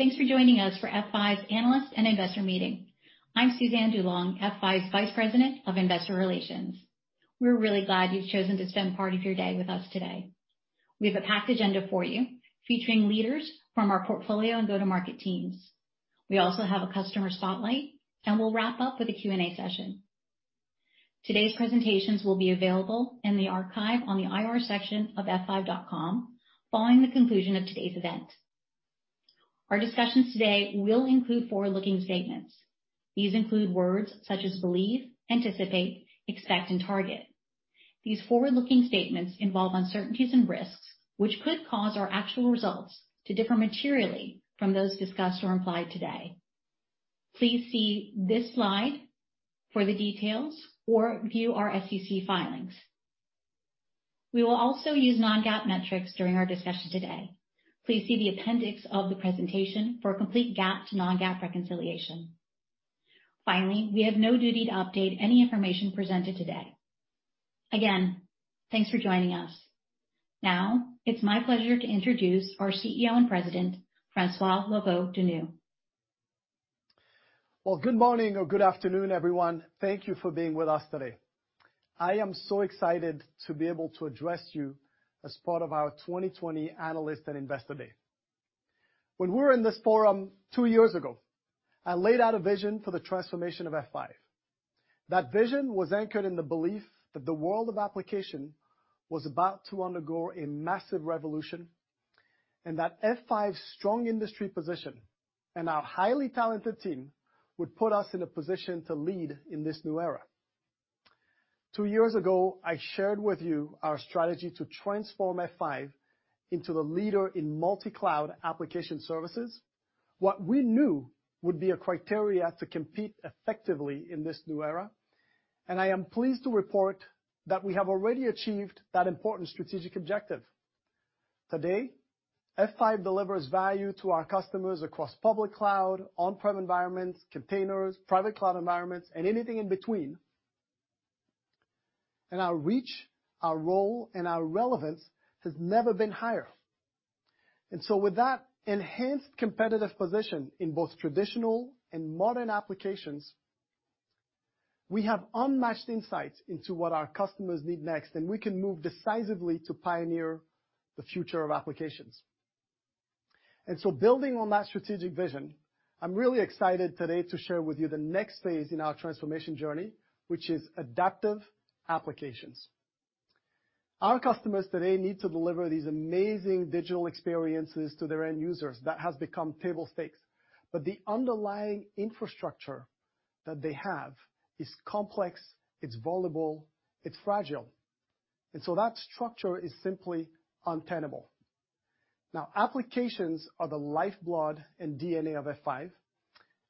Thanks for joining us for F5's Analysts and Investor Meeting. I'm Suzanne DuLong, F5's Vice President of Investor Relations. We're really glad you've chosen to spend part of your day with us today. We have a packed agenda for you, featuring leaders from our portfolio and go-to-market teams. We also have a customer spotlight, and we'll wrap up with a Q&A session. Today's presentations will be available in the archive on the IR section of f5.com following the conclusion of today's event. Our discussions today will include forward-looking statements. These include words such as believe, anticipate, expect, and target. These forward-looking statements involve uncertainties and risks, which could cause our actual results to differ materially from those discussed or implied today. Please see this slide for the details or view our SEC filings. We will also use non-GAAP metrics during our discussion today. Please see the appendix of the presentation for complete GAAP to non-GAAP reconciliation. Finally, we have no duty to update any information presented today. Again, thanks for joining us. Now, it's my pleasure to introduce our CEO and President, François Locoh-Donou. Good morning or good afternoon, everyone. Thank you for being with us today. I am so excited to be able to address you as part of our 2020 Analysts and Investor Day. When we were in this forum two years ago, I laid out a vision for the transformation of F5. That vision was anchored in the belief that the world of application was about to undergo a massive revolution and that F5's strong industry position and our highly talented team would put us in a position to lead in this new era. Two years ago, I shared with you our strategy to transform F5 into the leader in multi-cloud application services, what we knew would be a criteria to compete effectively in this new era, and I am pleased to report that we have already achieved that important strategic objective. Today, F5 delivers value to our customers across public cloud, on-prem environments, containers, private cloud environments, and anything in between, and our reach, our role, and our relevance has never been higher, and so, with that enhanced competitive position in both traditional and modern applications, we have unmatched insight into what our customers need next, and we can move decisively to pioneer the future of applications, and so, building on that strategic vision, I'm really excited today to share with you the next phase in our transformation journey, which is Adaptive Applications. Our customers today need to deliver these amazing digital experiences to their end users. That has become table stakes, but the underlying infrastructure that they have is complex, it's vulnerable, it's fragile, and so, that structure is simply untenable. Now, applications are the lifeblood and DNA of F5,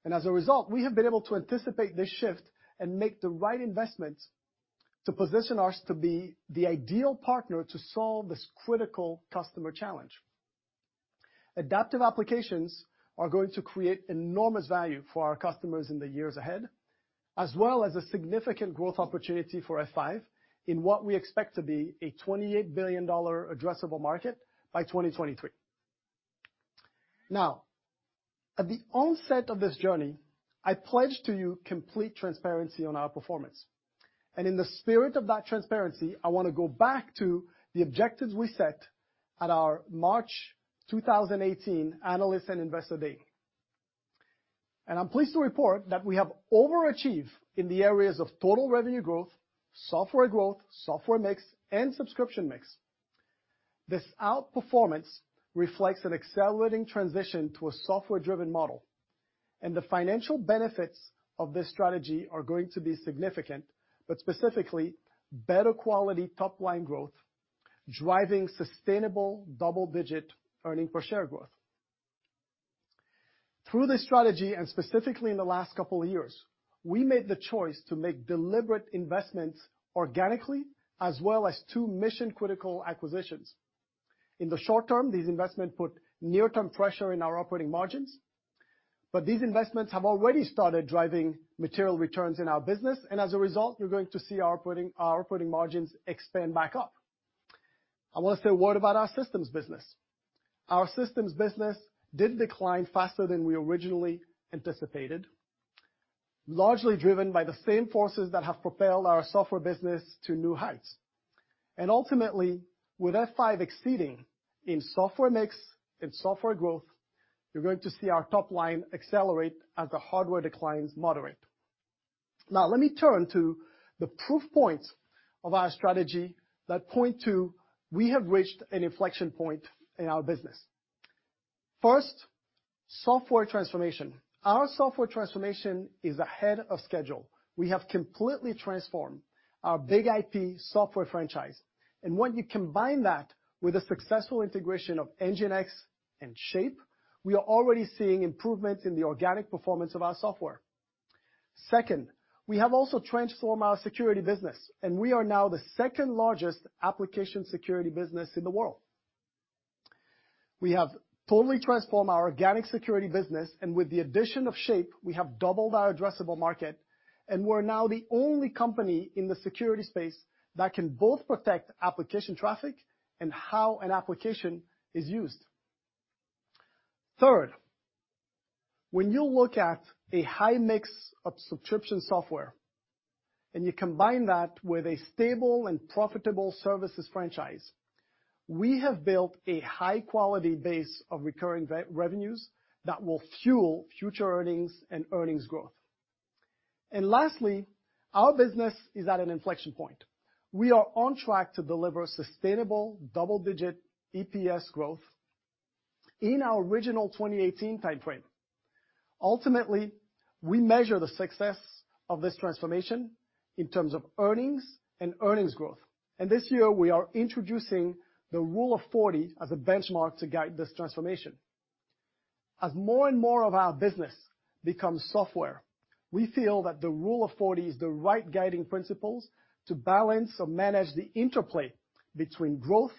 and as a result, we have been able to anticipate this shift and make the right investments to position us to be the ideal partner to solve this critical customer challenge. Adaptive Applications are going to create enormous value for our customers in the years ahead, as well as a significant growth opportunity for F5 in what we expect to be a $28 billion addressable market by 2023. Now, at the onset of this journey, I pledged to you complete transparency on our performance. And in the spirit of that transparency, I want to go back to the objectives we set at our March 2018 Analysts and Investor Day. And I'm pleased to report that we have overachieved in the areas of total revenue growth, software growth, software mix, and subscription mix. This outperformance reflects an accelerating transition to a software-driven model, and the financial benefits of this strategy are going to be significant, but specifically, better quality top-line growth, driving sustainable double-digit earnings per share growth. Through this strategy, and specifically in the last couple of years, we made the choice to make deliberate investments organically, as well as two mission-critical acquisitions. In the short term, these investments put near-term pressure on our operating margins, but these investments have already started driving material returns in our business, and as a result, you're going to see our operating margins expand back up. I want to say a word about our systems business. Our systems business did decline faster than we originally anticipated, largely driven by the same forces that have propelled our software business to new heights. And ultimately, with F5 exceeding in software mix and software growth, you're going to see our top line accelerate as the hardware declines moderate. Now, let me turn to the proof points of our strategy that point to we have reached an inflection point in our business. First, software transformation. Our software transformation is ahead of schedule. We have completely transformed our BIG-IP software franchise. And when you combine that with a successful integration of NGINX and Shape, we are already seeing improvements in the organic performance of our software. Second, we have also transformed our security business, and we are now the second largest application security business in the world. We have totally transformed our organic security business, and with the addition of Shape, we have doubled our addressable market, and we're now the only company in the security space that can both protect application traffic and how an application is used. Third, when you look at a high mix of subscription software and you combine that with a stable and profitable services franchise, we have built a high-quality base of recurring revenues that will fuel future earnings and earnings growth. And lastly, our business is at an inflection point. We are on track to deliver sustainable double-digit EPS growth in our original 2018 timeframe. Ultimately, we measure the success of this transformation in terms of earnings and earnings growth. And this year, we are introducing the Rule of 40 as a benchmark to guide this transformation. As more and more of our business becomes software, we feel that the Rule of 40 is the right guiding principles to balance or manage the interplay between growth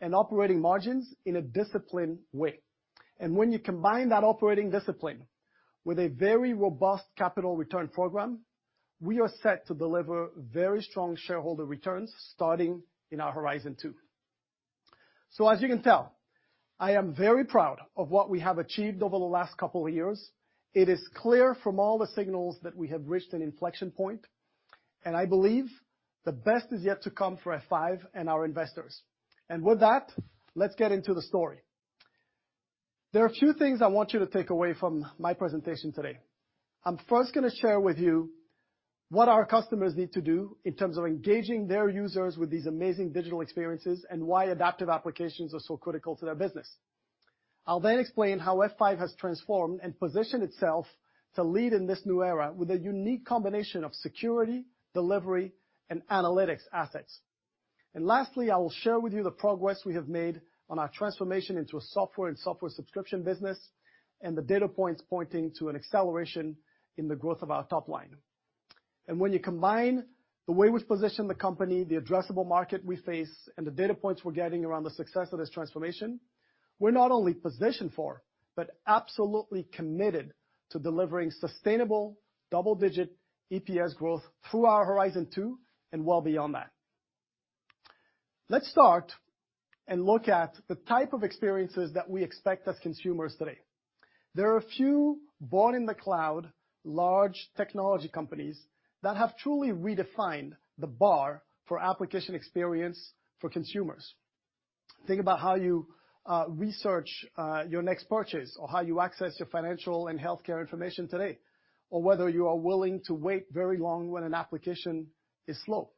and operating margins in a disciplined way, and when you combine that operating discipline with a very robust capital return program, we are set to deliver very strong shareholder returns starting in our Horizon 2, so as you can tell, I am very proud of what we have achieved over the last couple of years. It is clear from all the signals that we have reached an inflection point, and I believe the best is yet to come for F5 and our investors, and with that, let's get into the story. There are a few things I want you to take away from my presentation today. I'm first going to share with you what our customers need to do in terms of engaging their users with these amazing digital experiences and why Adaptive Applications are so critical to their business. I'll then explain how F5 has transformed and positioned itself to lead in this new era with a unique combination of security, delivery, and analytics assets. And lastly, I will share with you the progress we have made on our transformation into a software and software subscription business and the data points pointing to an acceleration in the growth of our top line. And when you combine the way we've positioned the company, the addressable market we face, and the data points we're getting around the success of this transformation, we're not only positioned for, but absolutely committed to delivering sustainable double-digit EPS growth through our Horizon 2 and well beyond that. Let's start and look at the type of experiences that we expect as consumers today. There are a few born-in-the-cloud large technology companies that have truly redefined the bar for application experience for consumers. Think about how you research your next purchase or how you access your financial and healthcare information today, or whether you are willing to wait very long when an application is slow.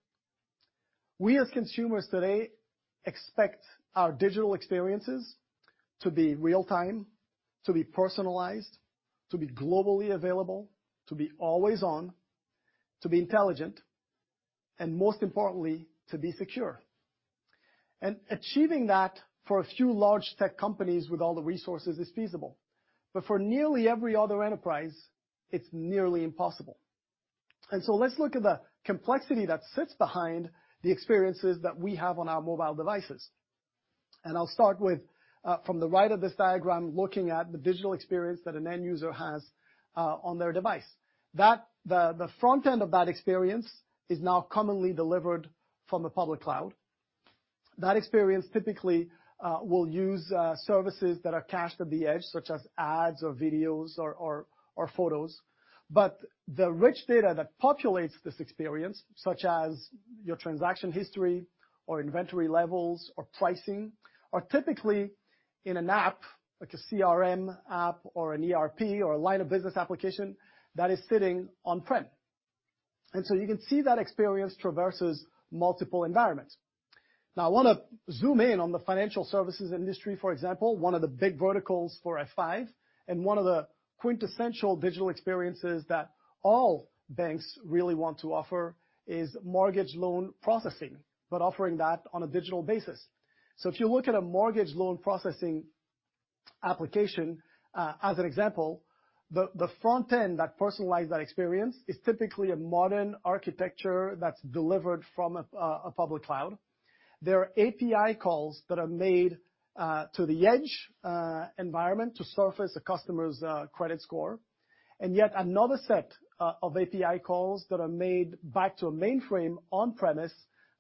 We, as consumers today, expect our digital experiences to be real-time, to be personalized, to be globally available, to be always on, to be intelligent, and most importantly, to be secure. And achieving that for a few large tech companies with all the resources is feasible, but for nearly every other enterprise, it's nearly impossible. And so, let's look at the complexity that sits behind the experiences that we have on our mobile devices. And I'll start with, from the right of this diagram, looking at the digital experience that an end user has on their device. The front end of that experience is now commonly delivered from a public cloud. That experience typically will use services that are cached at the edge, such as ads or videos or photos. But the rich data that populates this experience, such as your transaction history or inventory levels or pricing, are typically in an app, like a CRM app or an ERP or a line of business application that is sitting on-prem. And so, you can see that experience traverses multiple environments. Now, I want to zoom in on the financial services industry, for example, one of the big verticals for F5 and one of the quintessential digital experiences that all banks really want to offer is mortgage loan processing, but offering that on a digital basis. So, if you look at a mortgage loan processing application as an example, the front end that personalizes that experience is typically a modern architecture that's delivered from a public cloud. There are API calls that are made to the edge environment to surface a customer's credit score, and yet another set of API calls that are made back to a mainframe on-premises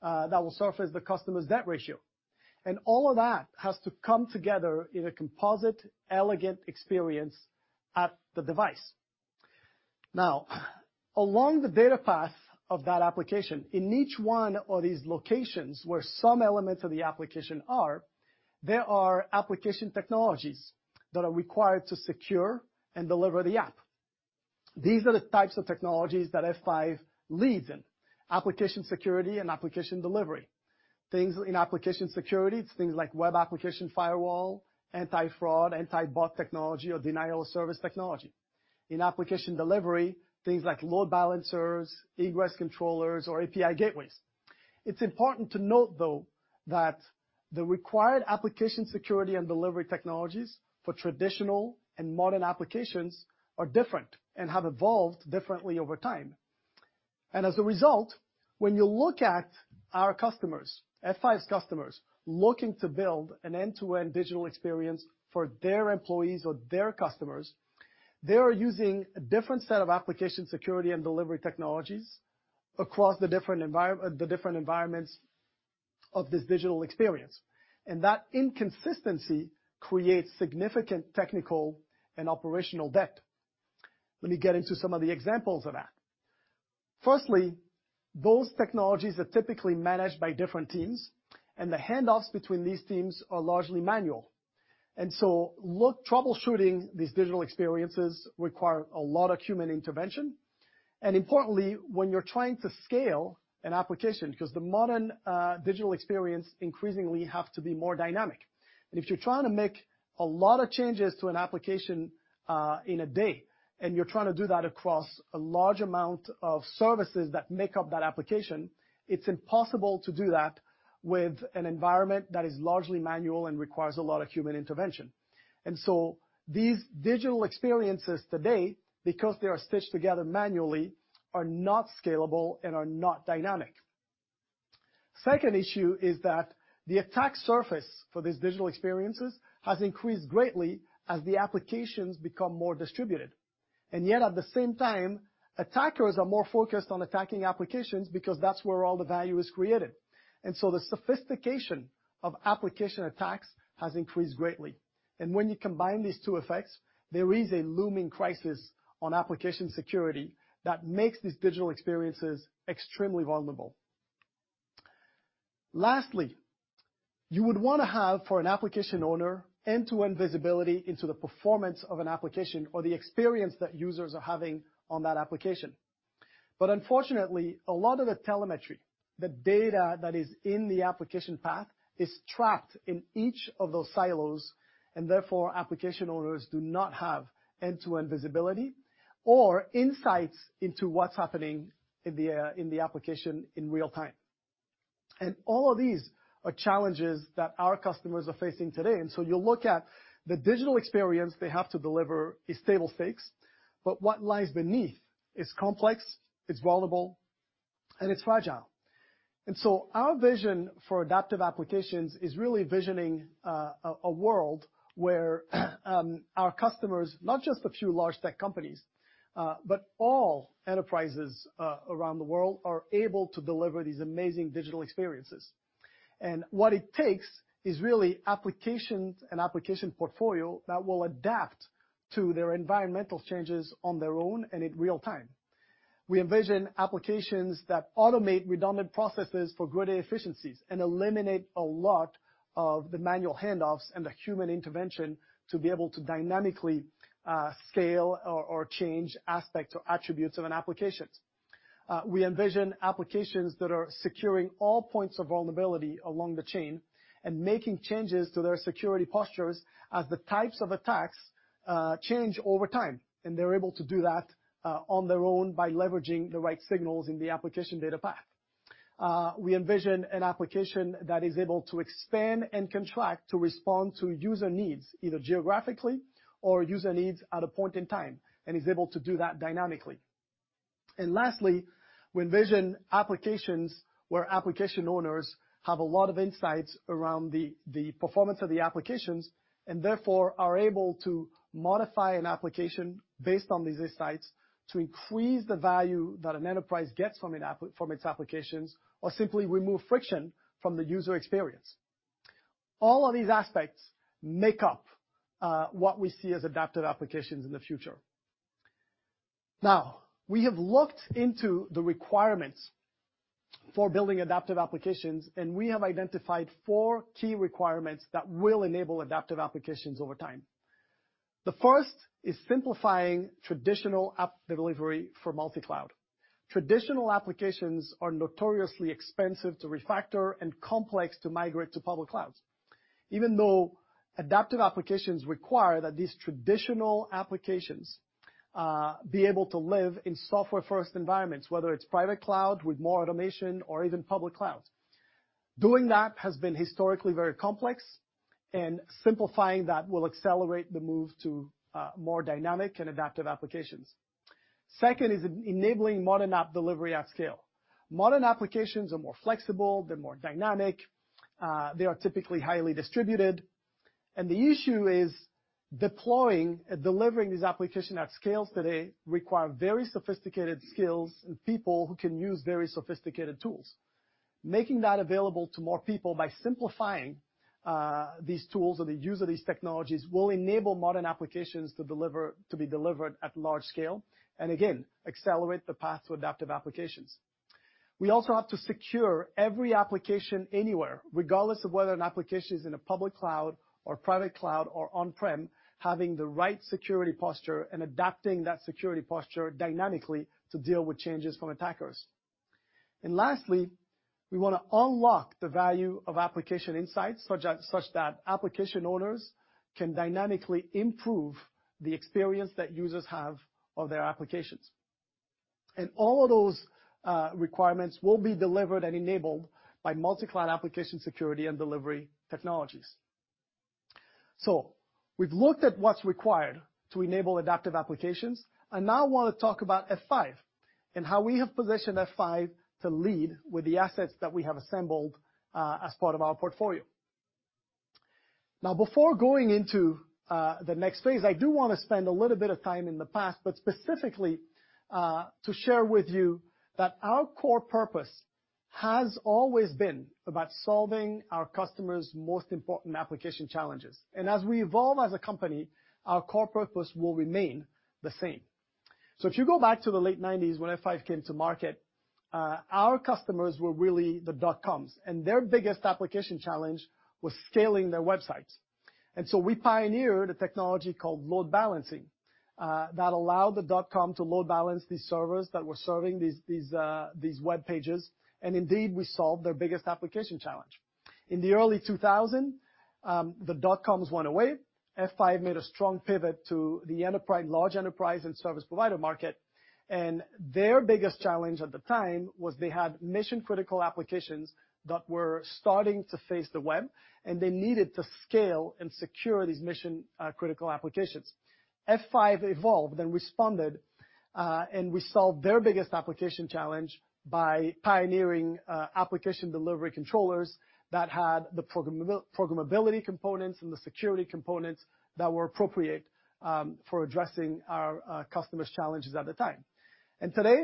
that will surface the customer's debt ratio. And all of that has to come together in a composite, elegant experience at the device. Now, along the data path of that application, in each one of these locations where some elements of the application are, there are application technologies that are required to secure and deliver the app. These are the types of technologies that F5 leads in: application security and application delivery. Things in application security, it's things like web application firewall, anti-fraud, anti-bot technology, or denial of service technology. In application delivery, things like load balancers, ingress controllers, or API gateways. It's important to note, though, that the required application security and delivery technologies for traditional and modern applications are different and have evolved differently over time, and as a result, when you look at our customers, F5's customers, looking to build an end-to-end digital experience for their employees or their customers, they are using a different set of application security and delivery technologies across the different environments of this digital experience. And that inconsistency creates significant technical and operational debt. Let me get into some of the examples of that. Firstly, those technologies are typically managed by different teams, and the handoffs between these teams are largely manual. And so, troubleshooting these digital experiences requires a lot of human intervention. And importantly, when you're trying to scale an application, because the modern digital experience increasingly has to be more dynamic. And if you're trying to make a lot of changes to an application in a day, and you're trying to do that across a large amount of services that make up that application, it's impossible to do that with an environment that is largely manual and requires a lot of human intervention. And so, these digital experiences today, because they are stitched together manually, are not scalable and are not dynamic. Second issue is that the attack surface for these digital experiences has increased greatly as the applications become more distributed. And yet, at the same time, attackers are more focused on attacking applications because that's where all the value is created. And so, the sophistication of application attacks has increased greatly. And when you combine these two effects, there is a looming crisis on application security that makes these digital experiences extremely vulnerable. Lastly, you would want to have, for an application owner, end-to-end visibility into the performance of an application or the experience that users are having on that application. But unfortunately, a lot of the telemetry, the data that is in the application path, is trapped in each of those silos, and therefore, application owners do not have end-to-end visibility or insights into what's happening in the application in real time. And all of these are challenges that our customers are facing today. And so, you'll look at the digital experience they have to deliver is table stakes, but what lies beneath is complex, it's vulnerable, and it's fragile. And so, our vision for Adaptive Applications is really visioning a world where our customers, not just a few large tech companies, but all enterprises around the world are able to deliver these amazing digital experiences. And what it takes is really applications and application portfolio that will adapt to their environmental changes on their own and in real time. We envision applications that automate redundant processes for greater efficiencies and eliminate a lot of the manual handoffs and the human intervention to be able to dynamically scale or change aspects or attributes of an application. We envision applications that are securing all points of vulnerability along the chain and making changes to their security postures as the types of attacks change over time, and they're able to do that on their own by leveraging the right signals in the application data path. We envision an application that is able to expand and contract to respond to user needs, either geographically or user needs at a point in time, and is able to do that dynamically, and lastly, we envision applications where application owners have a lot of insights around the performance of the applications and therefore are able to modify an application based on these insights to increase the value that an enterprise gets from its applications or simply remove friction from the user experience. All of these aspects make up what we see as Adaptive Applications in the future. Now, we have looked into the requirements for building Adaptive Applications, and we have identified four key requirements that will enable Adaptive Applications over time. The first is simplifying traditional app delivery for multi-cloud. Traditional applications are notoriously expensive to refactor and complex to migrate to public clouds, even though Adaptive Applications require that these traditional applications be able to live in software-first environments, whether it's private cloud with more automation or even public cloud. Doing that has been historically very complex, and simplifying that will accelerate the move to more dynamic and Adaptive Applications. Second is enabling modern app delivery at scale. Modern applications are more flexible, they're more dynamic, they are typically highly distributed, and the issue is deploying and delivering these applications at scales today requires very sophisticated skills and people who can use very sophisticated tools. Making that available to more people by simplifying these tools or the use of these technologies will enable modern applications to be delivered at large scale and, again, accelerate the path to Adaptive Applications. We also have to secure every application anywhere, regardless of whether an application is in a public cloud or private cloud or on-prem, having the right security posture and adapting that security posture dynamically to deal with changes from attackers. And lastly, we want to unlock the value of application insights such that application owners can dynamically improve the experience that users have of their applications. And all of those requirements will be delivered and enabled by multi-cloud application security and delivery technologies. So, we've looked at what's required to enable Adaptive Applications, and now I want to talk about F5 and how we have positioned F5 to lead with the assets that we have assembled as part of our portfolio. Now, before going into the next phase, I do want to spend a little bit of time in the past, but specifically to share with you that our core purpose has always been about solving our customers' most important application challenges. And as we evolve as a company, our core purpose will remain the same. So, if you go back to the late 1990s when F5 came to market, our customers were really the dot-coms, and their biggest application challenge was scaling their websites. And so, we pioneered a technology called load balancing that allowed the dot-com to load balance these servers that were serving these web pages, and indeed, we solved their biggest application challenge. In the early 2000s, the dot-coms went away. F5 made a strong pivot to the large enterprise and service provider market, and their biggest challenge at the time was they had mission-critical applications that were starting to face the web, and they needed to scale and secure these mission-critical applications. F5 evolved and responded, and we solved their biggest application challenge by pioneering application delivery controllers that had the programmability components and the security components that were appropriate for addressing our customers' challenges at the time. And today,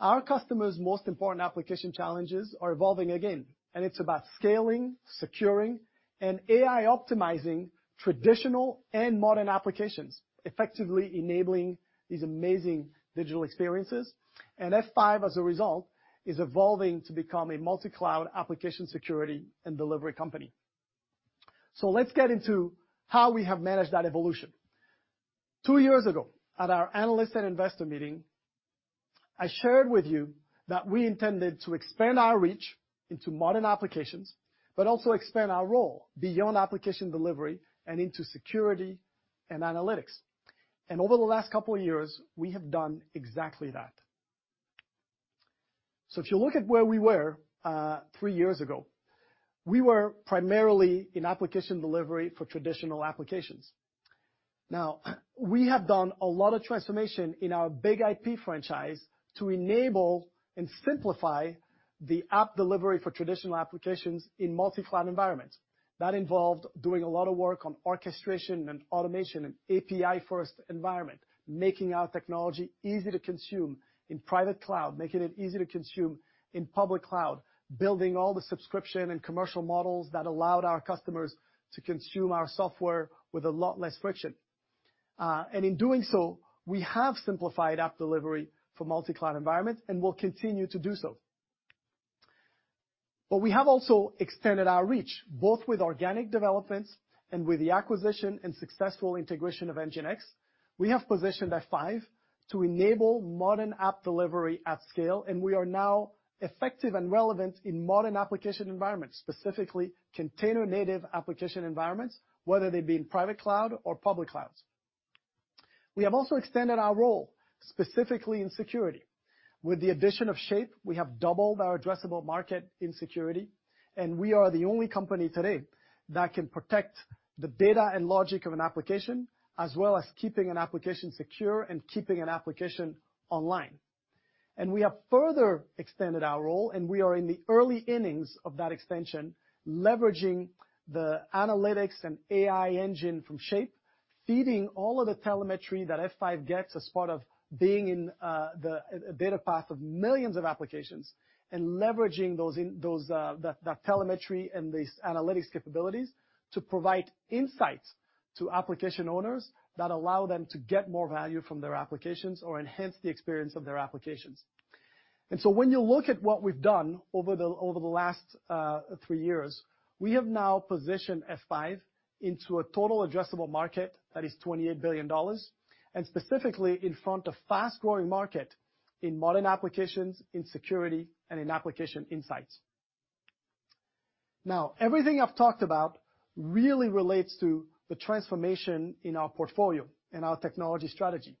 our customers' most important application challenges are evolving again, and it's about scaling, securing, and AI optimizing traditional and modern applications, effectively enabling these amazing digital experiences. F5, as a result, is evolving to become a multi-cloud application security and delivery company. So, let's get into how we have managed that evolution. Two years ago, at our analysts and investors meeting, I shared with you that we intended to expand our reach into modern applications, but also expand our role beyond application delivery and into security and analytics. And over the last couple of years, we have done exactly that. So, if you look at where we were three years ago, we were primarily in application delivery for traditional applications. Now, we have done a lot of transformation in our BIG-IP franchise to enable and simplify the app delivery for traditional applications in multi-cloud environments. That involved doing a lot of work on orchestration and automation and API-first environment, making our technology easy to consume in private cloud, making it easy to consume in public cloud, building all the subscription and commercial models that allowed our customers to consume our software with a lot less friction, and in doing so, we have simplified app delivery for multi-cloud environments and will continue to do so, but we have also extended our reach, both with organic developments and with the acquisition and successful integration of NGINX. We have positioned F5 to enable modern app delivery at scale, and we are now effective and relevant in modern application environments, specifically container-native application environments, whether they be in private cloud or public clouds. We have also extended our role specifically in security. With the addition of Shape, we have doubled our addressable market in security, and we are the only company today that can protect the data and logic of an application as well as keeping an application secure and keeping an application online, and we have further extended our role, and we are in the early innings of that extension, leveraging the analytics and AI engine from Shape, feeding all of the telemetry that F5 gets as part of being in the data path of millions of applications and leveraging that telemetry and these analytics capabilities to provide insights to application owners that allow them to get more value from their applications or enhance the experience of their applications. And so, when you look at what we've done over the last three years, we have now positioned F5 into a Total Addressable Market that is $28 billion, and specifically in front of a fast-growing market in modern applications, in security, and in application insights. Now, everything I've talked about really relates to the transformation in our portfolio and our technology strategy.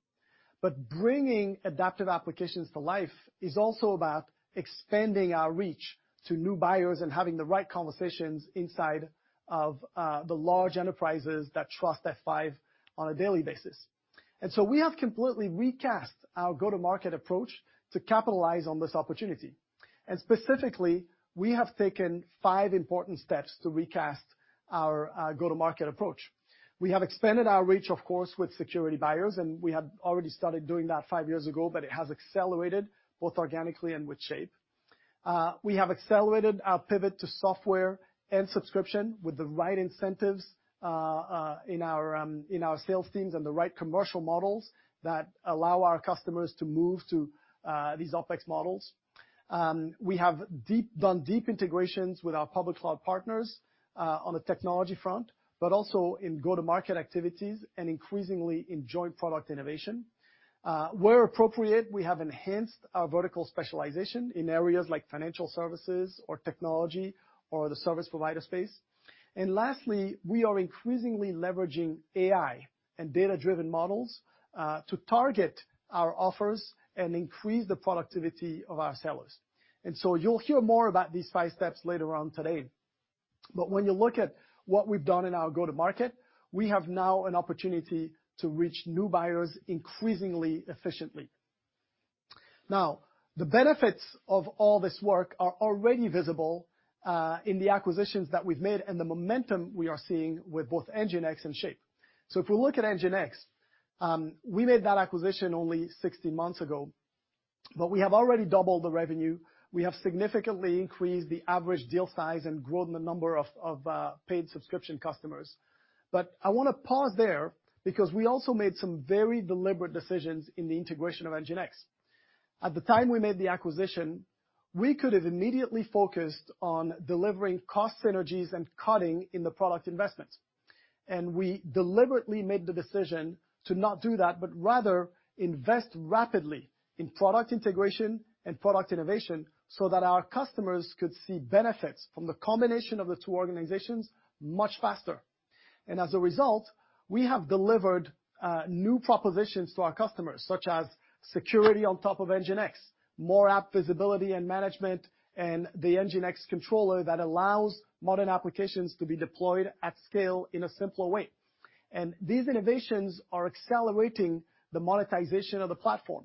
But bringing Adaptive Applications to life is also about expanding our reach to new buyers and having the right conversations inside of the large enterprises that trust F5 on a daily basis. And so, we have completely recast our go-to-market approach to capitalize on this opportunity. And specifically, we have taken five important steps to recast our go-to-market approach. We have expanded our reach, of course, with security buyers, and we had already started doing that five years ago, but it has accelerated both organically and with Shape. We have accelerated our pivot to software and subscription with the right incentives in our sales teams and the right commercial models that allow our customers to move to these OpEx models. We have done deep integrations with our public cloud partners on the technology front, but also in go-to-market activities and increasingly in joint product innovation. Where appropriate, we have enhanced our vertical specialization in areas like financial services or technology or the service provider space. And lastly, we are increasingly leveraging AI and data-driven models to target our offers and increase the productivity of our sellers. And so, you'll hear more about these five steps later on today. But when you look at what we've done in our go-to-market, we have now an opportunity to reach new buyers increasingly efficiently. Now, the benefits of all this work are already visible in the acquisitions that we've made and the momentum we are seeing with both NGINX and Shape, so if we look at NGINX, we made that acquisition only 16 months ago, but we have already doubled the revenue. We have significantly increased the average deal size and grown the number of paid subscription customers, but I want to pause there because we also made some very deliberate decisions in the integration of NGINX. At the time we made the acquisition, we could have immediately focused on delivering cost synergies and cutting in the product investments, and we deliberately made the decision to not do that, but rather invest rapidly in product integration and product innovation so that our customers could see benefits from the combination of the two organizations much faster. As a result, we have delivered new propositions to our customers, such as security on top of NGINX, more app visibility and management, and the NGINX Controller that allows modern applications to be deployed at scale in a simpler way. These innovations are accelerating the monetization of the platform.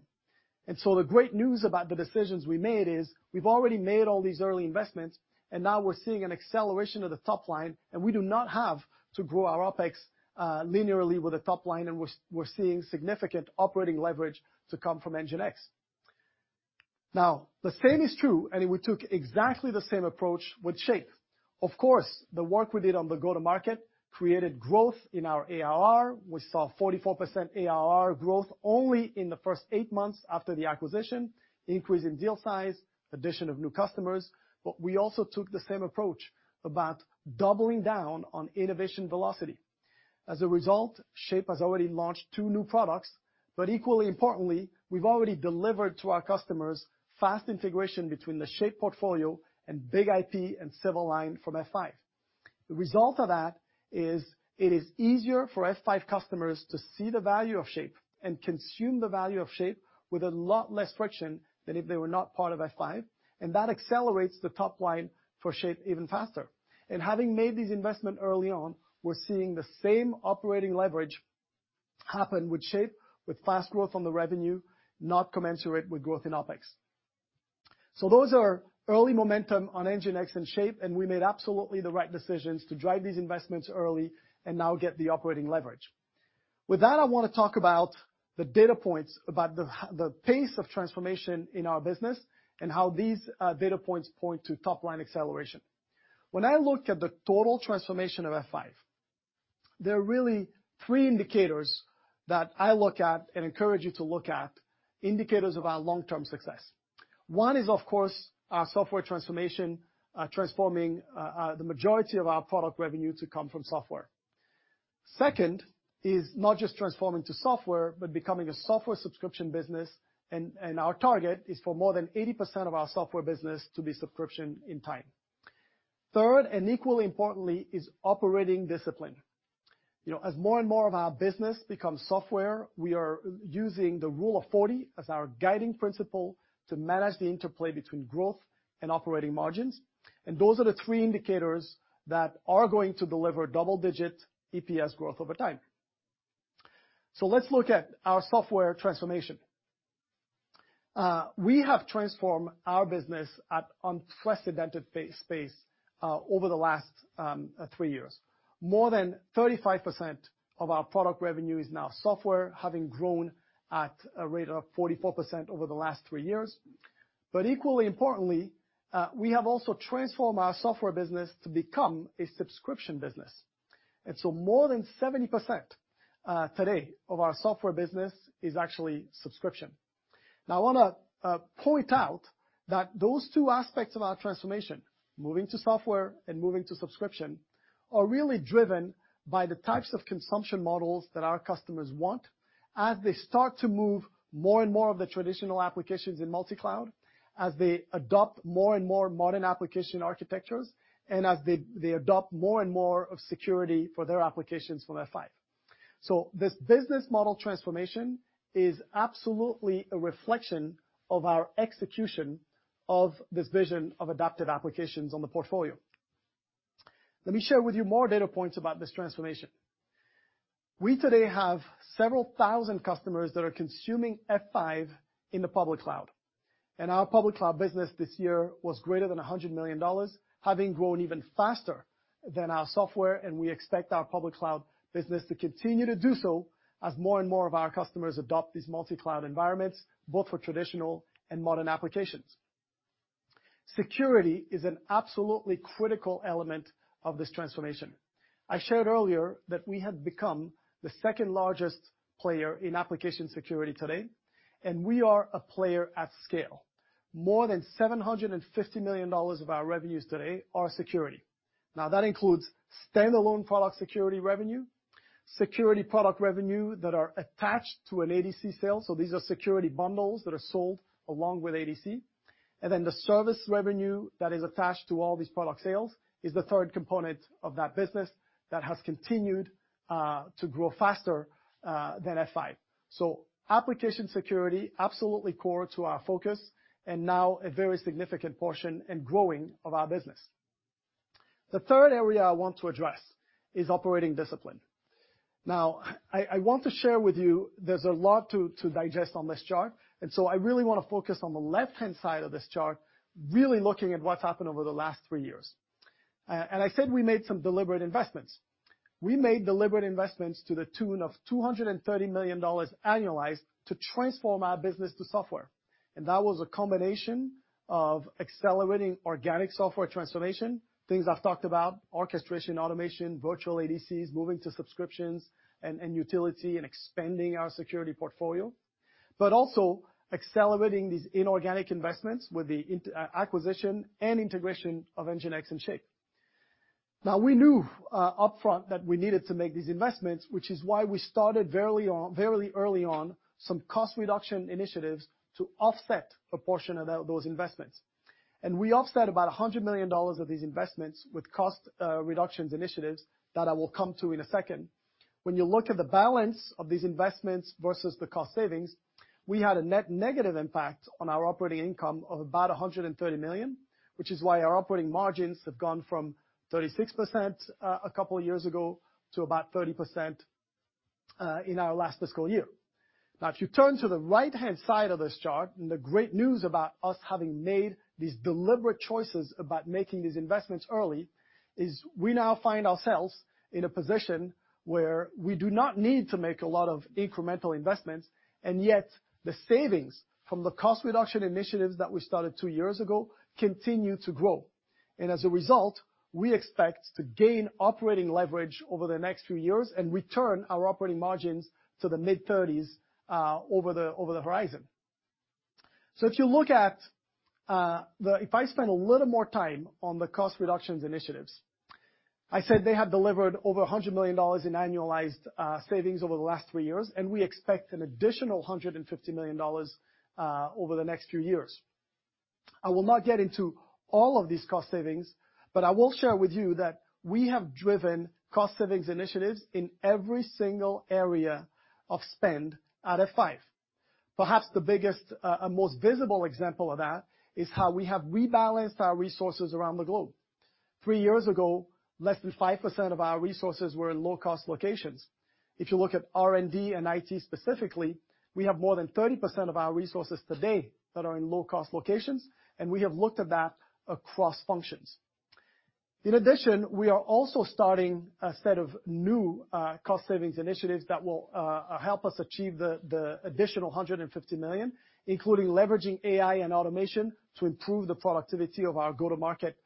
The great news about the decisions we made is we've already made all these early investments, and now we're seeing an acceleration of the top line, and we do not have to grow our OpEx linearly with the top line, and we're seeing significant operating leverage to come from NGINX. Now, the same is true, and we took exactly the same approach with Shape. Of course, the work we did on the go-to-market created growth in our ARR. We saw 44% ARR growth only in the first eight months after the acquisition, increase in deal size, addition of new customers, but we also took the same approach about doubling down on innovation velocity. As a result, Shape has already launched two new products, but equally importantly, we've already delivered to our customers fast integration between the Shape portfolio and BIG-IP and Silverline from F5. The result of that is it is easier for F5 customers to see the value of Shape and consume the value of Shape with a lot less friction than if they were not part of F5, and that accelerates the top line for Shape even faster, and having made these investments early on, we're seeing the same operating leverage happen with Shape, with fast growth on the revenue, not commensurate with growth in OpEx. So, those are early momentum on NGINX and Shape, and we made absolutely the right decisions to drive these investments early and now get the operating leverage. With that, I want to talk about the data points about the pace of transformation in our business and how these data points point to top line acceleration. When I look at the total transformation of F5, there are really three indicators that I look at and encourage you to look at, indicators of our long-term success. One is, of course, our software transformation, transforming the majority of our product revenue to come from software. Second is not just transforming to software, but becoming a software subscription business, and our target is for more than 80% of our software business to be subscription in time. Third, and equally importantly, is operating discipline. As more and more of our business becomes software, we are using the Rule of 40 as our guiding principle to manage the interplay between growth and operating margins, and those are the three indicators that are going to deliver double-digit EPS growth over time. so, let's look at our software transformation. We have transformed our business at unprecedented pace over the last three years. More than 35% of our product revenue is now software, having grown at a rate of 44% over the last three years. but equally importantly, we have also transformed our software business to become a subscription business. and so, more than 70% today of our software business is actually subscription. Now, I want to point out that those two aspects of our transformation, moving to software and moving to subscription, are really driven by the types of consumption models that our customers want as they start to move more and more of the traditional applications in multi-cloud, as they adopt more and more modern application architectures, and as they adopt more and more of security for their applications from F5. So, this business model transformation is absolutely a reflection of our execution of this vision of Adaptive Applications on the portfolio. Let me share with you more data points about this transformation. We today have several thousand customers that are consuming F5 in the public cloud, and our public cloud business this year was greater than $100 million, having grown even faster than our software, and we expect our public cloud business to continue to do so as more and more of our customers adopt these multi-cloud environments, both for traditional and modern applications. Security is an absolutely critical element of this transformation. I shared earlier that we had become the second largest player in application security today, and we are a player at scale. More than $750 million of our revenues today are security. Now, that includes standalone product security revenue, security product revenue that are attached to an ADC sale, so these are security bundles that are sold along with ADC, and then the service revenue that is attached to all these product sales is the third component of that business that has continued to grow faster than F5, so application security, absolutely core to our focus, and now a very significant portion and growing of our business. The third area I want to address is operating discipline. Now, I want to share with you there's a lot to digest on this chart, and so I really want to focus on the left-hand side of this chart, really looking at what's happened over the last three years, and I said we made some deliberate investments. We made deliberate investments to the tune of $230 million annualized to transform our business to software. And that was a combination of accelerating organic software transformation, things I've talked about, orchestration, automation, virtual ADCs, moving to subscriptions and utility, and expanding our security portfolio, but also accelerating these inorganic investments with the acquisition and integration of NGINX and Shape. Now, we knew upfront that we needed to make these investments, which is why we started very early on some cost reduction initiatives to offset a portion of those investments. And we offset about $100 million of these investments with cost reduction initiatives that I will come to in a second. When you look at the balance of these investments versus the cost savings, we had a net negative impact on our operating income of about $130 million, which is why our operating margins have gone from 36% a couple of years ago to about 30% in our last fiscal year. Now, if you turn to the right-hand side of this chart, and the great news about us having made these deliberate choices about making these investments early is we now find ourselves in a position where we do not need to make a lot of incremental investments, and yet the savings from the cost reduction initiatives that we started two years ago continue to grow, and as a result, we expect to gain operating leverage over the next few years and return our operating margins to the mid-30s over the horizon, so if I spend a little more time on the cost reduction initiatives, I said they have delivered over $100 million in annualized savings over the last three years, and we expect an additional $150 million over the next few years. I will not get into all of these cost savings, but I will share with you that we have driven cost savings initiatives in every single area of spend at F5. Perhaps the biggest and most visible example of that is how we have rebalanced our resources around the globe. Three years ago, less than 5% of our resources were in low-cost locations. If you look at R&D and IT specifically, we have more than 30% of our resources today that are in low-cost locations, and we have looked at that across functions. In addition, we are also starting a set of new cost savings initiatives that will help us achieve the additional $150 million, including leveraging AI and automation to improve the productivity of our go-to-market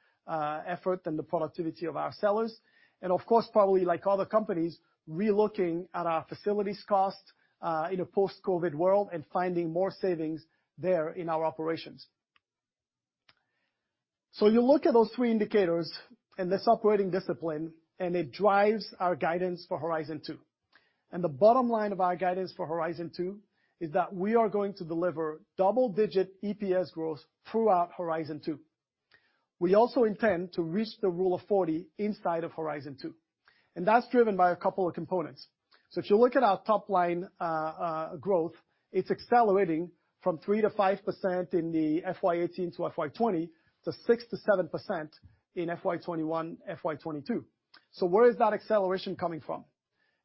effort and the productivity of our sellers. And of course, probably like other companies, re-looking at our facilities cost in a post-COVID world and finding more savings there in our operations. So, you look at those three indicators and this operating discipline, and it drives our guidance for Horizon 2. And the bottom line of our guidance for Horizon 2 is that we are going to deliver double-digit EPS growth throughout Horizon 2. We also intend to reach the rule of 40 inside of Horizon 2, and that's driven by a couple of components. So, if you look at our top line growth, it's accelerating from 3%-5% in the FY 2018-FY 2020 to 6%-7% in FY 2021, FY 2022. So, where is that acceleration coming from?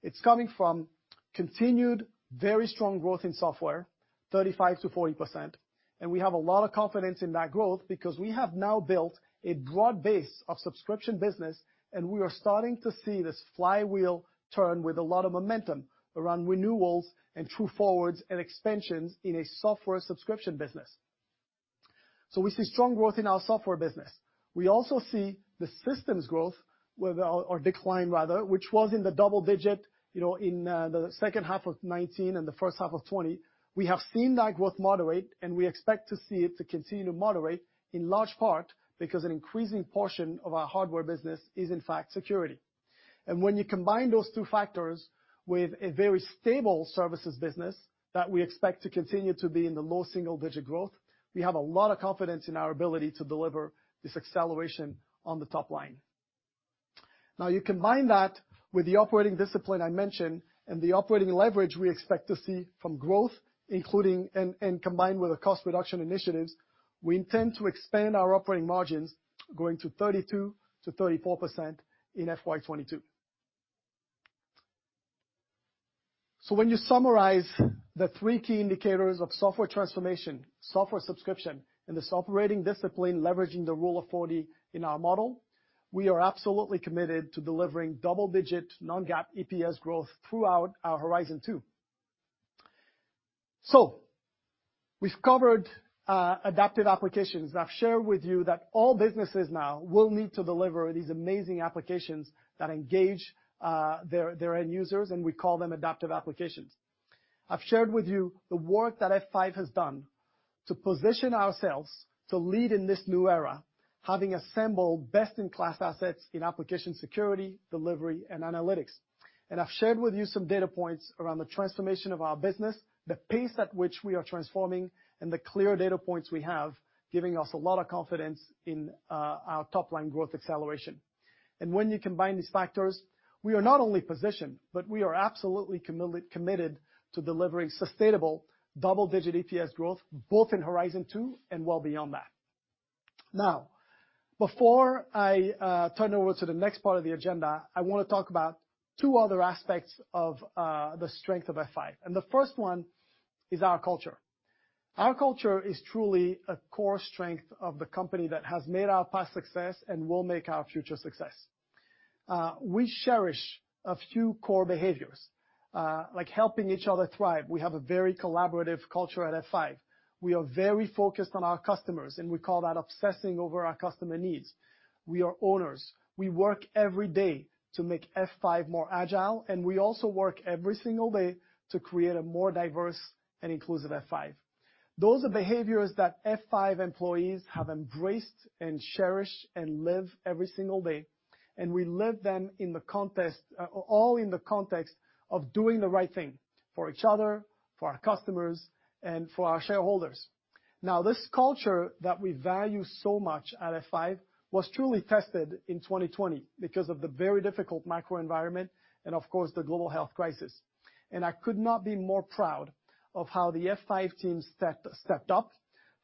It's coming from continued very strong growth in software, 35%-40%, and we have a lot of confidence in that growth because we have now built a broad base of subscription business, and we are starting to see this flywheel turn with a lot of momentum around renewals and True Forwards and expansions in a software subscription business, so we see strong growth in our software business. We also see the systems growth, or decline rather, which was in the double digits in the second half of 2019 and the first half of 2020. We have seen that growth moderate, and we expect to see it to continue to moderate in large part because an increasing portion of our hardware business is in fact security. And when you combine those two factors with a very stable services business that we expect to continue to be in the low single-digit growth, we have a lot of confidence in our ability to deliver this acceleration on the top line. Now, you combine that with the operating discipline I mentioned and the operating leverage we expect to see from growth, including and combined with the cost reduction initiatives, we intend to expand our operating margins going to 32%-34% in FY22. So, when you summarize the three key indicators of software transformation, software subscription, and this operating discipline leveraging the Rule of 40 in our model, we are absolutely committed to delivering double-digit non-GAAP EPS growth throughout our Horizon 2. So, we've covered Adaptive Applications. I've shared with you that all businesses now will need to deliver these amazing applications that engage their end users, and we call them Adaptive Applications. I've shared with you the work that F5 has done to position ourselves to lead in this new era, having assembled best-in-class assets in application security, delivery, and analytics, and I've shared with you some data points around the transformation of our business, the pace at which we are transforming, and the clear data points we have, giving us a lot of confidence in our top line growth acceleration, and when you combine these factors, we are not only positioned, but we are absolutely committed to delivering sustainable double-digit EPS growth, both in Horizon 2 and well beyond that. Now, before I turn over to the next part of the agenda, I want to talk about two other aspects of the strength of F5. And the first one is our culture. Our culture is truly a core strength of the company that has made our past success and will make our future success. We cherish a few core behaviors, like helping each other thrive. We have a very collaborative culture at F5. We are very focused on our customers, and we call that obsessing over our customer needs. We are owners. We work every day to make F5 more agile, and we also work every single day to create a more diverse and inclusive F5. Those are behaviors that F5 employees have embraced and cherished and live every single day, and we live them in the context, all in the context of doing the right thing for each other, for our customers, and for our shareholders. Now, this culture that we value so much at F5 was truly tested in 2020 because of the very difficult macro environment and, of course, the global health crisis. And I could not be more proud of how the F5 team stepped up,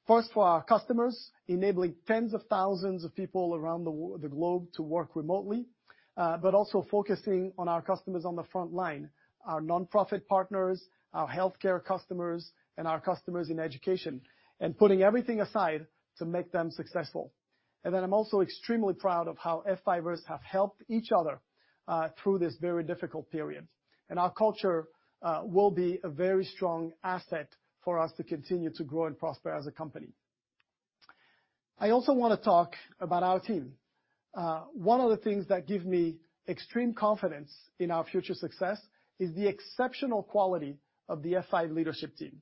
first for our customers, enabling tens of thousands of people around the globe to work remotely, but also focusing on our customers on the front line, our nonprofit partners, our healthcare customers, and our customers in education, and putting everything aside to make them successful. And then I'm also extremely proud of how F5ers have helped each other through this very difficult period. And our culture will be a very strong asset for us to continue to grow and prosper as a company. I also want to talk about our team. One of the things that gives me extreme confidence in our future success is the exceptional quality of the F5 leadership team.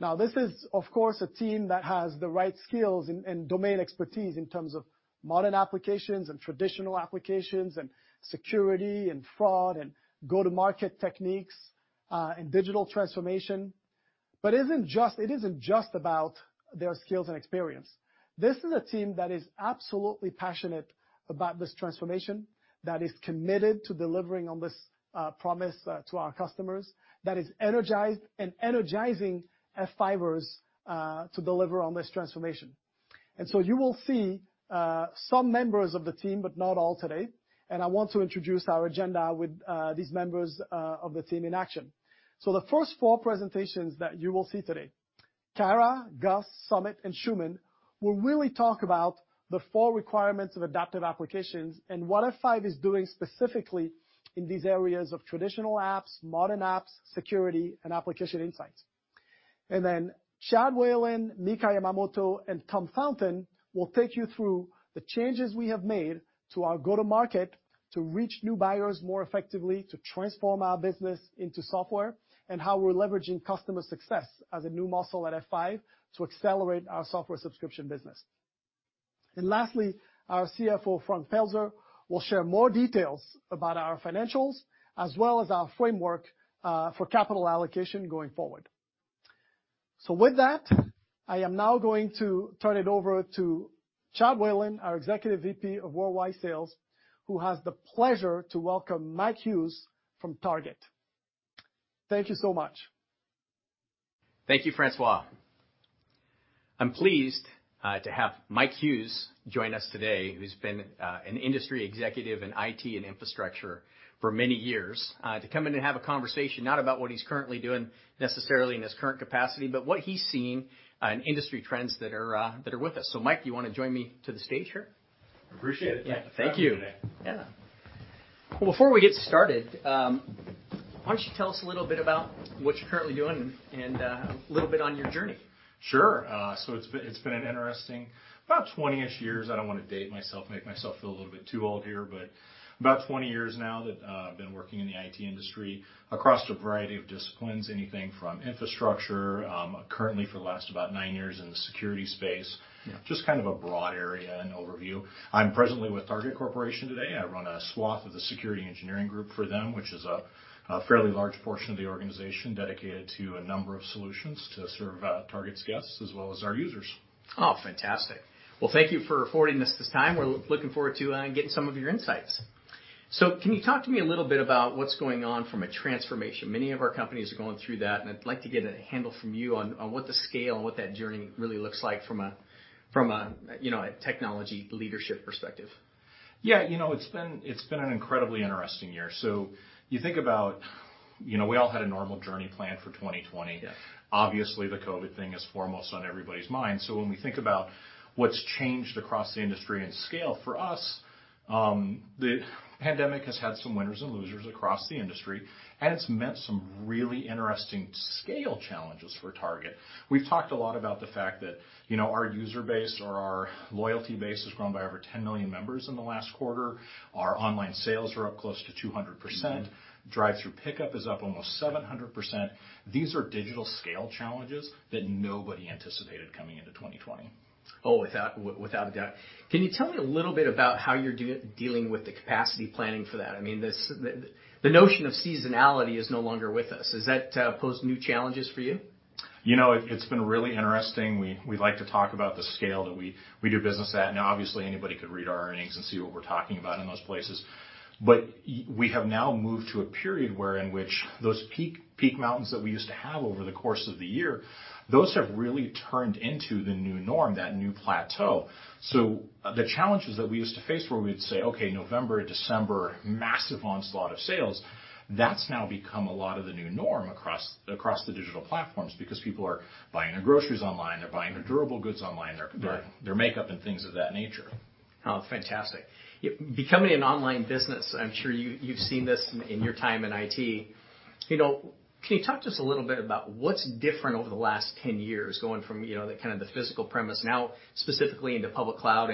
Now, this is, of course, a team that has the right skills and domain expertise in terms of modern applications and traditional applications and security and fraud and go-to-market techniques and digital transformation. But it isn't just about their skills and experience. This is a team that is absolutely passionate about this transformation, that is committed to delivering on this promise to our customers, that is energized and energizing F5ers to deliver on this transformation. And so you will see some members of the team, but not all today, and I want to introduce our agenda with these members of the team in action. The first four presentations that you will see today, Kara, Gus, Sumit, and Shuman, will really talk about the four requirements of Adaptive Applications and what F5 is doing specifically in these areas of traditional apps, modern apps, security, and application insights. Chad Whalen, Mika Yamamoto, and Tom Fountain will take you through the changes we have made to our go-to-market to reach new buyers more effectively, to transform our business into software, and how we're leveraging Customer Success as a new muscle at F5 to accelerate our software subscription business. Lastly, our CFO, Frank Pelzer, will share more details about our financials as well as our framework for capital allocation going forward. With that, I am now going to turn it over to Chad Whalen, our Executive VP of Worldwide Sales, who has the pleasure to welcome Mike Hughes from Target. Thank you so much. Thank you, François. I'm pleased to have Mike Hughes join us today, who's been an industry executive in IT and infrastructure for many years, to come in and have a conversation not about what he's currently doing necessarily in his current capacity, but what he's seeing in industry trends that are with us. So, Mike, do you want to join me to the stage here? I appreciate it. Thank you. Yeah. Well, before we get started, why don't you tell us a little bit about what you're currently doing and a little bit on your journey? Sure. So, it's been an interesting about 20-ish years. I don't want to date myself, make myself feel a little bit too old here, but about 20 years now that I've been working in the IT industry across a variety of disciplines, anything from infrastructure, currently for the last about nine years in the security space, just kind of a broad area and overview. I'm presently with Target Corporation today. I run a swath of the security engineering group for them, which is a fairly large portion of the organization dedicated to a number of solutions to serve Target's guests as well as our users. Oh, fantastic, well, thank you for affording us this time. We're looking forward to getting some of your insights, so can you talk to me a little bit about what's going on from a transformation? Many of our companies are going through that, and I'd like to get a handle from you on what the scale and what that journey really looks like from a technology leadership perspective. Yeah. You know, it's been an incredibly interesting year, so you think about, we all had a normal journey planned for 2020. Obviously, the COVID thing is foremost on everybody's mind, so when we think about what's changed across the industry in scale, for us, the pandemic has had some winners and losers across the industry, and it's met some really interesting scale challenges for Target. We've talked a lot about the fact that our user base or our loyalty base has grown by over 10 million members in the last quarter. Our online sales are up close to 200%. Drive-thru pickup is up almost 700%. These are digital scale challenges that nobody anticipated coming into 2020. Oh, without a doubt. Can you tell me a little bit about how you're dealing with the capacity planning for that? I mean, the notion of seasonality is no longer with us. Has that posed new challenges for you? You know, it's been really interesting. We like to talk about the scale that we do business at. Now, obviously, anybody could read our earnings and see what we're talking about in those places. But we have now moved to a period wherein which those peak mountains that we used to have over the course of the year, those have really turned into the new norm, that new plateau. So, the challenges that we used to face were we'd say, "Okay, November, December, massive onslaught of sales," that's now become a lot of the new norm across the digital platforms because people are buying their groceries online, they're buying their durable goods online, their makeup, and things of that nature. Oh, fantastic. Becoming an online business, I'm sure you've seen this in your time in IT. You know, can you talk to us a little bit about what's different over the last 10 years, going from kind of the physical premises now specifically into public cloud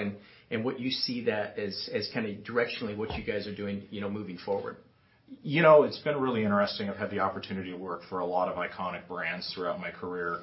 and what you see that as kind of directionally what you guys are doing moving forward? You know, it's been really interesting. I've had the opportunity to work for a lot of iconic brands throughout my career.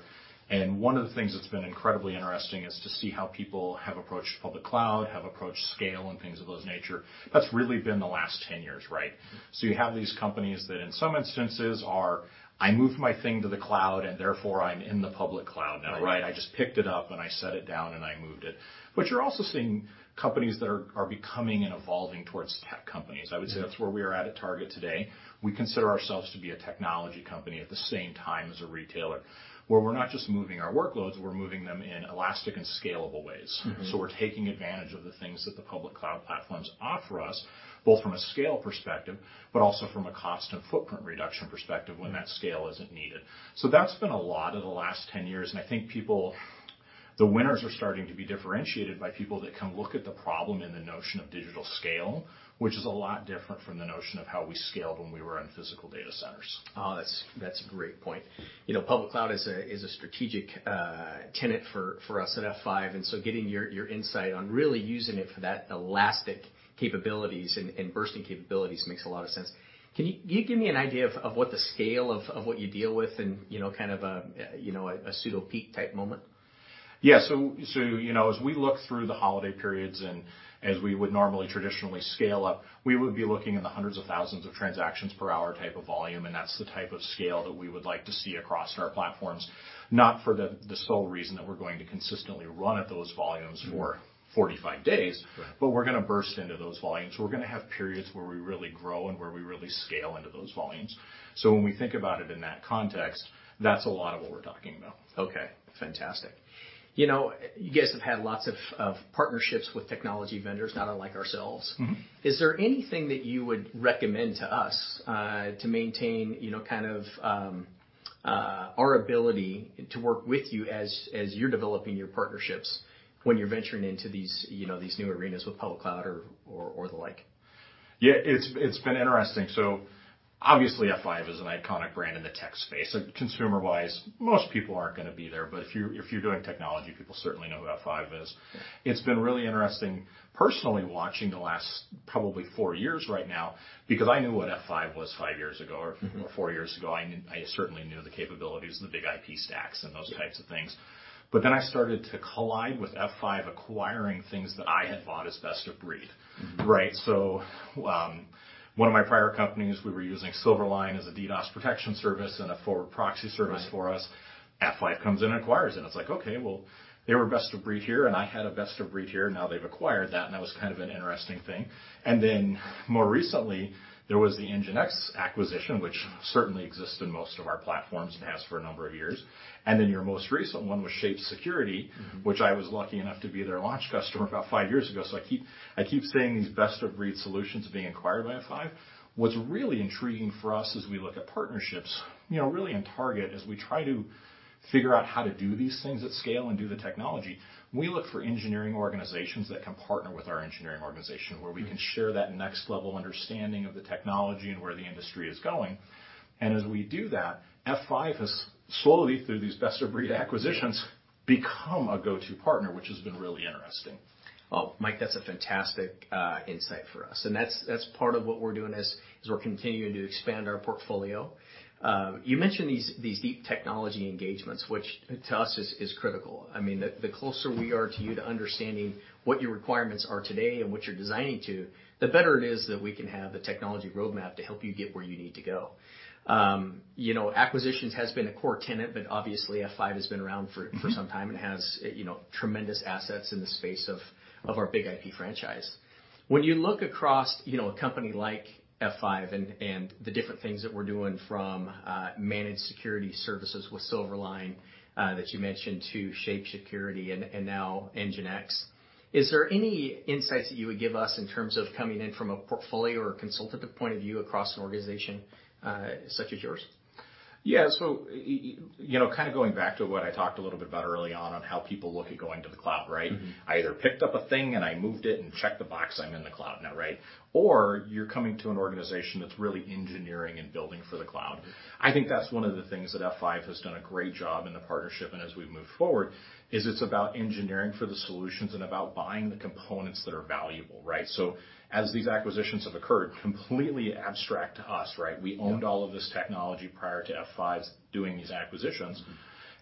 And one of the things that's been incredibly interesting is to see how people have approached public cloud, have approached scale, and things of those nature. That's really been the last 10 years, right? So, you have these companies that in some instances are, "I moved my thing to the cloud, and therefore I'm in the public cloud now," right? I just picked it up and I set it down and I moved it. But you're also seeing companies that are becoming and evolving towards tech companies. I would say that's where we are at Target today. We consider ourselves to be a technology company at the same time as a retailer, where we're not just moving our workloads, we're moving them in elastic and scalable ways. So, we're taking advantage of the things that the public cloud platforms offer us, both from a scale perspective, but also from a cost and footprint reduction perspective when that scale isn't needed. So, that's been a lot of the last 10 years. And I think people, the winners are starting to be differentiated by people that can look at the problem in the notion of digital scale, which is a lot different from the notion of how we scaled when we were in physical data centers. Oh, that's a great point. You know, public cloud is a strategic tenet for us at F5. And so getting your insight on really using it for that elastic capabilities and bursting capabilities makes a lot of sense. Can you give me an idea of what the scale of what you deal with and kind of a pseudo-peak type moment? Yeah. So, you know, as we look through the holiday periods and as we would normally traditionally scale up, we would be looking at the hundreds of thousands of transactions per hour type of volume. And that's the type of scale that we would like to see across our platforms, not for the sole reason that we're going to consistently run at those volumes for 45 days, but we're going to burst into those volumes. We're going to have periods where we really grow and where we really scale into those volumes. So, when we think about it in that context, that's a lot of what we're talking about. Okay. Fantastic. You know, you guys have had lots of partnerships with technology vendors, not unlike ourselves. Is there anything that you would recommend to us to maintain kind of our ability to work with you as you're developing your partnerships when you're venturing into these new arenas with public cloud or the like? Yeah. It's been interesting. So, obviously, F5 is an iconic brand in the tech space. Consumer-wise, most people aren't going to be there, but if you're doing technology, people certainly know who F5 is. It's been really interesting personally watching the last probably four years right now because I knew what F5 was five years ago or four years ago. I certainly knew the capabilities of the BIG-IP stacks and those types of things. But then I started to collide with F5 acquiring things that I had bought as best of breed, right? So, one of my prior companies, we were using Silverline as a DDoS protection service and a forward proxy service for us. F5 comes in and acquires it. It's like, "Okay, well, they were best of breed here and I had a best of breed here. Now they've acquired that." And that was kind of an interesting thing. And then more recently, there was the NGINX acquisition, which certainly exists in most of our platforms and has for a number of years. And then your most recent one was Shape Security, which I was lucky enough to be their launch customer about five years ago. So, I keep saying these best of breed solutions being acquired by F5. What's really intriguing for us as we look at partnerships, you know, really in Target as we try to figure out how to do these things at scale and do the technology. We look for engineering organizations that can partner with our engineering organization where we can share that next-level understanding of the technology and where the industry is going. And as we do that, F5 has slowly, through these best of breed acquisitions, become a go-to partner, which has been really interesting. Well, Mike, that's a fantastic insight for us. And that's part of what we're doing is we're continuing to expand our portfolio. You mentioned these deep technology engagements, which to us is critical. I mean, the closer we are to you to understanding what your requirements are today and what you're designing to, the better it is that we can have the technology roadmap to help you get where you need to go. You know, acquisitions has been a core tenet, but obviously F5 has been around for some time and has tremendous assets in the space of our BIG-IP franchise. When you look across a company like F5 and the different things that we're doing from managed security services with Silverline that you mentioned to Shape Security and now NGINX, is there any insights that you would give us in terms of coming in from a portfolio or consultative point of view across an organization such as yours? Yeah. So, you know, kind of going back to what I talked a little bit about early on on how people look at going to the cloud, right? I either picked up a thing and I moved it and checked the box, I'm in the cloud now, right? Or you're coming to an organization that's really engineering and building for the cloud. I think that's one of the things that F5 has done a great job in the partnership and as we've moved forward is it's about engineering for the solutions and about buying the components that are valuable, right? So, as these acquisitions have occurred, completely abstract to us, right? We owned all of this technology prior to F5's doing these acquisitions.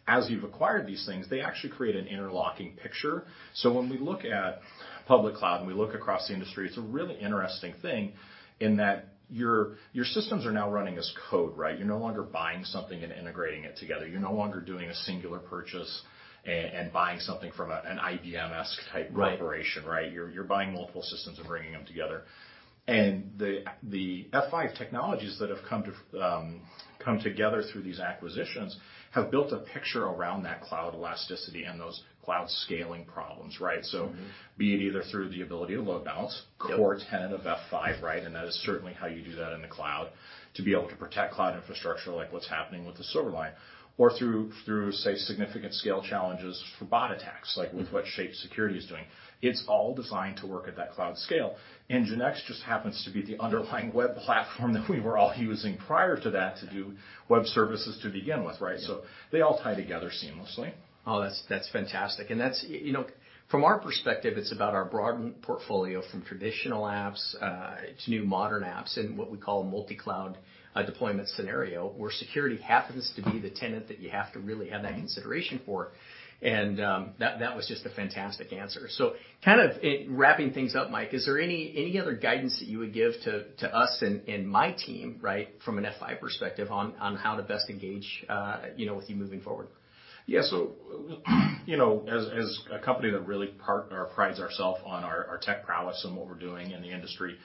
As you've acquired these things, they actually create an interlocking picture. So, when we look at public cloud and we look across the industry, it's a really interesting thing in that your systems are now running as code, right? You're no longer buying something and integrating it together. You're no longer doing a singular purchase and buying something from an IBM-esque type operation, right? You're buying multiple systems and bringing them together. And the F5 technologies that have come together through these acquisitions have built a picture around that cloud elasticity and those cloud scaling problems, right? So, be it either through the ability to load balance, core tenet of F5, right? And that is certainly how you do that in the cloud to be able to protect cloud infrastructure like what's happening with the Silverline, or through, say, significant scale challenges for bot attacks, like with what Shape Security is doing. It's all designed to work at that cloud scale. NGINX just happens to be the underlying web platform that we were all using prior to that to do web services to begin with, right? So, they all tie together seamlessly. Oh, that's fantastic. And that's, you know, from our perspective, it's about our broadened portfolio from traditional apps to new modern apps in what we call a multi-cloud deployment scenario where security happens to be the tenet that you have to really have that consideration for. And that was just a fantastic answer. So, kind of wrapping things up, Mike, is there any other guidance that you would give to us and my team, right, from an F5 perspective on how to best engage with you moving forward? Yeah. So, you know, as a company that really prides ourselves on our tech prowess and what we're doing in the industry,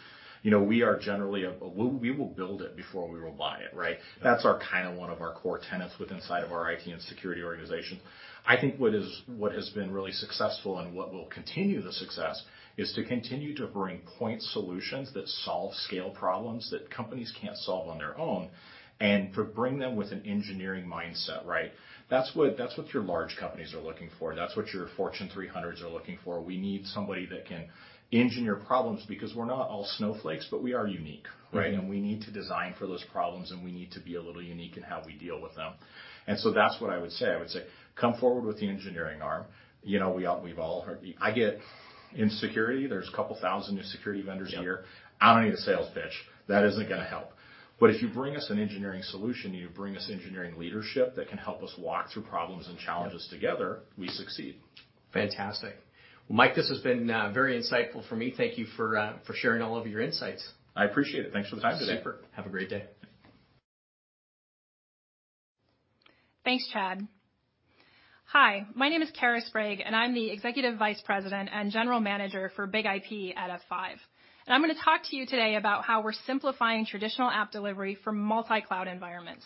you know, we are generally we will build it before we will buy it, right? That's kind of one of our core tenets within our IT and security organizations. I think what has been really successful and what will continue the success is to continue to bring point solutions that solve scale problems that companies can't solve on their own and bring them with an engineering mindset, right? That's what your large companies are looking for. That's what your Fortune 300s are looking for. We need somebody that can engineer problems because we're not all snowflakes, but we are unique, right? And we need to design for those problems and we need to be a little unique in how we deal with them. And so that's what I would say. I would say come forward with the engineering arm. You know, we've all heard, I get in security, there's a couple thousand new security vendors a year. I don't need a sales pitch. That isn't going to help. But if you bring us an engineering solution and you bring us engineering leadership that can help us walk through problems and challenges together, we succeed. Fantastic. Well, Mike, this has been very insightful for me. Thank you for sharing all of your insights. I appreciate it. Thanks for the time today. Super. Have a great day. Thanks, Chad. Hi, my name is Kara Sprague, and I'm the Executive Vice President and General Manager for BIG-IP at F5. And I'm going to talk to you today about how we're simplifying traditional app delivery for multi-cloud environments.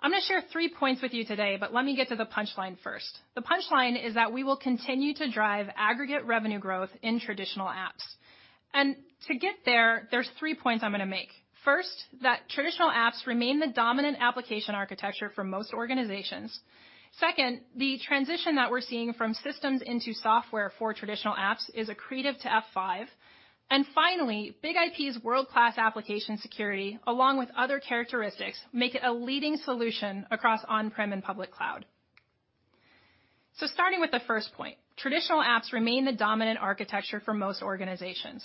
I'm going to share three points with you today, but let me get to the punchline first. The punchline is that we will continue to drive aggregate revenue growth in traditional apps, and to get there, there's three points I'm going to make. First, that traditional apps remain the dominant application architecture for most organizations. Second, the transition that we're seeing from systems into software for traditional apps is accretive to F5, and finally, BIG-IP's world-class application security, along with other characteristics, make it a leading solution across on-prem and public cloud, so starting with the first point, traditional apps remain the dominant architecture for most organizations.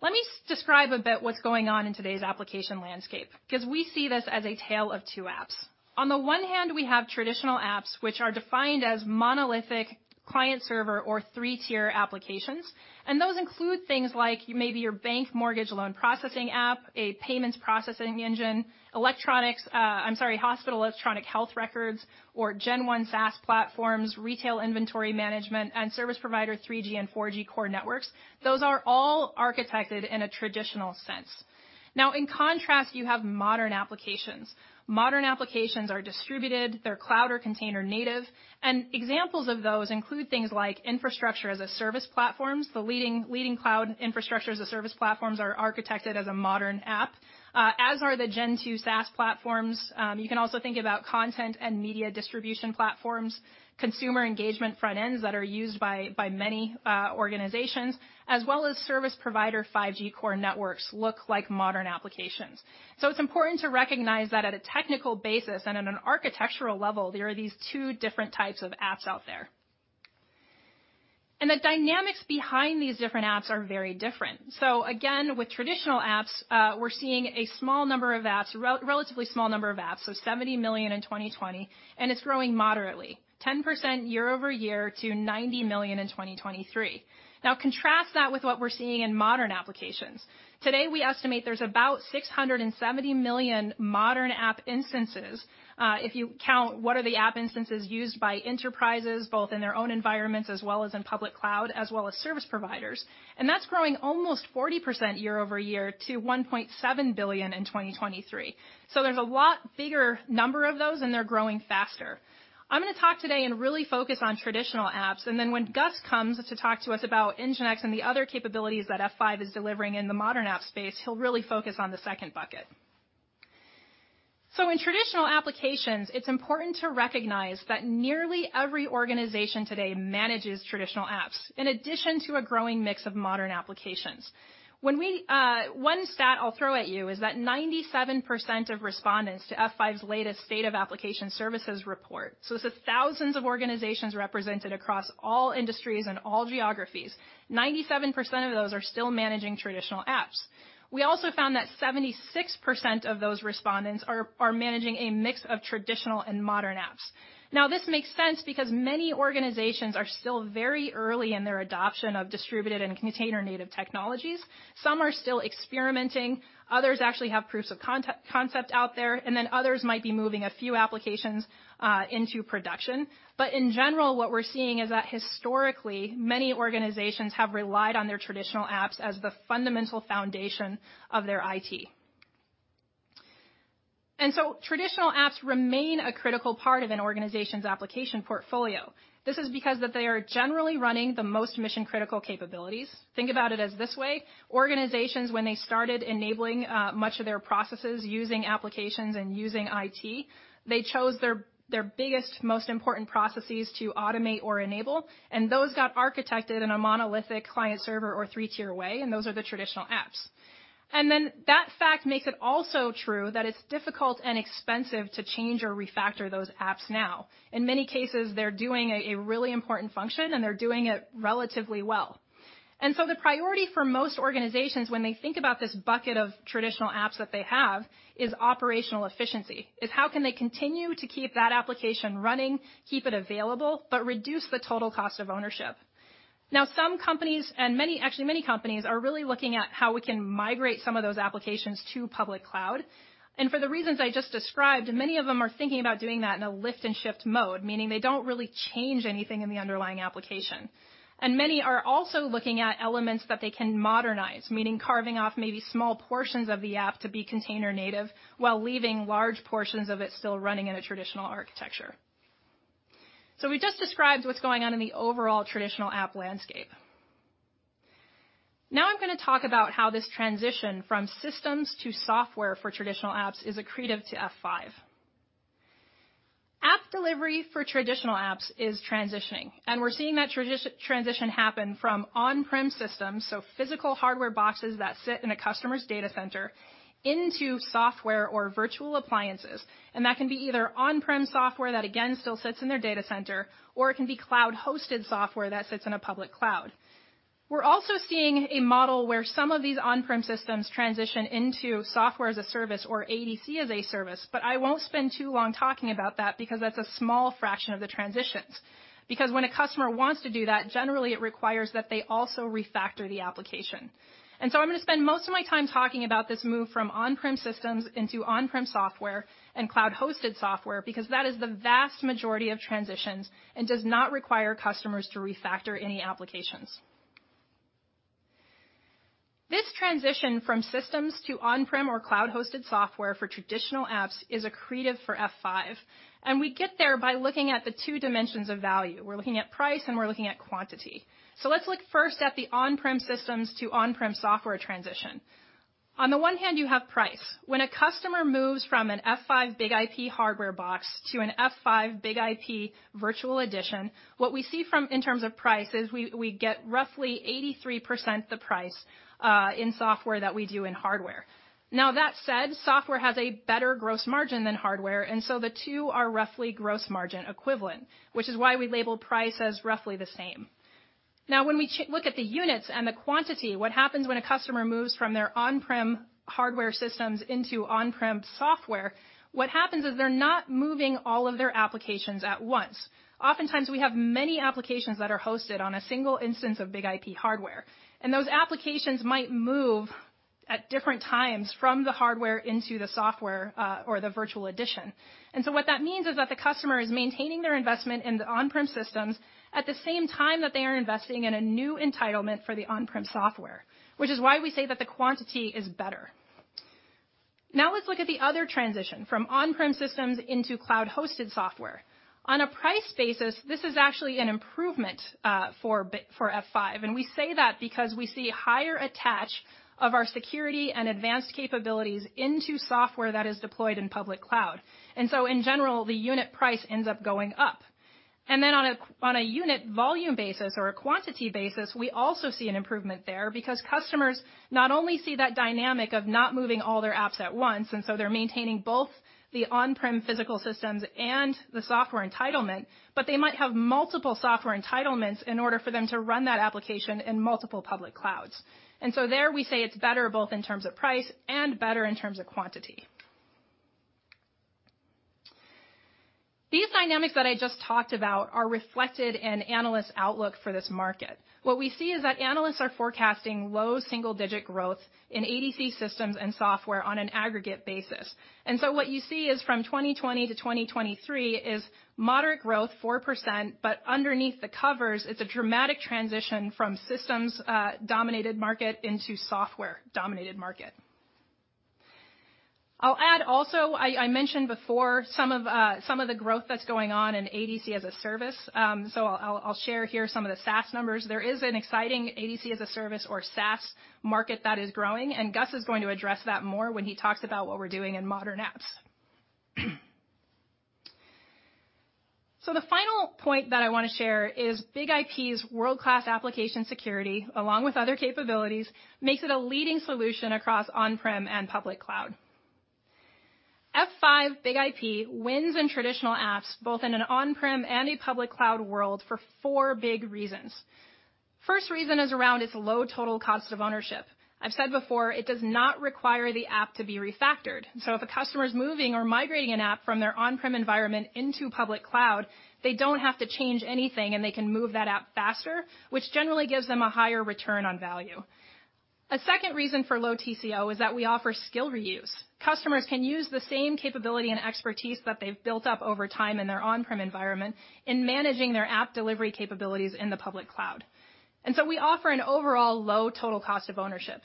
Let me describe a bit what's going on in today's application landscape because we see this as a tale of two apps. On the one hand, we have traditional apps, which are defined as monolithic client-server or three-tier applications. Those include things like maybe your bank mortgage loan processing app, a payments processing engine, electronics, I'm sorry, hospital electronic health records, or Gen1 SaaS platforms, retail inventory management, and service provider 3G and 4G core networks. Those are all architected in a traditional sense. Now, in contrast, you have modern applications. Modern applications are distributed. They're cloud or container native. And examples of those include things like infrastructure as a service platforms. The leading cloud infrastructure as a service platforms are architected as a modern app, as are the Gen2 SaaS platforms. You can also think about content and media distribution platforms, consumer engagement front ends that are used by many organizations, as well as service provider 5G core networks look like modern applications. It's important to recognize that at a technical basis and at an architectural level, there are these two different types of apps out there. The dynamics behind these different apps are very different. Again, with traditional apps, we're seeing a small number of apps, a relatively small number of apps, so 70 million in 2020, and it's growing moderately, 10% year over year to 90 million in 2023. Now, contrast that with what we're seeing in modern applications. Today, we estimate there's about 670 million modern app instances if you count what are the app instances used by enterprises, both in their own environments as well as in public cloud, as well as service providers. That's growing almost 40% year over year to 1.7 billion in 2023. There's a lot bigger number of those, and they're growing faster. I'm going to talk today and really focus on traditional apps, and then when Gus comes to talk to us about NGINX and the other capabilities that F5 is delivering in the modern app space, he'll really focus on the second bucket, so in traditional applications, it's important to recognize that nearly every organization today manages traditional apps in addition to a growing mix of modern applications. One stat I'll throw at you is that 97% of respondents to F5's latest State of Application Services Report, so it's thousands of organizations represented across all industries and all geographies. 97% of those are still managing traditional apps. We also found that 76% of those respondents are managing a mix of traditional and modern apps. Now, this makes sense because many organizations are still very early in their adoption of distributed and container-native technologies. Some are still experimenting. Others actually have proofs of concept out there, and then others might be moving a few applications into production, but in general, what we're seeing is that historically, many organizations have relied on their traditional apps as the fundamental foundation of their IT, and so, traditional apps remain a critical part of an organization's application portfolio. This is because they are generally running the most mission-critical capabilities. Think about it as this way. Organizations, when they started enabling much of their processes using applications and using IT, they chose their biggest, most important processes to automate or enable, and those got architected in a monolithic client-server or three-tier way, and those are the traditional apps, and then that fact makes it also true that it's difficult and expensive to change or refactor those apps now. In many cases, they're doing a really important function, and they're doing it relatively well. And so, the priority for most organizations when they think about this bucket of traditional apps that they have is operational efficiency. It's how can they continue to keep that application running, keep it available, but reduce the total cost of ownership. Now, some companies, and actually many companies, are really looking at how we can migrate some of those applications to public cloud. And for the reasons I just described, many of them are thinking about doing that in a lift and shift mode, meaning they don't really change anything in the underlying application. And many are also looking at elements that they can modernize, meaning carving off maybe small portions of the app to be container native while leaving large portions of it still running in a traditional architecture. So, we've just described what's going on in the overall traditional app landscape. Now, I'm going to talk about how this transition from systems to software for traditional apps is accretive to F5. App delivery for traditional apps is transitioning, and we're seeing that transition happen from on-prem systems, so physical hardware boxes that sit in a customer's data center, into software or virtual appliances, and that can be either on-prem software that, again, still sits in their data center, or it can be cloud-hosted software that sits in a public cloud. We're also seeing a model where some of these on-prem systems transition into Software as a Service or ADC as a service, but I won't spend too long talking about that because that's a small fraction of the transitions. Because when a customer wants to do that, generally it requires that they also refactor the application. I'm going to spend most of my time talking about this move from on-prem systems into on-prem software and cloud-hosted software because that is the vast majority of transitions and does not require customers to refactor any applications. This transition from systems to on-prem or cloud-hosted software for traditional apps is accretive for F5. We get there by looking at the two dimensions of value. We're looking at price and we're looking at quantity. Let's look first at the on-prem systems to on-prem software transition. On the one hand, you have price. When a customer moves from an F5 BIG-IP hardware box to an F5 BIG-IP Virtual Edition, what we see in terms of price is we get roughly 83% the price in software that we do in hardware. Now, that said, software has a better gross margin than hardware, and so the two are roughly gross margin equivalent, which is why we label price as roughly the same. Now, when we look at the units and the quantity, what happens when a customer moves from their on-prem hardware systems into on-prem software? What happens is they're not moving all of their applications at once. Oftentimes, we have many applications that are hosted on a single instance of BIG-IP hardware. And those applications might move at different times from the hardware into the software or the virtual edition. And so, what that means is that the customer is maintaining their investment in the on-prem systems at the same time that they are investing in a new entitlement for the on-prem software, which is why we say that the quantity is better. Now, let's look at the other transition from on-prem systems into cloud-hosted software. On a price basis, this is actually an improvement for F5, and we say that because we see higher attach of our security and advanced capabilities into software that is deployed in public cloud, and so, in general, the unit price ends up going up, and then on a unit volume basis or a quantity basis, we also see an improvement there because customers not only see that dynamic of not moving all their apps at once, and so they're maintaining both the on-prem physical systems and the software entitlement, but they might have multiple software entitlements in order for them to run that application in multiple public clouds, and so there we say it's better both in terms of price and better in terms of quantity. These dynamics that I just talked about are reflected in analysts' outlook for this market. What we see is that analysts are forecasting low single-digit growth in ADC systems and software on an aggregate basis. And so what you see is from 2020 to 2023 is moderate growth, 4%, but underneath the covers, it's a dramatic transition from systems-dominated market into software-dominated market. I'll add also, I mentioned before some of the growth that's going on in ADC as a service. So I'll share here some of the SaaS numbers. There is an exciting ADC as a service or SaaS market that is growing, and Gus is going to address that more when he talks about what we're doing in modern apps. So the final point that I want to share is BIG-IP's world-class application security, along with other capabilities, makes it a leading solution across on-prem and public cloud. F5 BIG-IP wins in traditional apps, both in an on-prem and a public cloud world, for four big reasons. First reason is around its low total cost of ownership. I've said before, it does not require the app to be refactored. So if a customer is moving or migrating an app from their on-prem environment into public cloud, they don't have to change anything, and they can move that app faster, which generally gives them a higher return on value. A second reason for low TCO is that we offer skill reuse. Customers can use the same capability and expertise that they've built up over time in their on-prem environment in managing their app delivery capabilities in the public cloud. And so we offer an overall low total cost of ownership.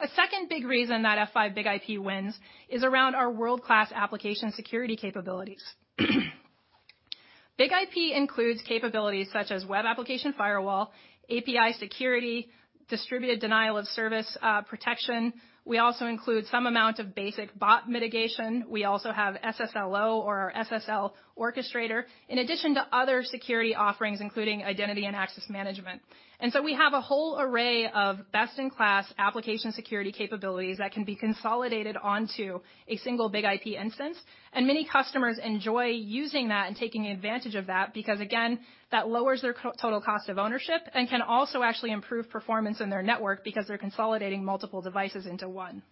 A second big reason that F5 BIG-IP wins is around our world-class application security capabilities. BIG-IP includes capabilities such as web application firewall, API security, distributed denial of service protection. We also include some amount of basic bot mitigation. We also have SSLO or our SSL Orchestrator, in addition to other security offerings, including identity and access management. And so we have a whole array of best-in-class application security capabilities that can be consolidated onto a single BIG-IP instance. And many customers enjoy using that and taking advantage of that because, again, that lowers their total cost of ownership and can also actually improve performance in their network because they're consolidating multiple devices into one.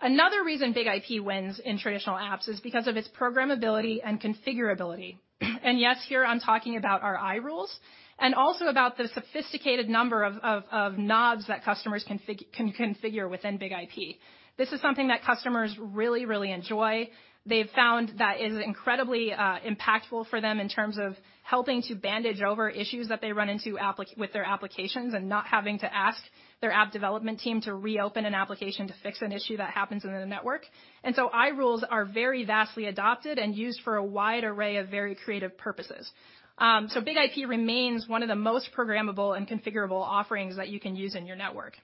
Another reason BIG-IP wins in traditional apps is because of its programmability and configurability. And yes, here I'm talking about our iRules and also about the sophisticated number of knobs that customers can configure within BIG-IP. This is something that customers really, really enjoy. They've found that is incredibly impactful for them in terms of helping to bandage over issues that they run into with their applications and not having to ask their app development team to reopen an application to fix an issue that happens in the network. And so iRules are very vastly adopted and used for a wide array of very creative purposes. So BIG-IP remains one of the most programmable and configurable offerings that you can use in your network.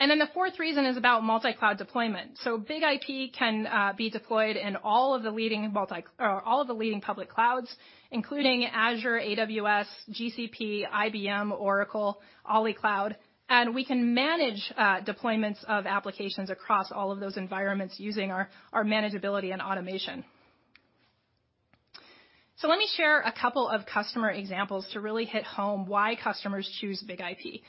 And then the fourth reason is about multi-cloud deployment. So BIG-IP can be deployed in all of the leading public clouds, including Azure, AWS, GCP, IBM, Oracle, Oracle, and we can manage deployments of applications across all of those environments using our manageability and automation. So let me share a couple of customer examples to really hit home why customers choose BIG-IP.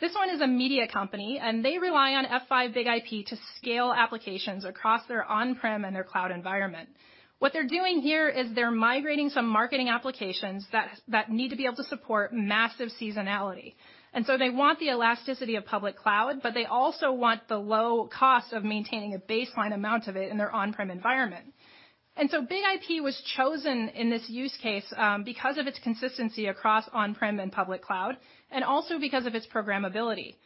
This one is a media company, and they rely on F5 BIG-IP to scale applications across their on-prem and their cloud environment. What they're doing here is they're migrating some marketing applications that need to be able to support massive seasonality. And so they want the elasticity of public cloud, but they also want the low cost of maintaining a baseline amount of it in their on-prem environment. And so BIG-IP was chosen in this use case because of its consistency across on-prem and public cloud, and also because of its programmability.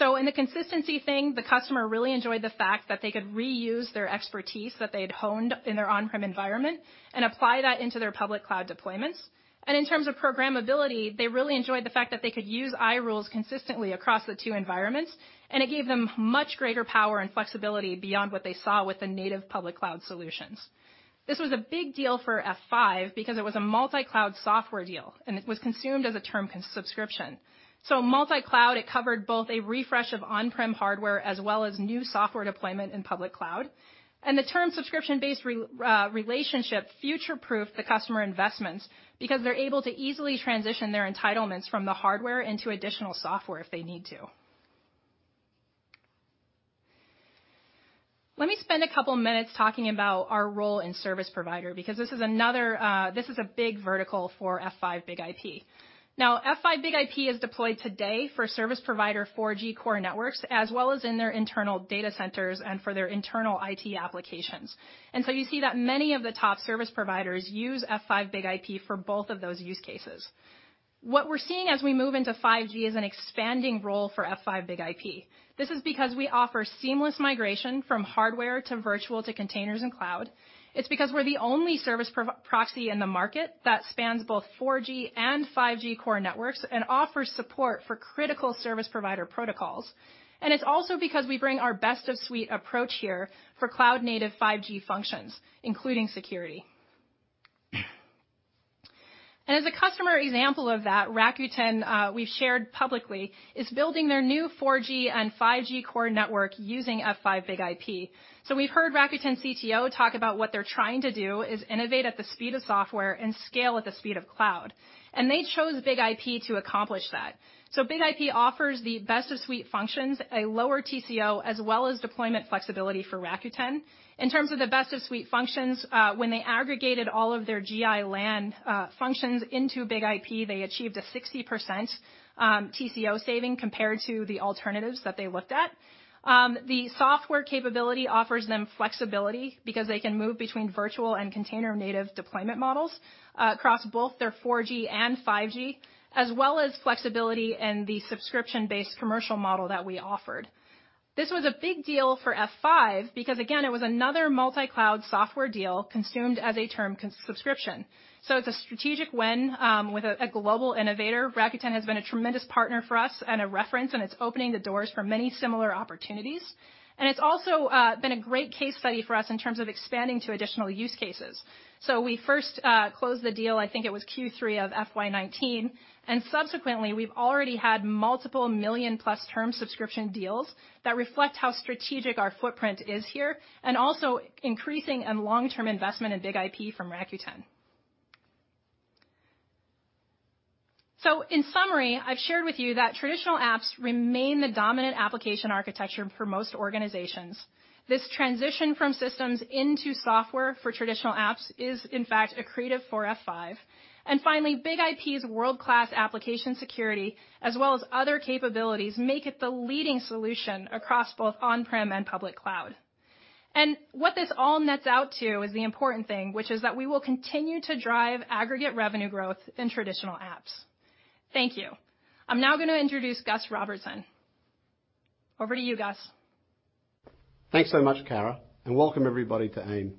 In the consistency thing, the customer really enjoyed the fact that they could reuse their expertise that they had honed in their on-prem environment and apply that into their public cloud deployments. In terms of programmability, they really enjoyed the fact that they could use iRules consistently across the two environments, and it gave them much greater power and flexibility beyond what they saw with the native public cloud solutions. This was a big deal for F5 because it was a multi-cloud software deal, and it was consumed as a term subscription. Multi-cloud, it covered both a refresh of on-prem hardware as well as new software deployment in public cloud. The term subscription-based relationship future-proofed the customer investments because they're able to easily transition their entitlements from the hardware into additional software if they need to. Let me spend a couple of minutes talking about our role in service provider because this is a big vertical for F5 BIG-IP. Now, F5 BIG-IP is deployed today for service provider 4G core networks as well as in their internal data centers and for their internal IT applications. And so you see that many of the top service providers use F5 BIG-IP for both of those use cases. What we're seeing as we move into 5G is an expanding role for F5 BIG-IP. This is because we offer seamless migration from hardware to virtual to containers and cloud. It's because we're the only service proxy in the market that spans both 4G and 5G core networks and offers support for critical service provider protocols. And it's also because we bring our best-of-suite approach here for cloud-native 5G functions, including security. And as a customer example of that, Rakuten, we've shared publicly, is building their new 4G and 5G core network using F5 BIG-IP. So we've heard Rakuten's CTO talk about what they're trying to do is innovate at the speed of software and scale at the speed of cloud. And they chose BIG-IP to accomplish that. So BIG-IP offers the best-of-suite functions, a lower TCO, as well as deployment flexibility for Rakuten. In terms of the best-of-suite functions, when they aggregated all of their Gi-LAN functions into BIG-IP, they achieved a 60% TCO saving compared to the alternatives that they looked at. The software capability offers them flexibility because they can move between virtual and container-native deployment models across both their 4G and 5G, as well as flexibility in the subscription-based commercial model that we offered. This was a big deal for F5 because, again, it was another multi-cloud software deal consumed as a term subscription, so it's a strategic win with a global innovator. Rakuten has been a tremendous partner for us and a reference, and it's opening the doors for many similar opportunities, and it's also been a great case study for us in terms of expanding to additional use cases, so we first closed the deal, I think it was Q3 of FY 2019, and subsequently, we've already had multiple million-plus term subscription deals that reflect how strategic our footprint is here and also increasing and long-term investment in BIG-IP from Rakuten, so in summary, I've shared with you that traditional apps remain the dominant application architecture for most organizations. This transition from systems into software for traditional apps is, in fact, a positive for F5. And finally, BIG-IP's world-class application security, as well as other capabilities, make it the leading solution across both on-prem and public cloud. And what this all nets out to is the important thing, which is that we will continue to drive aggregate revenue growth in traditional apps. Thank you. I'm now going to introduce Gus Robertson. Over to you, Gus. Thanks so much, Kara, and welcome everybody to AIM.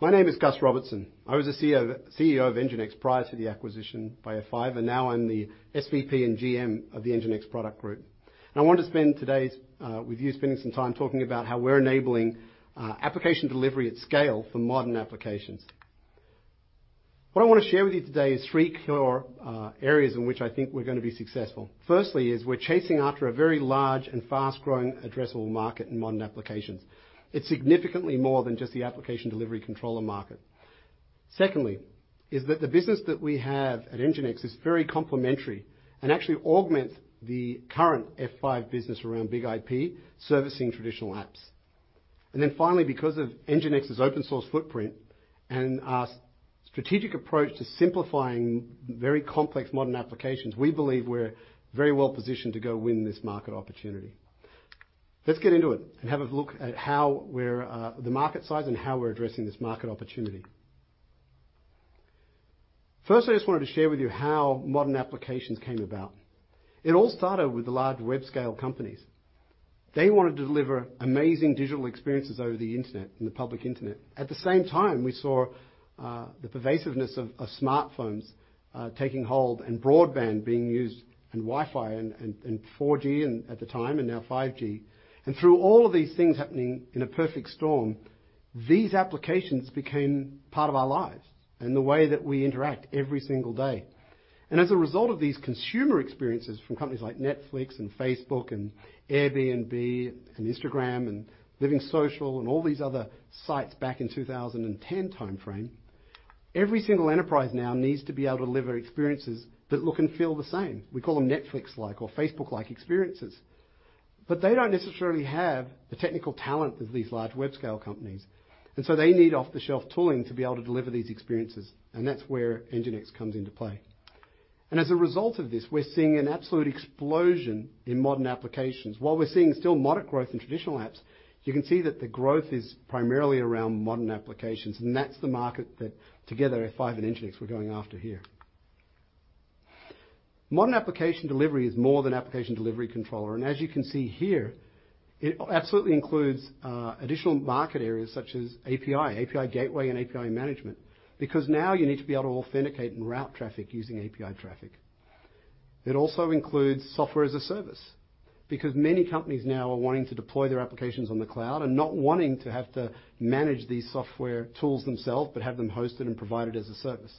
My name is Gus Robertson. I was the CEO of NGINX prior to the acquisition by F5, and now I'm the SVP and GM of the NGINX product group. And I want to spend today with you spending some time talking about how we're enabling application delivery at scale for modern applications. What I want to share with you today is three key areas in which I think we're going to be successful. Firstly, is we're chasing after a very large and fast-growing addressable market in modern applications. It's significantly more than just the application delivery controller market. Secondly, is that the business that we have at NGINX is very complementary and actually augments the current F5 business around BIG-IP servicing traditional apps. And then finally, because of NGINX's open-source footprint and our strategic approach to simplifying very complex modern applications, we believe we're very well positioned to go win this market opportunity. Let's get into it and have a look at how we're the market size and how we're addressing this market opportunity. First, I just wanted to share with you how modern applications came about. It all started with the large web-scale companies. They wanted to deliver amazing digital experiences over the internet and the public internet. At the same time, we saw the pervasiveness of smartphones taking hold and broadband being used and Wi-Fi and 4G at the time and now 5G. And through all of these things happening in a perfect storm, these applications became part of our lives and the way that we interact every single day. And as a result of these consumer experiences from companies like Netflix and Facebook and Airbnb and Instagram and LivingSocial and all these other sites back in 2010 timeframe, every single enterprise now needs to be able to deliver experiences that look and feel the same. We call them Netflix-like or Facebook-like experiences. But they don't necessarily have the technical talent of these large web-scale companies. And so they need off-the-shelf tooling to be able to deliver these experiences. And that's where NGINX comes into play. And as a result of this, we're seeing an absolute explosion in modern applications. While we're seeing still moderate growth in traditional apps, you can see that the growth is primarily around modern applications. And that's the market that together F5 and NGINX were going after here. Modern application delivery is more than application delivery controller. And as you can see here, it absolutely includes additional market areas such as API, API Gateway, and API Management because now you need to be able to authenticate and route traffic using API traffic. It also includes Software as a Service because many companies now are wanting to deploy their applications on the cloud and not wanting to have to manage these software tools themselves but have them hosted and provided as a service.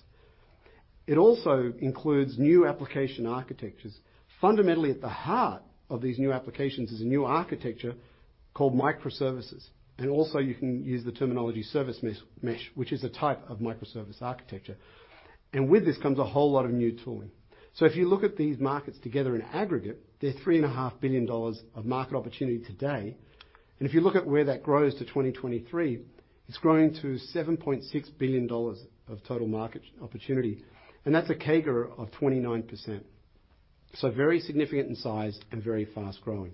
It also includes new application architectures. Fundamentally, at the heart of these new applications is a new architecture called microservices, and also you can use the terminology service mesh, which is a type of microservice architecture, and with this comes a whole lot of new tooling, so if you look at these markets together in aggregate, there's $3.5 billion of market opportunity today, and if you look at where that grows to 2023, it's growing to $7.6 billion of total market opportunity, and that's a CAGR of 29%, so very significant in size and very fast-growing.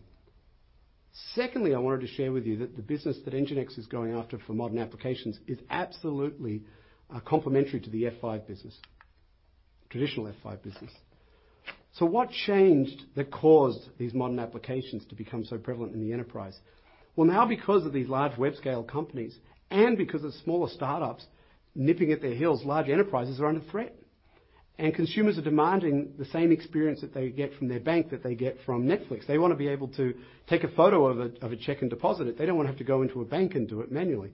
Secondly, I wanted to share with you that the business that NGINX is going after for modern applications is absolutely complementary to the F5 business, traditional F5 business, so what changed that caused these modern applications to become so prevalent in the enterprise? Well, now because of these large web-scale companies and because of smaller startups nipping at their heels, large enterprises are under threat. And consumers are demanding the same experience that they get from their bank that they get from Netflix. They want to be able to take a photo of a check and deposit it. They don't want to have to go into a bank and do it manually.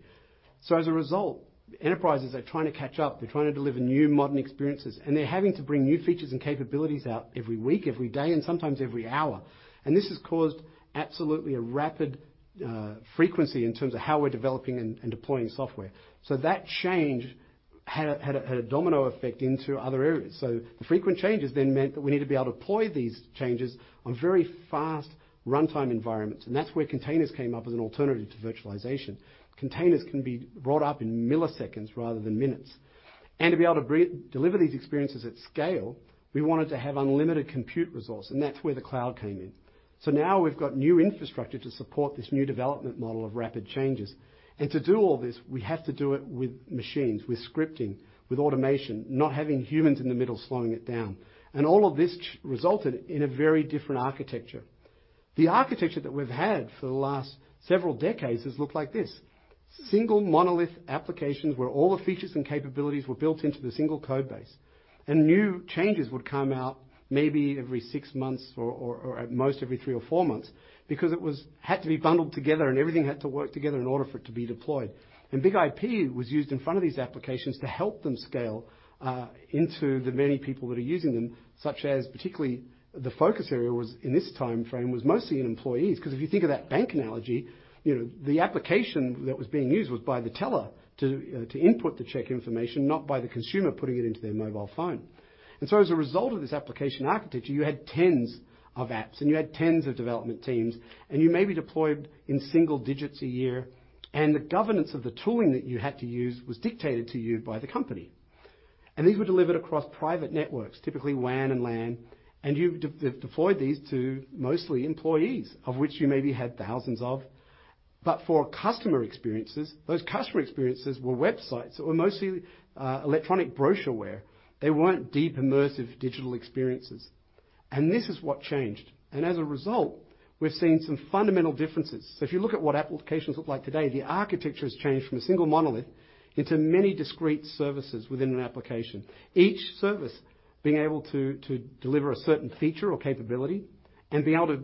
So as a result, enterprises are trying to catch up. They're trying to deliver new modern experiences. And they're having to bring new features and capabilities out every week, every day, and sometimes every hour. And this has caused absolutely a rapid frequency in terms of how we're developing and deploying software. So that change had a domino effect into other areas. So the frequent changes then meant that we need to be able to deploy these changes on very fast runtime environments. And that's where containers came up as an alternative to virtualization. Containers can be brought up in milliseconds rather than minutes. And to be able to deliver these experiences at scale, we wanted to have unlimited compute resource. And that's where the cloud came in. So now we've got new infrastructure to support this new development model of rapid changes. And to do all this, we have to do it with machines, with scripting, with automation, not having humans in the middle slowing it down. And all of this resulted in a very different architecture. The architecture that we've had for the last several decades has looked like this: single monolith applications where all the features and capabilities were built into the single code base. And new changes would come out maybe every six months or at most every three or four months because it had to be bundled together and everything had to work together in order for it to be deployed. And BIG-IP was used in front of these applications to help them scale into the many people that are using them, such as particularly the focus area in this timeframe was mostly in employees. Because if you think of that bank analogy, the application that was being used was by the teller to input the check information, not by the consumer putting it into their mobile phone. And so as a result of this application architecture, you had tens of apps, and you had tens of development teams, and you may be deployed in single digits a year. And the governance of the tooling that you had to use was dictated to you by the company. And these were delivered across private networks, typically WAN and LAN. And you've deployed these to mostly employees, of which you maybe had thousands of. But for customer experiences, those customer experiences were websites that were mostly electronic brochureware. They weren't deep immersive digital experiences. And this is what changed. And as a result, we've seen some fundamental differences. So if you look at what applications look like today, the architecture has changed from a single monolith into many discrete services within an application, each service being able to deliver a certain feature or capability and be able to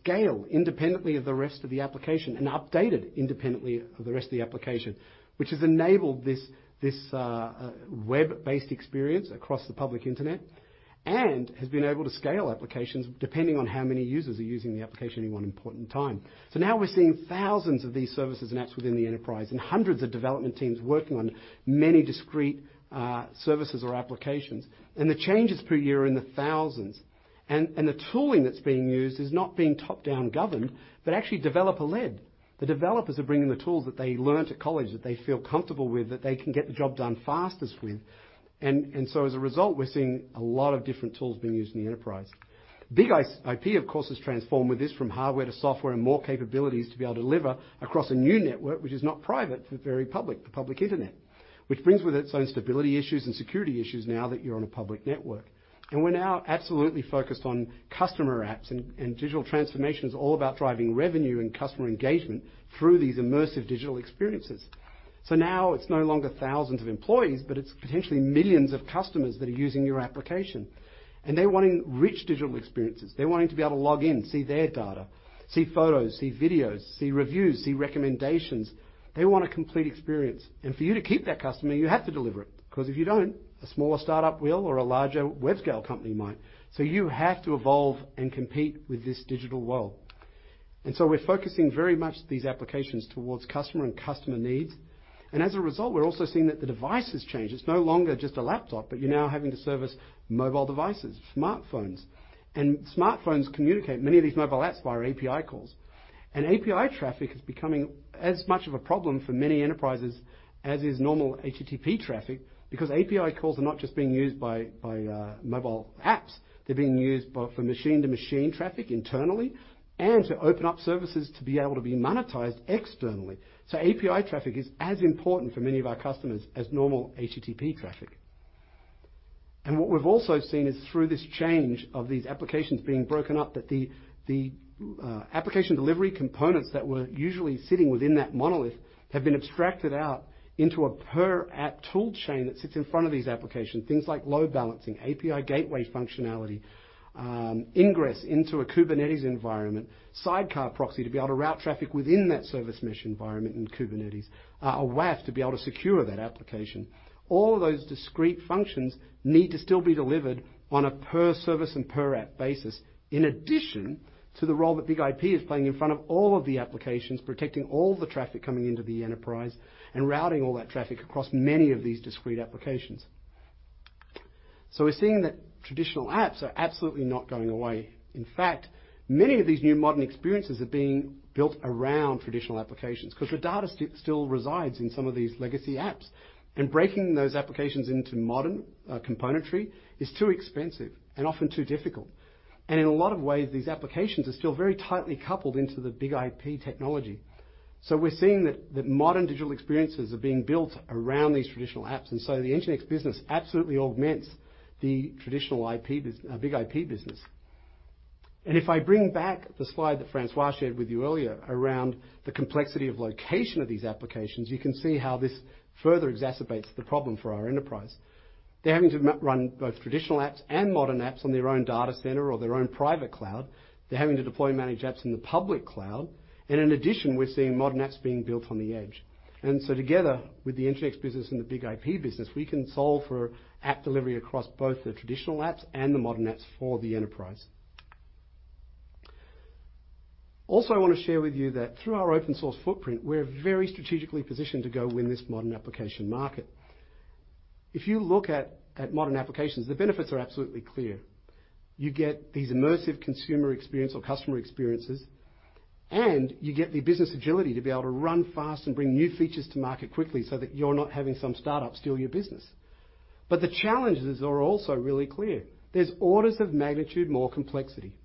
scale independently of the rest of the application and updated independently of the rest of the application, which has enabled this web-based experience across the public internet and has been able to scale applications depending on how many users are using the application at any one time, so now we're seeing thousands of these services and apps within the enterprise and hundreds of development teams working on many discrete services or applications, and the changes per year are in the thousands, and the tooling that's being used is not being top-down governed, but actually developer-led. The developers are bringing the tools that they learned at college that they feel comfortable with, that they can get the job done fastest with. And so as a result, we're seeing a lot of different tools being used in the enterprise. BIG-IP, of course, has transformed with this from hardware to software and more capabilities to be able to deliver across a new network, which is not private, but very public, the public internet, which brings with it its own stability issues and security issues now that you're on a public network. And we're now absolutely focused on customer apps. And digital transformation is all about driving revenue and customer engagement through these immersive digital experiences. So now it's no longer thousands of employees, but it's potentially millions of customers that are using your application. And they're wanting rich digital experiences. They're wanting to be able to log in, see their data, see photos, see videos, see reviews, see recommendations. They want a complete experience. And for you to keep that customer, you have to deliver it. Because if you don't, a smaller startup will, or a larger web-scale company might. So you have to evolve and compete with this digital world. And so we're focusing very much these applications towards customer and customer needs. And as a result, we're also seeing that the device has changed. It's no longer just a laptop, but you're now having to service mobile devices, smartphones. And smartphones communicate many of these mobile apps via API calls. And API traffic is becoming as much of a problem for many enterprises as is normal HTTP traffic because API calls are not just being used by mobile apps. They're being used for machine-to-machine traffic internally and to open up services to be able to be monetized externally, so API traffic is as important for many of our customers as normal HTTP traffic, and what we've also seen is through this change of these applications being broken up that the application delivery components that were usually sitting within that monolith have been abstracted out into a per-app tool chain that sits in front of these applications, things like load balancing, API Gateway functionality, ingress into a Kubernetes environment, sidecar proxy to be able to route traffic within that service mesh environment in Kubernetes, a WAF to be able to secure that application. All of those discrete functions need to still be delivered on a per-service and per-app basis in addition to the role that BIG-IP is playing in front of all of the applications, protecting all the traffic coming into the enterprise and routing all that traffic across many of these discrete applications, so we're seeing that traditional apps are absolutely not going away. In fact, many of these new modern experiences are being built around traditional applications because the data still resides in some of these legacy apps, and breaking those applications into modern componentry is too expensive and often too difficult, and in a lot of ways, these applications are still very tightly coupled into the BIG-IP technology, so we're seeing that modern digital experiences are being built around these traditional apps, and so the NGINX business absolutely augments the traditional BIG-IP business. And if I bring back the slide that François shared with you earlier around the complexity of location of these applications, you can see how this further exacerbates the problem for our enterprise. They're having to run both traditional apps and modern apps on their own data center or their own private cloud. They're having to deploy and manage apps in the public cloud. And in addition, we're seeing modern apps being built on the edge. And so together with the NGINX business and the BIG-IP business, we can solve for app delivery across both the traditional apps and the modern apps for the enterprise. Also, I want to share with you that through our open-source footprint, we're very strategically positioned to go win this modern application market. If you look at modern applications, the benefits are absolutely clear. You get these immersive consumer experiences or customer experiences, and you get the business agility to be able to run fast and bring new features to market quickly so that you're not having some startup steal your business, but the challenges are also really clear. There's orders of magnitude more complexity,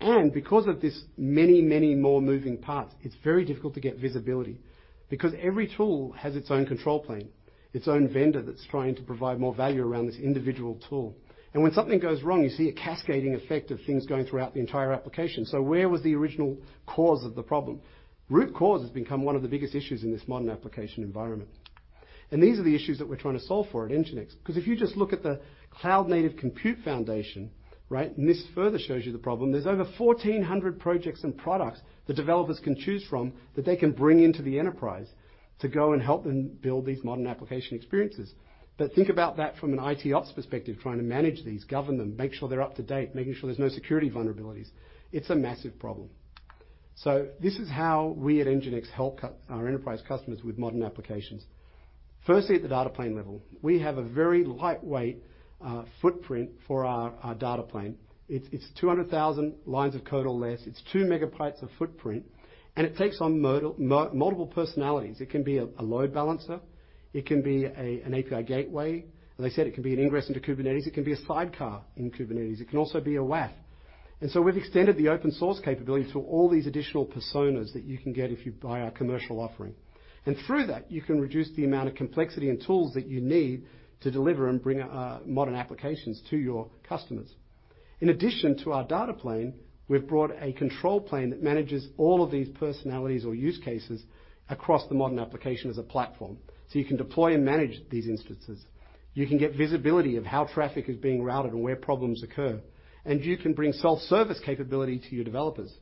and because of this many, many more moving parts, it's very difficult to get visibility because every tool has its own control plane, its own vendor that's trying to provide more value around this individual tool, and when something goes wrong, you see a cascading effect of things going throughout the entire application, so where was the original cause of the problem? Root cause has become one of the biggest issues in this modern application environment, and these are the issues that we're trying to solve for at NGINX. Because if you just look at the Cloud Native Computing Foundation, right, and this further shows you the problem, there's over 1,400 projects and products that developers can choose from that they can bring into the enterprise to go and help them build these modern application experiences, but think about that from an IT ops perspective, trying to manage these, govern them, make sure they're up to date, making sure there's no security vulnerabilities. It's a massive problem, so this is how we at NGINX help our enterprise customers with modern applications. Firstly, at the data plane level, we have a very lightweight footprint for our data plane. It's 200,000 lines of code or less. It's two megabytes of footprint, and it takes on multiple personalities. It can be a load balancer. It can be an API Gateway. As I said, it can be an ingress into Kubernetes. It can be a sidecar in Kubernetes. It can also be a WAF. And so we've extended the open-source capability to all these additional personas that you can get if you buy our commercial offering. And through that, you can reduce the amount of complexity and tools that you need to deliver and bring modern applications to your customers. In addition to our data plane, we've brought a control plane that manages all of these personalities or use cases across the modern application as a platform. So you can deploy and manage these instances. You can get visibility of how traffic is being routed and where problems occur. And you can bring self-service capability to your developers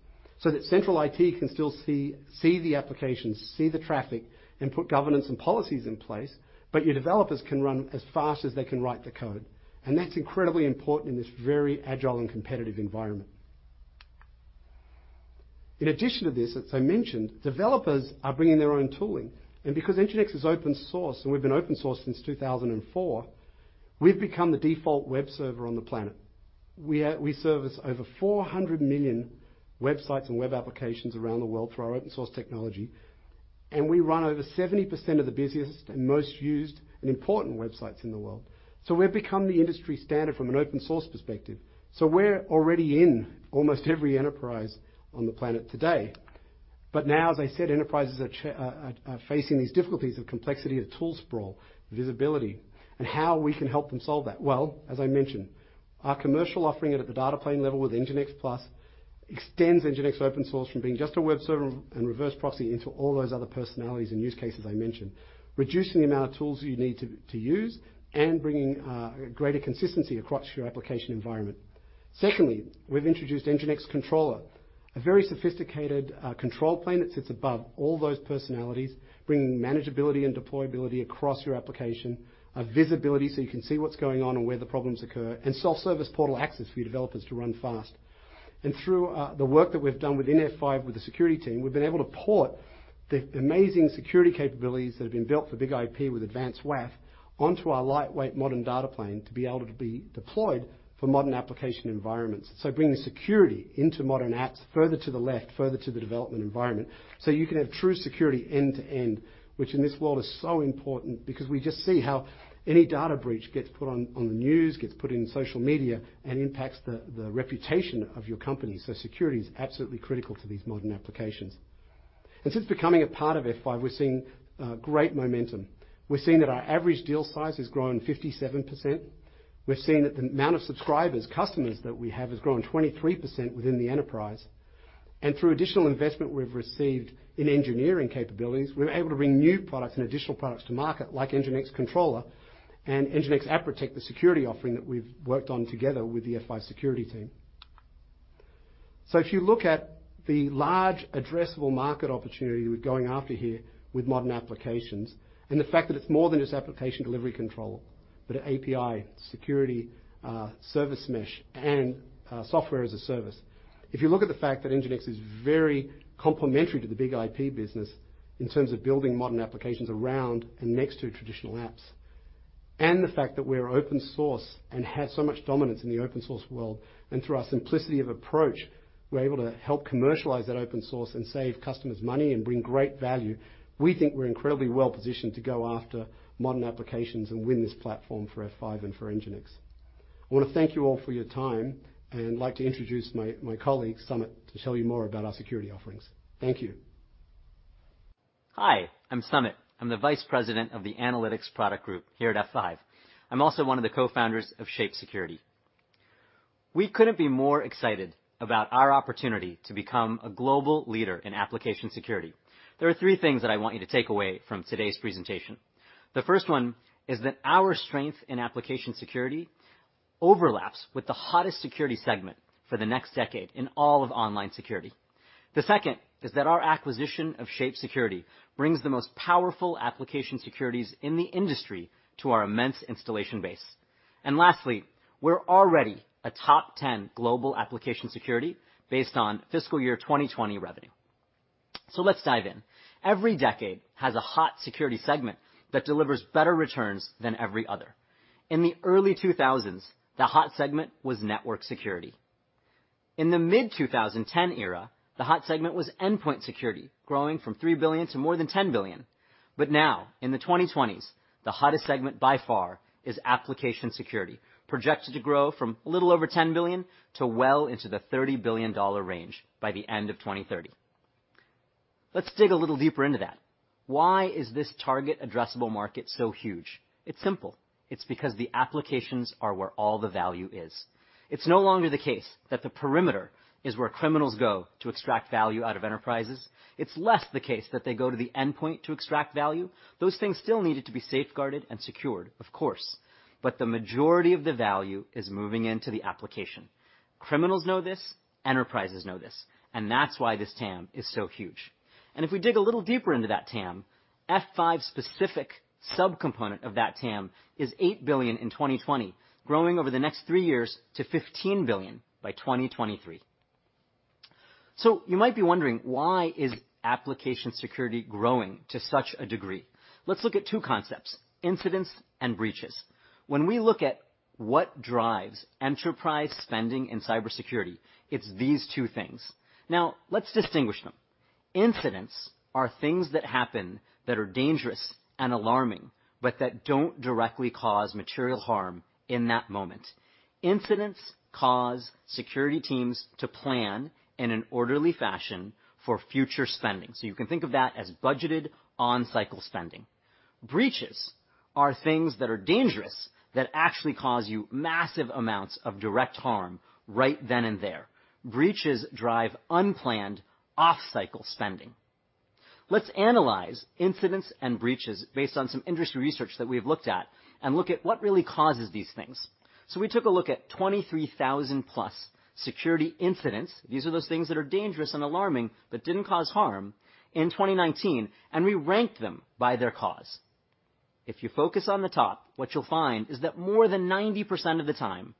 so that central IT can still see the applications, see the traffic, and put governance and policies in place, but your developers can run as fast as they can write the code. And that's incredibly important in this very agile and competitive environment. In addition to this, as I mentioned, developers are bringing their own tooling. And because NGINX is open-source, and we've been open-sourced since 2004, we've become the default web server on the planet. We service over 400 million websites and web applications around the world through our open-source technology. And we run over 70% of the busiest and most used and important websites in the world. So we've become the industry standard from an open-source perspective. So we're already in almost every enterprise on the planet today. But now, as I said, enterprises are facing these difficulties of complexity, of tool sprawl, visibility, and how we can help them solve that. Well, as I mentioned, our commercial offering at the data plane level with NGINX Plus extends NGINX open-source from being just a web server and reverse proxy into all those other personalities and use cases I mentioned, reducing the amount of tools you need to use and bringing greater consistency across your application environment. Secondly, we've introduced NGINX Controller, a very sophisticated control plane that sits above all those personalities, bringing manageability and deployability across your application, visibility so you can see what's going on and where the problems occur, and self-service portal access for your developers to run fast. And through the work that we've done within F5 with the security team, we've been able to port the amazing security capabilities that have been built for BIG-IP with Advanced WAF onto our lightweight modern data plane to be able to be deployed for modern application environments. So bringing security into modern apps further to the left, further to the development environment, so you can have true security end-to-end, which in this world is so important because we just see how any data breach gets put on the news, gets put in social media, and impacts the reputation of your company. So security is absolutely critical to these modern applications. And since becoming a part of F5, we're seeing great momentum. We're seeing that our average deal size has grown 57%. We've seen that the amount of subscribers, customers that we have has grown 23% within the enterprise. And through additional investment we've received in engineering capabilities, we're able to bring new products and additional products to market like NGINX Controller and NGINX App Protect, the security offering that we've worked on together with the F5 security team. So if you look at the large addressable market opportunity we're going after here with modern applications and the fact that it's more than just application delivery control, but API, security, service mesh, and Software as a Service, if you look at the fact that NGINX is very complementary to the BIG-IP business in terms of building modern applications around and next to traditional apps, and the fact that we're open-source and have so much dominance in the open-source world, and through our simplicity of approach, we're able to help commercialize that open-source and save customers money and bring great value, we think we're incredibly well-positioned to go after modern applications and win this platform for F5 and for NGINX. I want to thank you all for your time and like to introduce my colleague, Sumit, to tell you more about our security offerings. Thank you. Hi, I'm Sumit. I'm the Vice President of the Analytics Product Group here at F5. I'm also one of the co-founders of Shape Security. We couldn't be more excited about our opportunity to become a global leader in application security. There are three things that I want you to take away from today's presentation. The first one is that our strength in application security overlaps with the hottest security segment for the next decade in all of online security. The second is that our acquisition of Shape Security brings the most powerful application security in the industry to our immense installation base. And lastly, we're already a top 10 global application security based on fiscal year 2020 revenue. So let's dive in. Every decade has a hot security segment that delivers better returns than every other. In the early 2000s, the hot segment was network security. In the mid-2010s era, the hot segment was endpoint security, growing from $3 billion to more than $10 billion. But now, in the 2020s, the hottest segment by far is application security, projected to grow from a little over $10 billion to well into the $30 billion range by the end of 2030. Let's dig a little deeper into that. Why is this target addressable market so huge? It's simple. It's because the applications are where all the value is. It's no longer the case that the perimeter is where criminals go to extract value out of enterprises. It's less the case that they go to the endpoint to extract value. Those things still needed to be safeguarded and secured, of course. But the majority of the value is moving into the application. Criminals know this. Enterprises know this. And that's why this TAM is so huge. And if we dig a little deeper into that TAM, F5-specific subcomponent of that TAM is $8 billion in 2020, growing over the next three years to $15 billion by 2023. So you might be wondering, why is application security growing to such a degree? Let's look at two concepts: incidents and breaches. When we look at what drives enterprise spending in cybersecurity, it's these two things. Now, let's distinguish them. Incidents are things that happen that are dangerous and alarming, but that don't directly cause material harm in that moment. Incidents cause security teams to plan in an orderly fashion for future spending. So you can think of that as budgeted on-cycle spending. Breaches are things that are dangerous that actually cause you massive amounts of direct harm right then and there. Breaches drive unplanned off-cycle spending. Let's analyze incidents and breaches based on some industry research that we've looked at and look at what really causes these things. so we took a look at 23,000-plus security incidents (these are those things that are dangerous and alarming but didn't cause harm) in 2019, and we ranked them by their cause. If you focus on the top, what you'll find is that more than 90% of the time,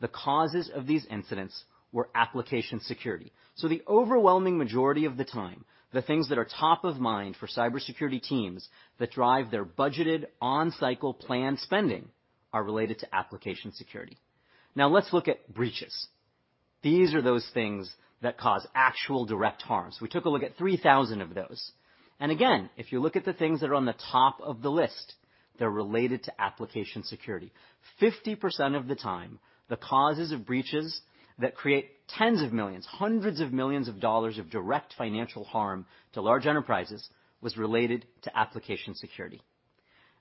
the causes of these incidents were application security. so the overwhelming majority of the time, the things that are top of mind for cybersecurity teams that drive their budgeted on-cycle planned spending are related to application security. Now, let's look at breaches. These are those things that cause actual direct harm. so we took a look at 3,000 of those. and again, if you look at the things that are on the top of the list, they're related to application security. 50% of the time, the causes of breaches that create tens of millions, hundreds of millions of dollars of direct financial harm to large enterprises were related to application security.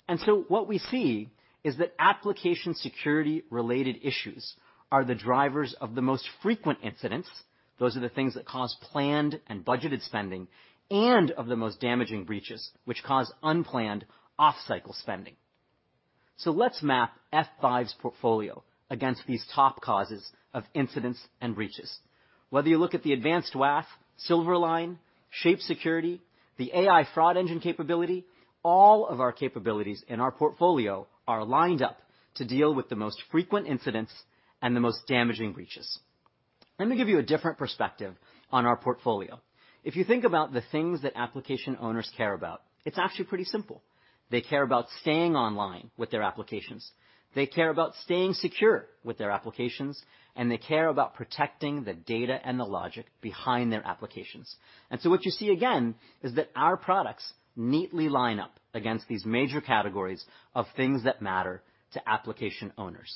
And so what we see is that application security-related issues are the drivers of the most frequent incidents, those are the things that cause planned and budgeted spending, and of the most damaging breaches, which cause unplanned off-cycle spending. So let's map F5's portfolio against these top causes of incidents and breaches. Whether you look at the Advanced WAF, Silverline, Shape Security, the AI Fraud Engine capability, all of our capabilities in our portfolio are lined up to deal with the most frequent incidents and the most damaging breaches. Let me give you a different perspective on our portfolio. If you think about the things that application owners care about, it's actually pretty simple. They care about staying online with their applications. They care about staying secure with their applications, and they care about protecting the data and the logic behind their applications, and so what you see, again, is that our products neatly line up against these major categories of things that matter to application owners.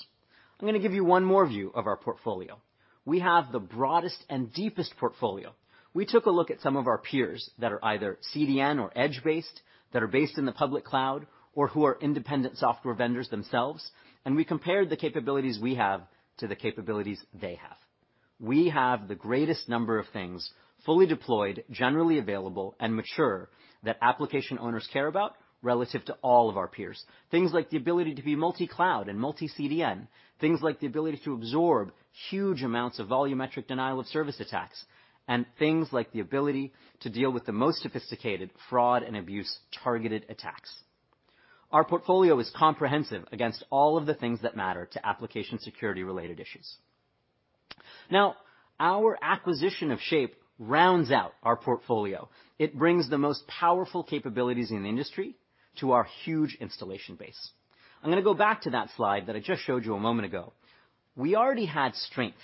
I'm going to give you one more view of our portfolio. We have the broadest and deepest portfolio. We took a look at some of our peers that are either CDN or edge-based, that are based in the public cloud, or who are independent software vendors themselves, and we compared the capabilities we have to the capabilities they have. We have the greatest number of things fully deployed, generally available, and mature that application owners care about relative to all of our peers. Things like the ability to be multi-cloud and multi-CDN, things like the ability to absorb huge amounts of volumetric denial of service attacks, and things like the ability to deal with the most sophisticated fraud and abuse targeted attacks. Our portfolio is comprehensive against all of the things that matter to application security-related issues. Now, our acquisition of Shape rounds out our portfolio. It brings the most powerful capabilities in the industry to our huge installation base. I'm going to go back to that slide that I just showed you a moment ago. We already had strength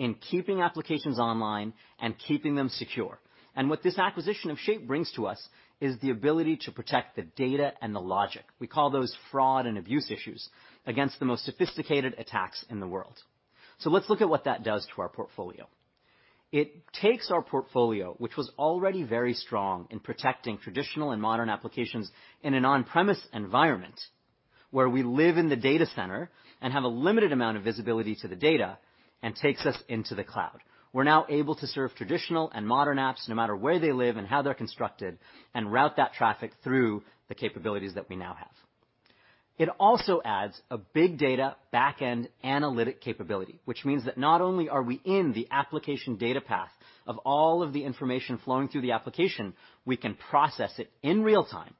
in keeping applications online and keeping them secure. And what this acquisition of Shape brings to us is the ability to protect the data and the logic, we call those fraud and abuse issues, against the most sophisticated attacks in the world. So let's look at what that does to our portfolio. It takes our portfolio, which was already very strong in protecting traditional and modern applications in an on-premises environment where we live in the data center and have a limited amount of visibility to the data, and takes us into the cloud. We're now able to serve traditional and modern apps no matter where they live and how they're constructed and route that traffic through the capabilities that we now have. It also adds a big data back-end analytic capability, which means that not only are we in the application data path of all of the information flowing through the application, we can process it in real time,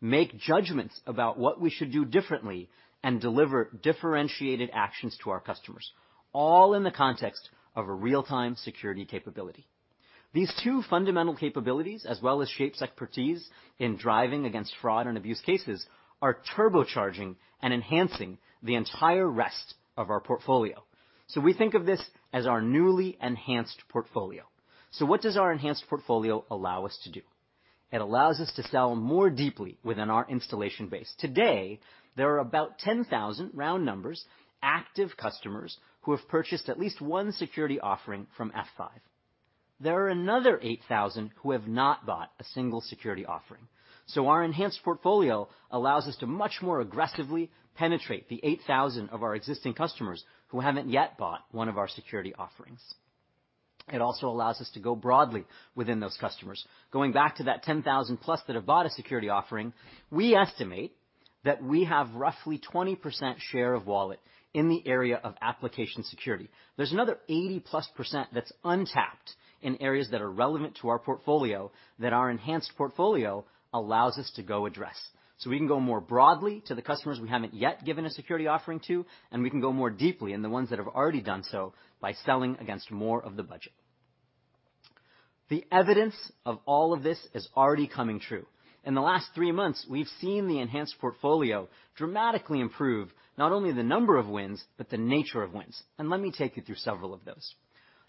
make judgments about what we should do differently, and deliver differentiated actions to our customers, all in the context of a real-time security capability. These two fundamental capabilities, as well as Shape's expertise in driving against fraud and abuse cases, are turbocharging and enhancing the entire rest of our portfolio. So we think of this as our newly enhanced portfolio. So what does our enhanced portfolio allow us to do? It allows us to sell more deeply within our installation base. Today, there are about 10,000, round numbers, active customers who have purchased at least one security offering from F5. There are another 8,000 who have not bought a single security offering. So our enhanced portfolio allows us to much more aggressively penetrate the 8,000 of our existing customers who haven't yet bought one of our security offerings. It also allows us to go broadly within those customers. Going back to that 10,000-plus that have bought a security offering, we estimate that we have roughly 20% share of wallet in the area of application security. There's another 80-plus% that's untapped in areas that are relevant to our portfolio that our enhanced portfolio allows us to go address. So we can go more broadly to the customers we haven't yet given a security offering to, and we can go more deeply in the ones that have already done so by selling against more of the budget. The evidence of all of this is already coming true. In the last three months, we've seen the enhanced portfolio dramatically improve not only the number of wins, but the nature of wins, and let me take you through several of those.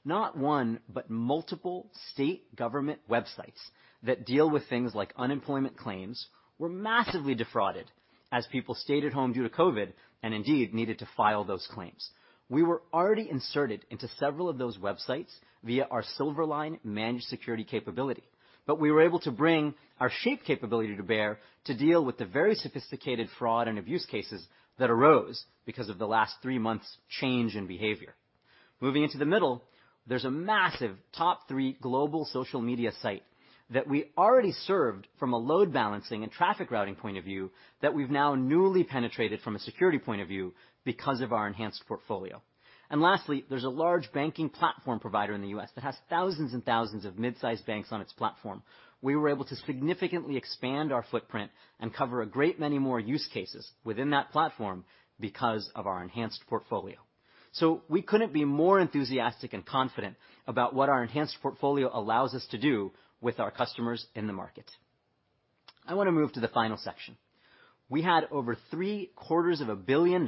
Not one, but multiple state government websites that deal with things like unemployment claims were massively defrauded as people stayed at home due to COVID and indeed needed to file those claims. We were already inserted into several of those websites via our Silverline managed security capability, but we were able to bring our Shape capability to bear to deal with the very sophisticated fraud and abuse cases that arose because of the last three months' change in behavior. Moving into the middle, there's a massive top three global social media site that we already served from a load balancing and traffic routing point of view that we've now newly penetrated from a security point of view because of our enhanced portfolio. And lastly, there's a large banking platform provider in the U.S. that has thousands and thousands of mid-sized banks on its platform. We were able to significantly expand our footprint and cover a great many more use cases within that platform because of our enhanced portfolio, so we couldn't be more enthusiastic and confident about what our enhanced portfolio allows us to do with our customers in the market. I want to move to the final section. We had over $750 million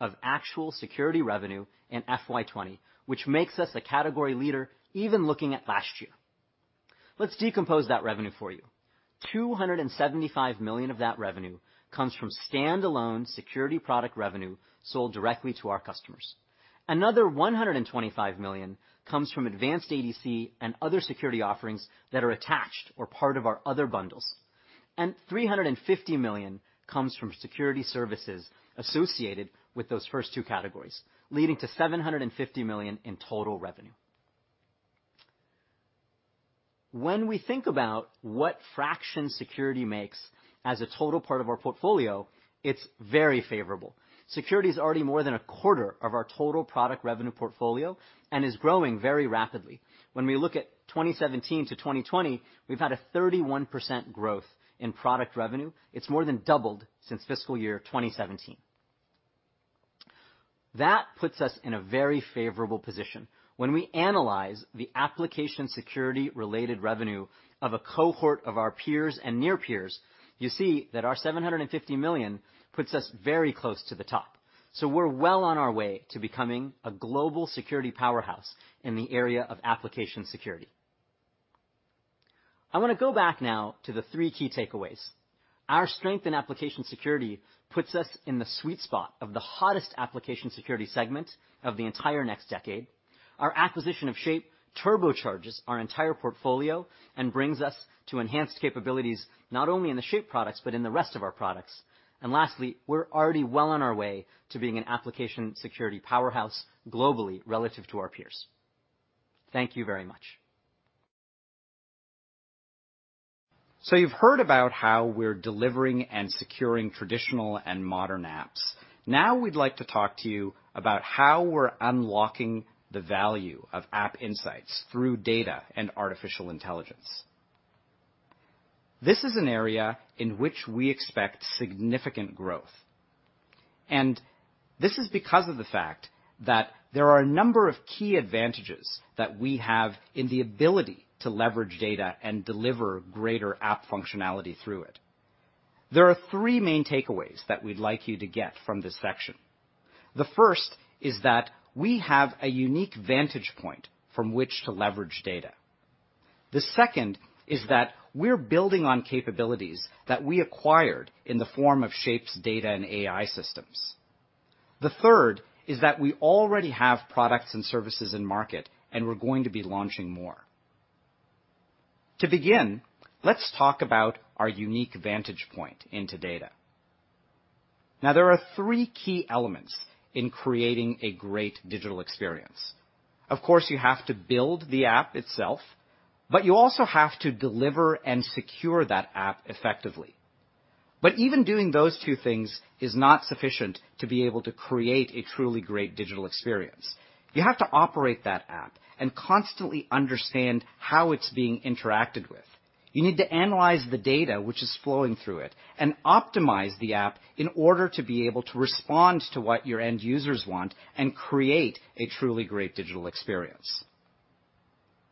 of actual security revenue in FY20, which makes us a category leader even looking at last year. Let's decompose that revenue for you. $275 million of that revenue comes from standalone security product revenue sold directly to our customers. Another $125 million comes from advanced ADC and other security offerings that are attached or part of our other bundles, and $350 million comes from security services associated with those first two categories, leading to $750 million in total revenue. When we think about what fraction security makes as a total part of our portfolio, it's very favorable. Security is already more than a quarter of our total product revenue portfolio and is growing very rapidly. When we look at 2017 to 2020, we've had a 31% growth in product revenue. It's more than doubled since fiscal year 2017. That puts us in a very favorable position. When we analyze the application security-related revenue of a cohort of our peers and near peers, you see that our $750 million puts us very close to the top. So we're well on our way to becoming a global security powerhouse in the area of application security. I want to go back now to the three key takeaways. Our strength in application security puts us in the sweet spot of the hottest application security segment of the entire next decade. Our acquisition of Shape turbocharges our entire portfolio and brings us to enhanced capabilities not only in the Shape products, but in the rest of our products. And lastly, we're already well on our way to being an application security powerhouse globally relative to our peers. Thank you very much. So you've heard about how we're delivering and securing traditional and modern apps. Now we'd like to talk to you about how we're unlocking the value of App Insights through data and artificial intelligence. This is an area in which we expect significant growth. And this is because of the fact that there are a number of key advantages that we have in the ability to leverage data and deliver greater app functionality through it. There are three main takeaways that we'd like you to get from this section. The first is that we have a unique vantage point from which to leverage data. The second is that we're building on capabilities that we acquired in the form of Shape's data and AI systems. The third is that we already have products and services in market, and we're going to be launching more. To begin, let's talk about our unique vantage point into data. Now, there are three key elements in creating a great digital experience. Of course, you have to build the app itself, but you also have to deliver and secure that app effectively. But even doing those two things is not sufficient to be able to create a truly great digital experience. You have to operate that app and constantly understand how it's being interacted with. You need to analyze the data which is flowing through it and optimize the app in order to be able to respond to what your end users want and create a truly great digital experience.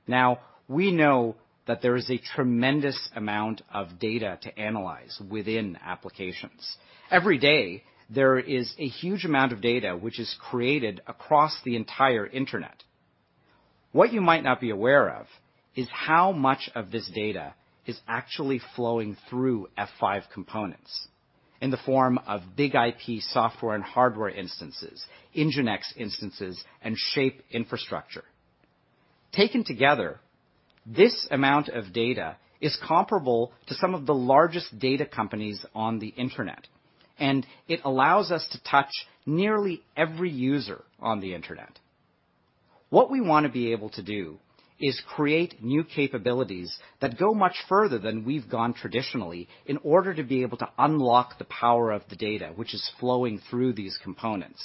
Now, we know that there is a tremendous amount of data to analyze within applications. Every day, there is a huge amount of data which is created across the entire internet. What you might not be aware of is how much of this data is actually flowing through F5 components in the form of BIG-IP software and hardware instances, NGINX instances, and Shape infrastructure. Taken together, this amount of data is comparable to some of the largest data companies on the internet, and it allows us to touch nearly every user on the internet. What we want to be able to do is create new capabilities that go much further than we've gone traditionally in order to be able to unlock the power of the data which is flowing through these components.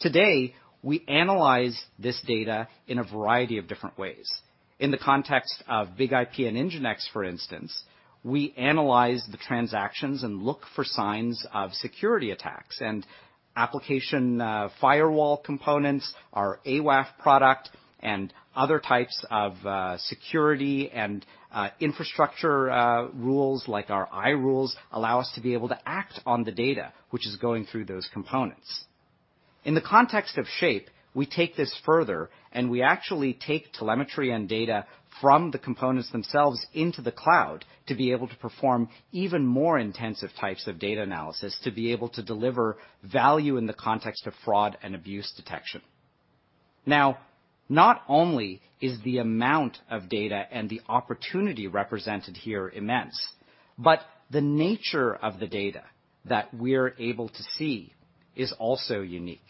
Today, we analyze this data in a variety of different ways. In the context of BIG-IP and NGINX, for instance, we analyze the transactions and look for signs of security attacks, and application firewall components, our aWAF product, and other types of security and infrastructure rules like our iRules allow us to be able to act on the data which is going through those components. In the context of Shape, we take this further, and we actually take telemetry and data from the components themselves into the cloud to be able to perform even more intensive types of data analysis to be able to deliver value in the context of fraud and abuse detection. Now, not only is the amount of data and the opportunity represented here immense, but the nature of the data that we're able to see is also unique.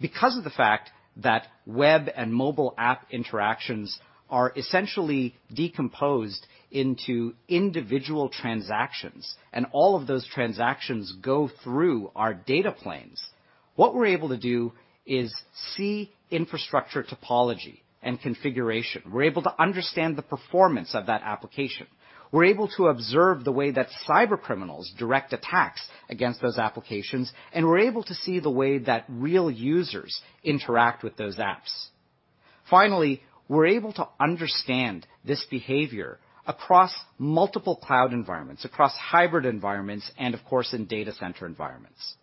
Because of the fact that web and mobile app interactions are essentially decomposed into individual transactions, and all of those transactions go through our data planes, what we're able to do is see infrastructure topology and configuration. We're able to understand the performance of that application. We're able to observe the way that cybercriminals direct attacks against those applications, and we're able to see the way that real users interact with those apps. Finally, we're able to understand this behavior across multiple cloud environments, across hybrid environments, and of course, in data center environments.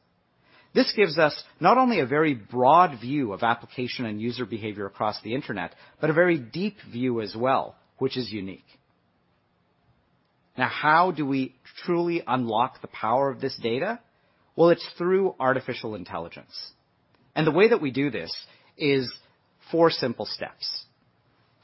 This gives us not only a very broad view of application and user behavior across the internet, but a very deep view as well, which is unique. Now, how do we truly unlock the power of this data? Well, it's through artificial intelligence, and the way that we do this is four simple steps.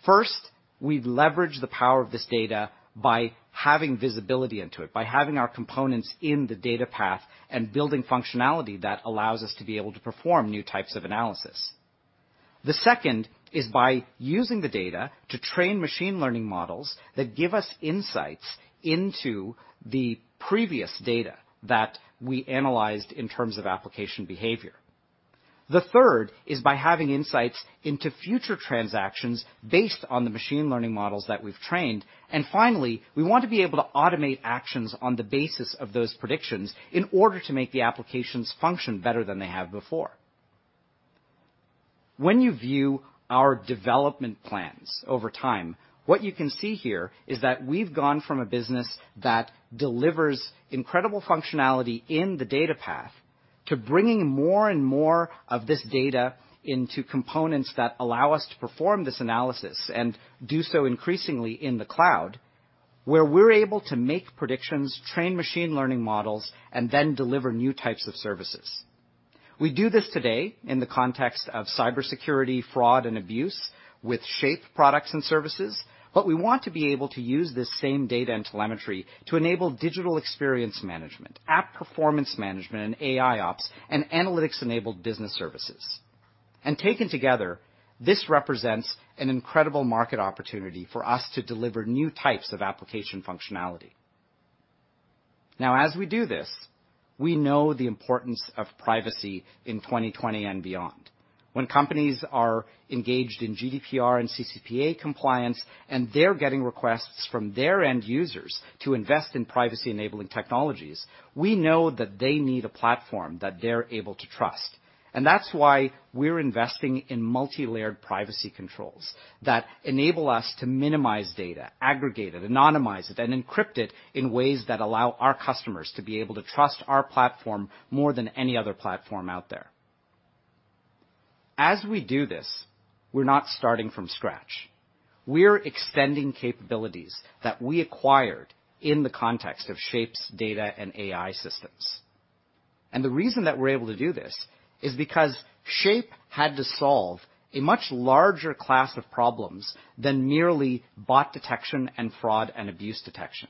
First, we leverage the power of this data by having visibility into it, by having our components in the data path and building functionality that allows us to be able to perform new types of analysis. The second is by using the data to train machine learning models that give us insights into the previous data that we analyzed in terms of application behavior. The third is by having insights into future transactions based on the machine learning models that we've trained, and finally, we want to be able to automate actions on the basis of those predictions in order to make the applications function better than they have before. When you view our development plans over time, what you can see here is that we've gone from a business that delivers incredible functionality in the data path to bringing more and more of this data into components that allow us to perform this analysis and do so increasingly in the cloud, where we're able to make predictions, train machine learning models, and then deliver new types of services. We do this today in the context of cybersecurity, fraud, and abuse with Shape products and services, but we want to be able to use this same data and telemetry to enable digital experience management, app performance management, and AIOps, and analytics-enabled business services. And taken together, this represents an incredible market opportunity for us to deliver new types of application functionality. Now, as we do this, we know the importance of privacy in 2020 and beyond. When companies are engaged in GDPR and CCPA compliance and they're getting requests from their end users to invest in privacy-enabling technologies, we know that they need a platform that they're able to trust. And that's why we're investing in multi-layered privacy controls that enable us to minimize data, aggregate it, anonymize it, and encrypt it in ways that allow our customers to be able to trust our platform more than any other platform out there. As we do this, we're not starting from scratch. We're extending capabilities that we acquired in the context of Shape's data and AI systems. And the reason that we're able to do this is because Shape had to solve a much larger class of problems than merely bot detection and fraud and abuse detection.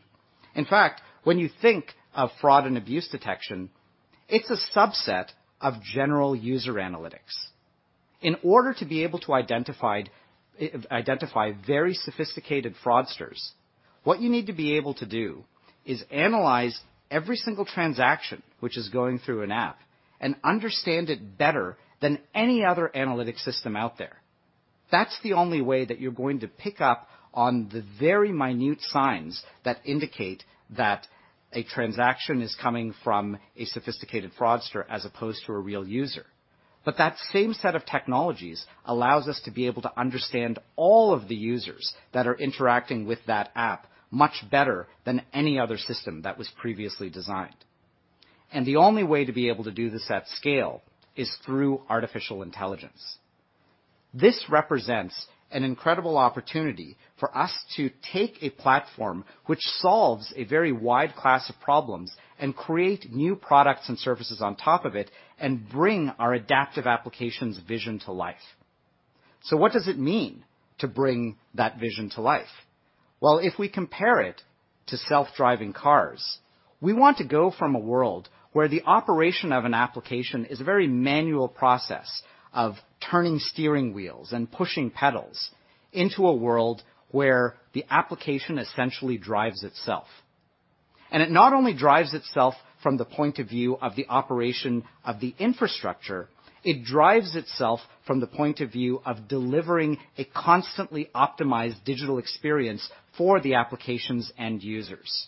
In fact, when you think of fraud and abuse detection, it's a subset of general user analytics. In order to be able to identify very sophisticated fraudsters, what you need to be able to do is analyze every single transaction which is going through an app and understand it better than any other analytic system out there. That's the only way that you're going to pick up on the very minute signs that indicate that a transaction is coming from a sophisticated fraudster as opposed to a real user, but that same set of technologies allows us to be able to understand all of the users that are interacting with that app much better than any other system that was previously designed, and the only way to be able to do this at scale is through artificial intelligence. This represents an incredible opportunity for us to take a platform which solves a very wide class of problems and create new products and services on top of it and bring our Adaptive Applications' vision to life. So what does it mean to bring that vision to life? Well, if we compare it to self-driving cars, we want to go from a world where the operation of an application is a very manual process of turning steering wheels and pushing pedals into a world where the application essentially drives itself. And it not only drives itself from the point of view of the operation of the infrastructure, it drives itself from the point of view of delivering a constantly optimized digital experience for the application's end users.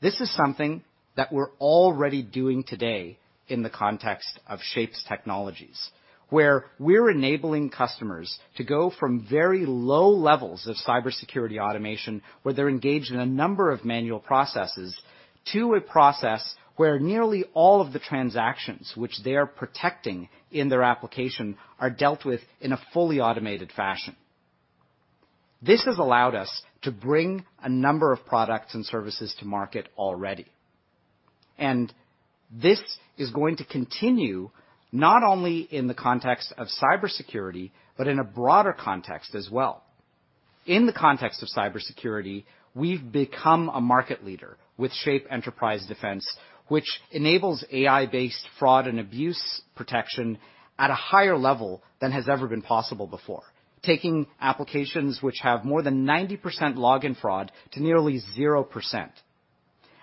This is something that we're already doing today in the context of Shape's technologies, where we're enabling customers to go from very low levels of cybersecurity automation, where they're engaged in a number of manual processes, to a process where nearly all of the transactions which they are protecting in their application are dealt with in a fully automated fashion. This has allowed us to bring a number of products and services to market already, and this is going to continue not only in the context of cybersecurity, but in a broader context as well. In the context of cybersecurity, we've become a market leader with Shape Enterprise Defense, which enables AI-based fraud and abuse protection at a higher level than has ever been possible before, taking applications which have more than 90% login fraud to nearly 0%.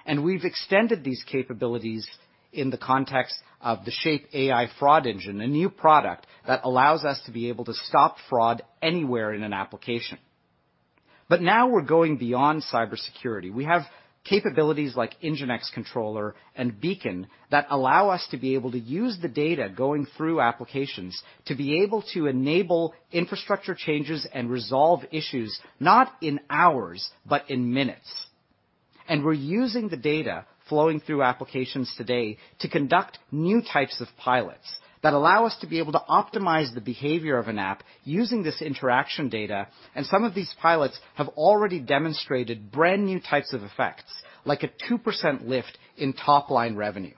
And we've extended these capabilities in the context of the Shape AI Fraud Engine, a new product that allows us to be able to stop fraud anywhere in an application. But now we're going beyond cybersecurity. We have capabilities like NGINX Controller and Beacon that allow us to be able to use the data going through applications to be able to enable infrastructure changes and resolve issues not in hours, but in minutes. And we're using the data flowing through applications today to conduct new types of pilots that allow us to be able to optimize the behavior of an app using this interaction data. And some of these pilots have already demonstrated brand new types of effects, like a 2% lift in top-line revenue.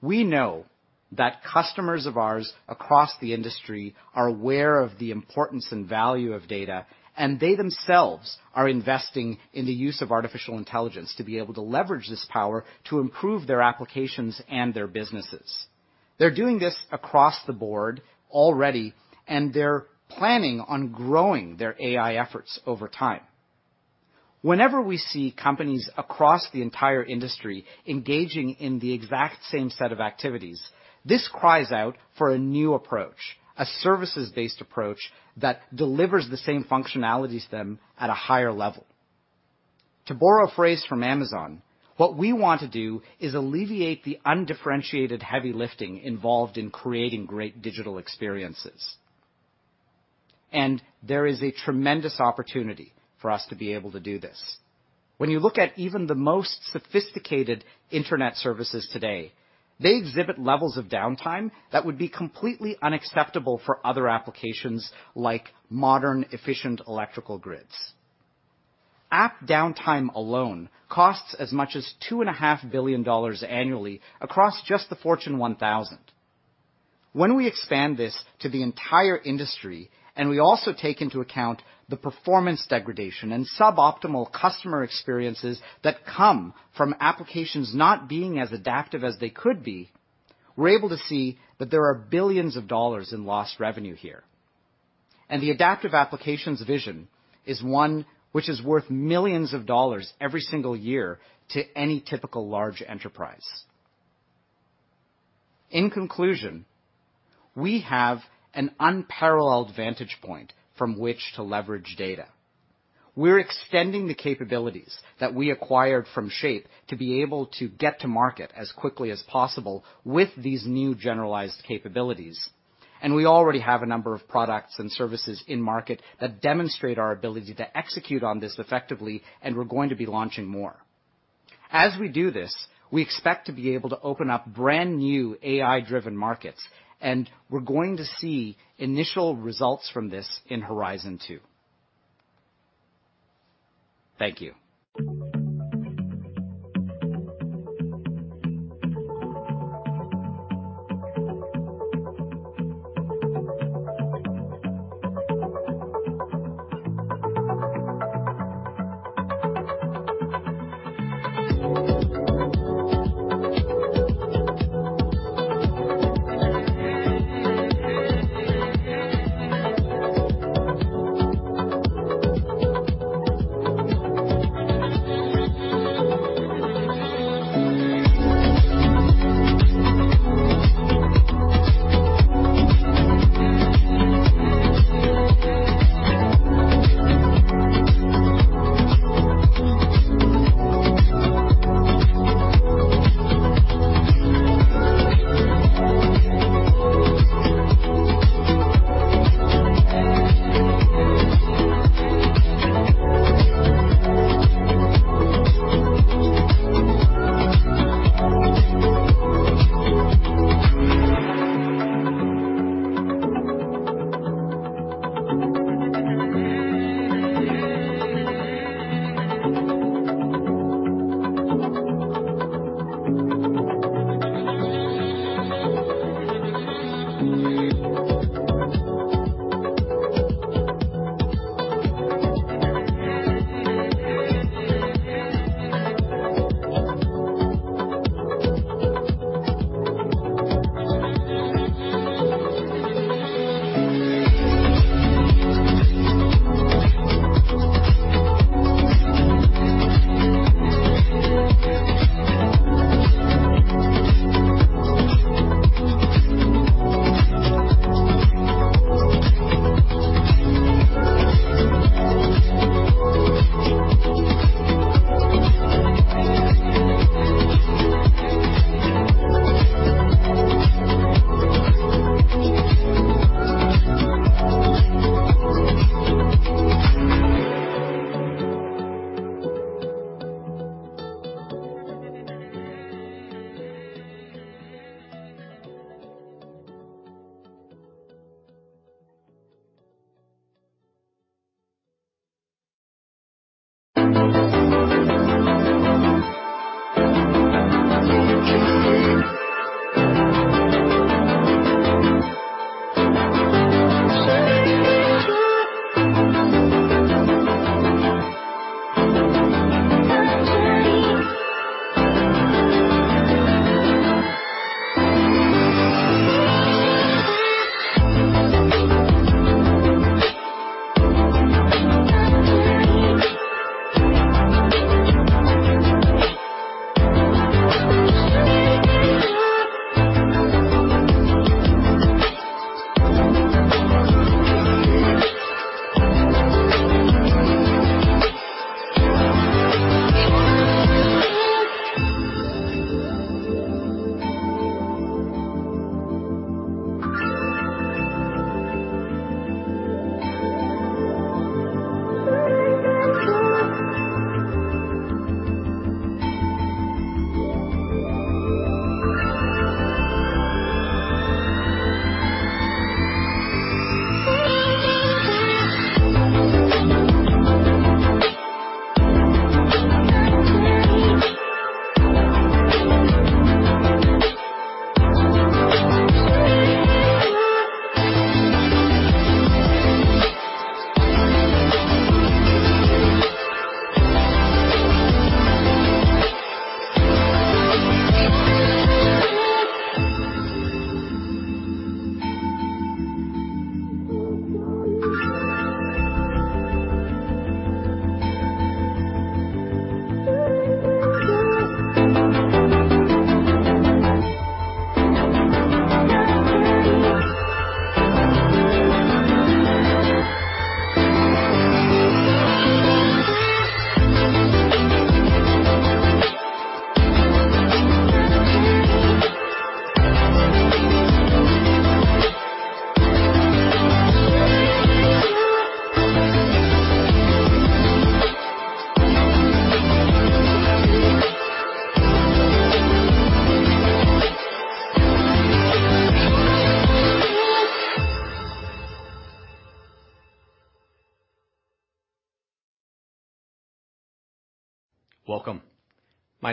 We know that customers of ours across the industry are aware of the importance and value of data, and they themselves are investing in the use of artificial intelligence to be able to leverage this power to improve their applications and their businesses. They're doing this across the board already, and they're planning on growing their AI efforts over time. Whenever we see companies across the entire industry engaging in the exact same set of activities, this cries out for a new approach, a services-based approach that delivers the same functionalities to them at a higher level. To borrow a phrase from Amazon, what we want to do is alleviate the undifferentiated heavy lifting involved in creating great digital experiences. And there is a tremendous opportunity for us to be able to do this. When you look at even the most sophisticated internet services today, they exhibit levels of downtime that would be completely unacceptable for other applications like modern efficient electrical grids. App downtime alone costs as much as $2.5 billion annually across just the Fortune 1000. When we expand this to the entire industry and we also take into account the performance degradation and suboptimal customer experiences that come from applications not being as adaptive as they could be, we're able to see that there are billions of dollars in lost revenue here. And the Adaptive Applications vision is one which is worth millions of dollars every single year to any typical large enterprise. In conclusion, we have an unparalleled vantage point from which to leverage data. We're extending the capabilities that we acquired from Shape to be able to get to market as quickly as possible with these new generalized capabilities. We already have a number of products and services in market that demonstrate our ability to execute on this effectively, and we're going to be launching more. As we do this, we expect to be able to open up brand new AI-driven markets, and we're going to see initial results from this in Horizon 2. Thank you.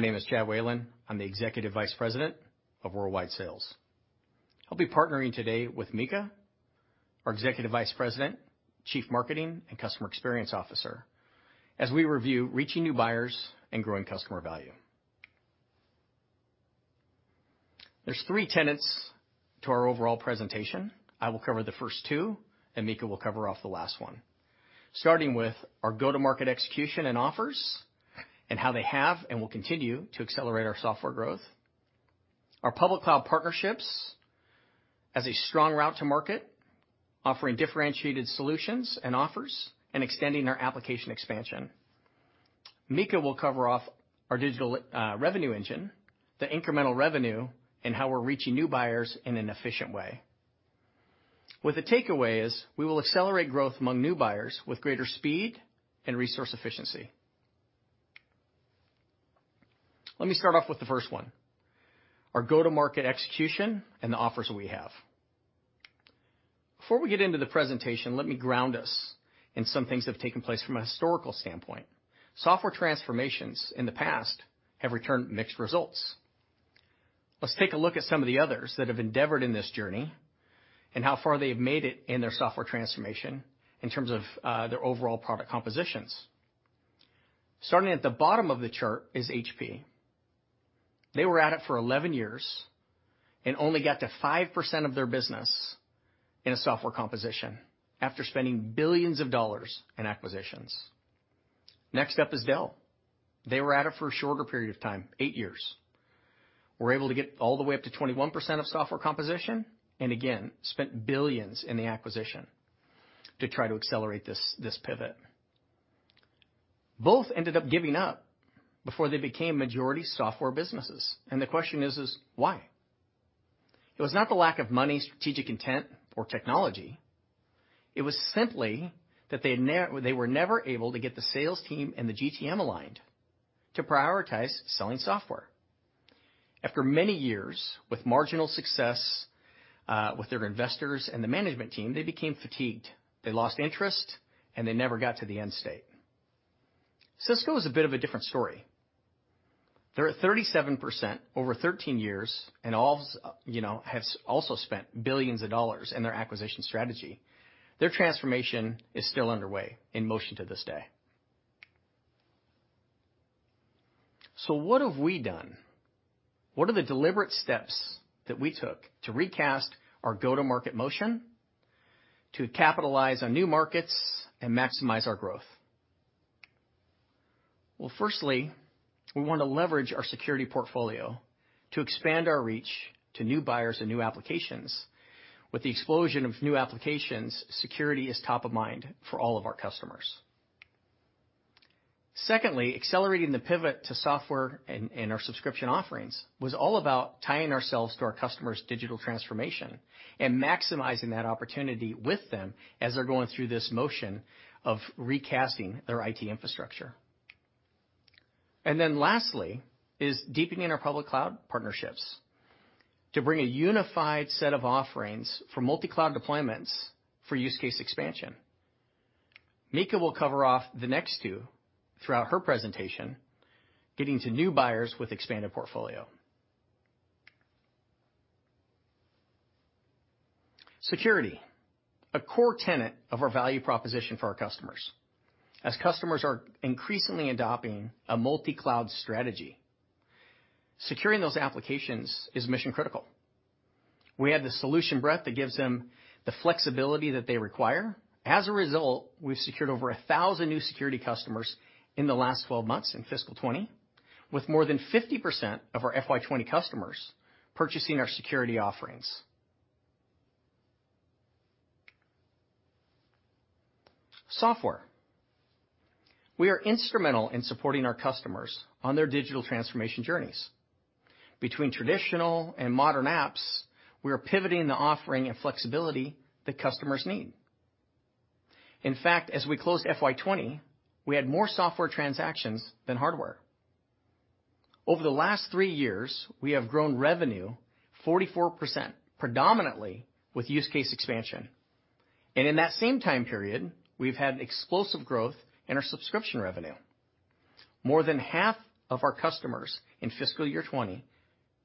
Welcome. My name is Chad Whalen. I'm the Executive Vice President of Worldwide Sales. I'll be partnering today with Mika, our Executive Vice President, Chief Marketing and Customer Experience Officer, as we review reaching new buyers and growing customer value. There are three tenets to our overall presentation. I will cover the first two, and Mika will cover off the last one, starting with our go-to-market execution and offers and how they have and will continue to accelerate our software growth, our public cloud partnerships as a strong route to market, offering differentiated solutions and offers, and extending our application expansion. Mika will cover off our digital revenue engine, the incremental revenue, and how we're reaching new buyers in an efficient way. With the takeaways, we will accelerate growth among new buyers with greater speed and resource efficiency. Let me start off with the first one, our go-to-market execution and the offers we have. Before we get into the presentation, let me ground us in some things that have taken place from a historical standpoint. Software transformations in the past have returned mixed results. Let's take a look at some of the others that have endeavored in this journey and how far they have made it in their software transformation in terms of their overall product compositions. Starting at the bottom of the chart is HP. They were at it for 11 years and only got to 5% of their business in a software composition after spending billions of dollars in acquisitions. Next up is Dell. They were at it for a shorter period of time, eight years, were able to get all the way up to 21% of software composition and, again, spent billions in the acquisition to try to accelerate this pivot. Both ended up giving up before they became majority software businesses, and the question is, why? It was not the lack of money, strategic intent, or technology. It was simply that they were never able to get the sales team and the GTM aligned to prioritize selling software. After many years with marginal success with their investors and the management team, they became fatigued. They lost interest, and they never got to the end state. Cisco is a bit of a different story. They're at 37% over 13 years, and all have also spent billions of dollars in their acquisition strategy. Their transformation is still underway in motion to this day. So what have we done? What are the deliberate steps that we took to recast our go-to-market motion to capitalize on new markets and maximize our growth? Well, firstly, we want to leverage our security portfolio to expand our reach to new buyers and new applications. With the explosion of new applications, security is top of mind for all of our customers. Secondly, accelerating the pivot to software and our subscription offerings was all about tying ourselves to our customers' digital transformation and maximizing that opportunity with them as they're going through this motion of recasting their IT infrastructure, and then lastly is deepening our public cloud partnerships to bring a unified set of offerings for multi-cloud deployments for use case expansion. Mika will cover off the next two throughout her presentation, getting to new buyers with expanded portfolio. Security, a core tenet of our value proposition for our customers. As customers are increasingly adopting a multi-cloud strategy, securing those applications is mission-critical. We have the solution breadth that gives them the flexibility that they require. As a result, we've secured over 1,000 new security customers in the last 12 months in fiscal 20, with more than 50% of our FY 20 customers purchasing our security offerings. Software. We are instrumental in supporting our customers on their digital transformation journeys. Between traditional and modern apps, we are pivoting the offering and flexibility that customers need. In fact, as we closed FY 2020, we had more software transactions than hardware. Over the last three years, we have grown revenue 44% predominantly with use case expansion, and in that same time period, we've had explosive growth in our subscription revenue. More than half of our customers in fiscal year 2020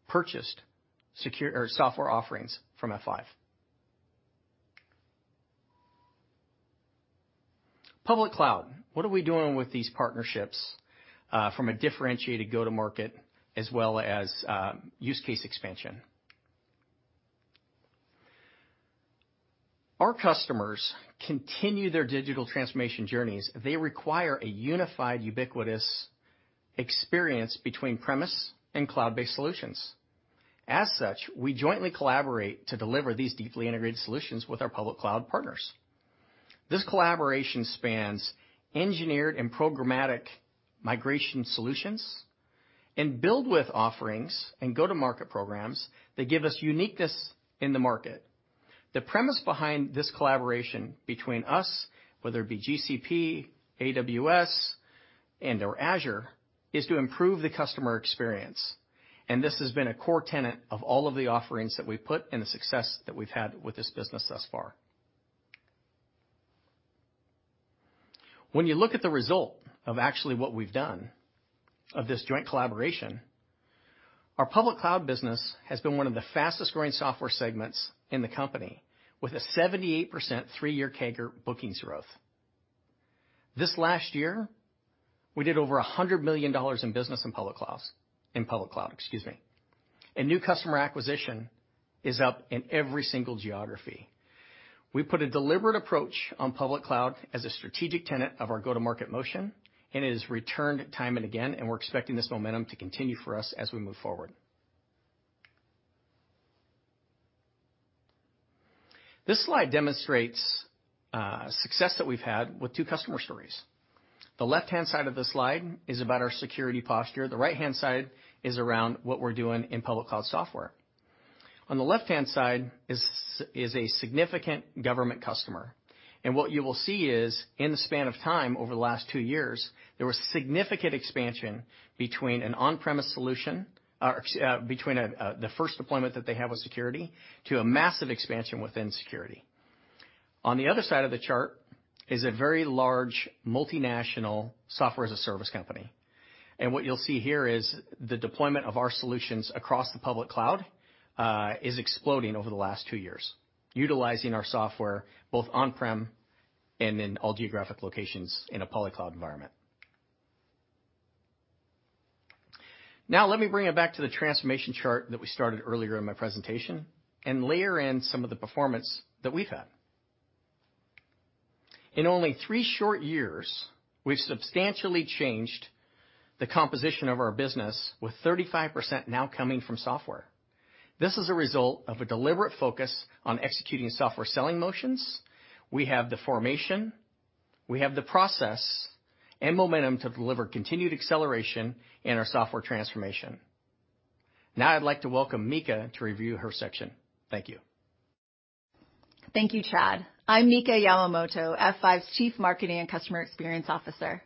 purchased software offerings from F5. Public cloud, what are we doing with these partnerships from a differentiated go-to-market as well as use case expansion? Our customers continue their digital transformation journeys. They require a unified, ubiquitous experience between on-premises and cloud-based solutions. As such, we jointly collaborate to deliver these deeply integrated solutions with our public cloud partners. This collaboration spans engineered and programmatic migration solutions and build-with offerings and go-to-market programs that give us uniqueness in the market. The premise behind this collaboration between us, whether it be GCP, AWS, and/or Azure, is to improve the customer experience. And this has been a core tenet of all of the offerings that we've put and the success that we've had with this business thus far. When you look at the result of actually what we've done of this joint collaboration, our public cloud business has been one of the fastest-growing software segments in the company, with a 78% three-year CAGR bookings growth. This last year, we did over $100 million in business in public cloud, excuse me. And new customer acquisition is up in every single geography. We put a deliberate approach on public cloud as a strategic tenet of our go-to-market motion, and it has returned time and again, and we're expecting this momentum to continue for us as we move forward. This slide demonstrates success that we've had with two customer stories. The left-hand side of the slide is about our security posture. The right-hand side is around what we're doing in public cloud software. On the left-hand side is a significant government customer. And what you will see is, in the span of time over the last two years, there was significant expansion between an on-premises solution, between the first deployment that they have with security, to a massive expansion within security. On the other side of the chart is a very large multinational Software as a Service company. What you'll see here is the deployment of our solutions across the public cloud is exploding over the last two years, utilizing our software both on-prem and in all geographic locations in a public cloud environment. Now, let me bring it back to the transformation chart that we started earlier in my presentation and layer in some of the performance that we've had. In only three short years, we've substantially changed the composition of our business, with 35% now coming from software. This is a result of a deliberate focus on executing software selling motions. We have the formation. We have the process and momentum to deliver continued acceleration in our software transformation. Now, I'd like to welcome Mika to review her section. Thank you. Thank you, Chad. I'm Mika Yamamoto, F5's Chief Marketing and Customer Experience Officer.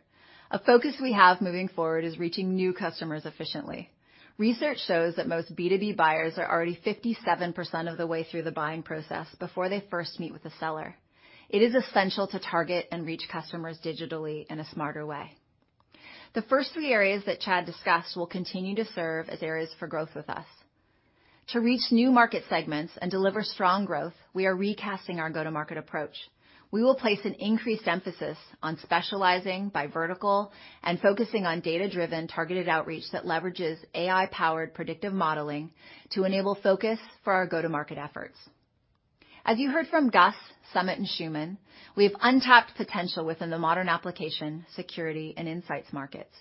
A focus we have moving forward is reaching new customers efficiently. Research shows that most B2B buyers are already 57% of the way through the buying process before they first meet with a seller. It is essential to target and reach customers digitally in a smarter way. The first three areas that Chad discussed will continue to serve as areas for growth with us. To reach new market segments and deliver strong growth, we are recasting our go-to-market approach. We will place an increased emphasis on specializing by vertical and focusing on data-driven, targeted outreach that leverages AI-powered predictive modeling to enable focus for our go-to-market efforts. As you heard from Gus, Sumit, and Shuman, we have untapped potential within the modern application, security, and insights markets.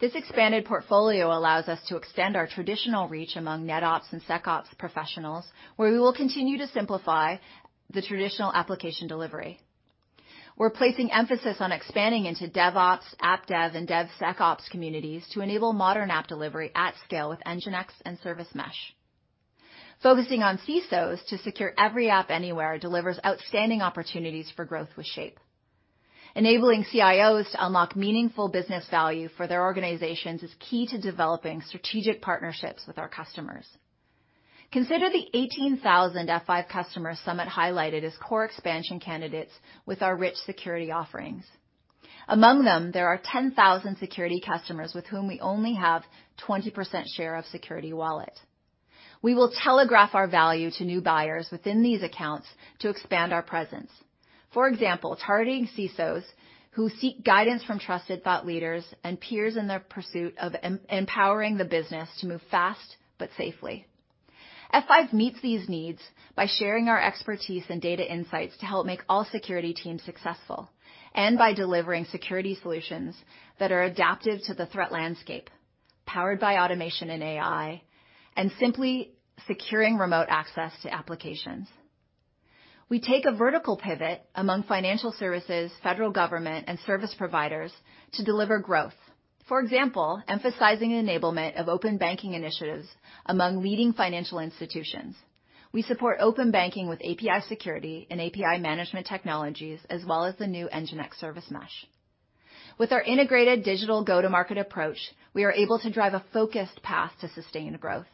This expanded portfolio allows us to extend our traditional reach among NetOps and SecOps professionals, where we will continue to simplify the traditional application delivery. We're placing emphasis on expanding into DevOps, AppDev, and DevSecOps communities to enable modern app delivery at scale with NGINX and Service Mesh. Focusing on CISOs to secure every app anywhere delivers outstanding opportunities for growth with Shape. Enabling CIOs to unlock meaningful business value for their organizations is key to developing strategic partnerships with our customers. Consider the 18,000 F5 customers Sumit highlighted as core expansion candidates with our rich security offerings. Among them, there are 10,000 security customers with whom we only have a 20% share of security wallet. We will telegraph our value to new buyers within these accounts. For example, targeting CISOs who seek guidance from trusted thought leaders and peers in their pursuit of empowering the business to move fast but safely. F5 meets these needs by sharing our expertise and data insights to help make all security teams successful and by delivering security solutions that are adaptive to the threat landscape, powered by automation and AI, and simply securing remote access to applications. We take a vertical pivot among financial services, federal government, and service providers to deliver growth. For example, emphasizing the enablement of open banking initiatives among leading financial institutions. We support open banking with API security and API management technologies, as well as the new NGINX Service Mesh. With our integrated digital go-to-market approach, we are able to drive a focused path to sustained growth.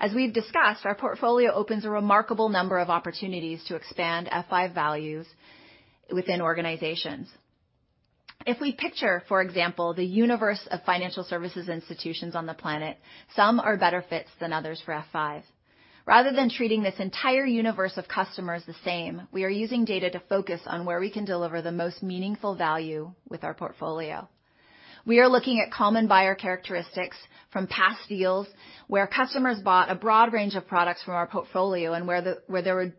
As we've discussed, our portfolio opens a remarkable number of opportunities to expand F5 values within organizations. If we picture, for example, the universe of financial services institutions on the planet, some are better fits than others for F5. Rather than treating this entire universe of customers the same, we are using data to focus on where we can deliver the most meaningful value with our portfolio. We are looking at common buyer characteristics from past deals where customers bought a broad range of products from our portfolio and where there were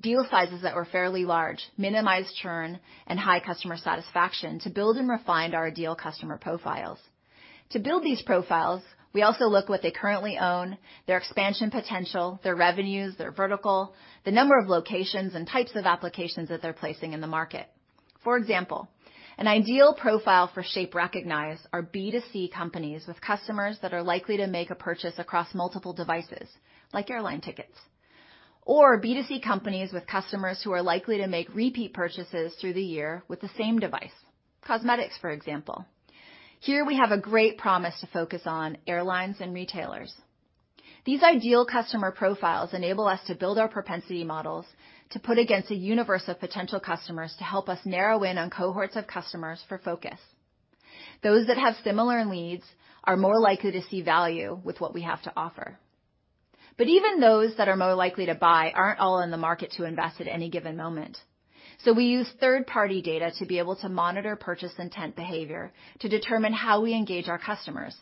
deal sizes that were fairly large, minimized churn, and high customer satisfaction to build and refine our ideal customer profiles. To build these profiles, we also look at what they currently own, their expansion potential, their revenues, their vertical, the number of locations and types of applications that they're placing in the market. For example, an ideal profile for Shape-recognized are B2C companies with customers that are likely to make a purchase across multiple devices, like airline tickets, or B2C companies with customers who are likely to make repeat purchases through the year with the same device, cosmetics, for example. Here, we have a great promise to focus on airlines and retailers. These ideal customer profiles enable us to build our propensity models to put against a universe of potential customers to help us narrow in on cohorts of customers for focus. Those that have similar leads are more likely to see value with what we have to offer. But even those that are more likely to buy aren't all in the market to invest at any given moment. So we use third-party data to be able to monitor purchase intent behavior to determine how we engage our customers.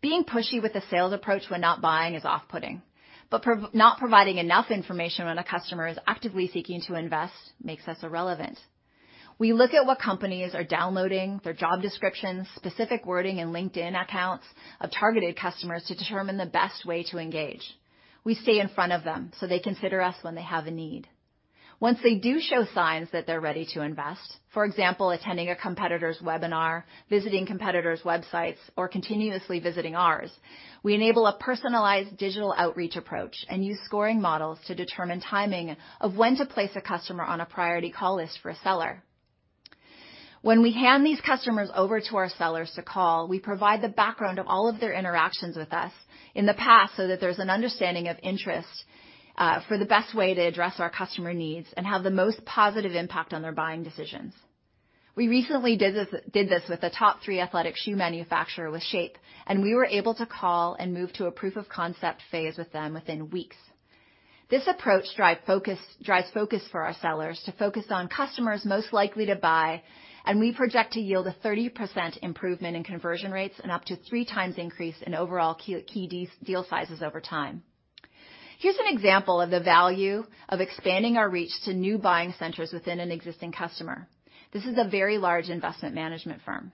Being pushy with the sales approach when not buying is off-putting, but not providing enough information when a customer is actively seeking to invest makes us irrelevant. We look at what companies are downloading, their job descriptions, specific wording, and LinkedIn accounts of targeted customers to determine the best way to engage. We stay in front of them so they consider us when they have a need. Once they do show signs that they're ready to invest, for example, attending a competitor's webinar, visiting competitors' websites, or continuously visiting ours, we enable a personalized digital outreach approach and use scoring models to determine timing of when to place a customer on a priority call list for a seller. When we hand these customers over to our sellers to call, we provide the background of all of their interactions with us in the past so that there's an understanding of interest for the best way to address our customer needs and have the most positive impact on their buying decisions. We recently did this with a top three athletic shoe manufacturer with Shape, and we were able to call and move to a proof of concept phase with them within weeks. This approach drives focus for our sellers to focus on customers most likely to buy, and we project to yield a 30% improvement in conversion rates and up to three times increase in overall key deal sizes over time. Here's an example of the value of expanding our reach to new buying centers within an existing customer. This is a very large investment management firm.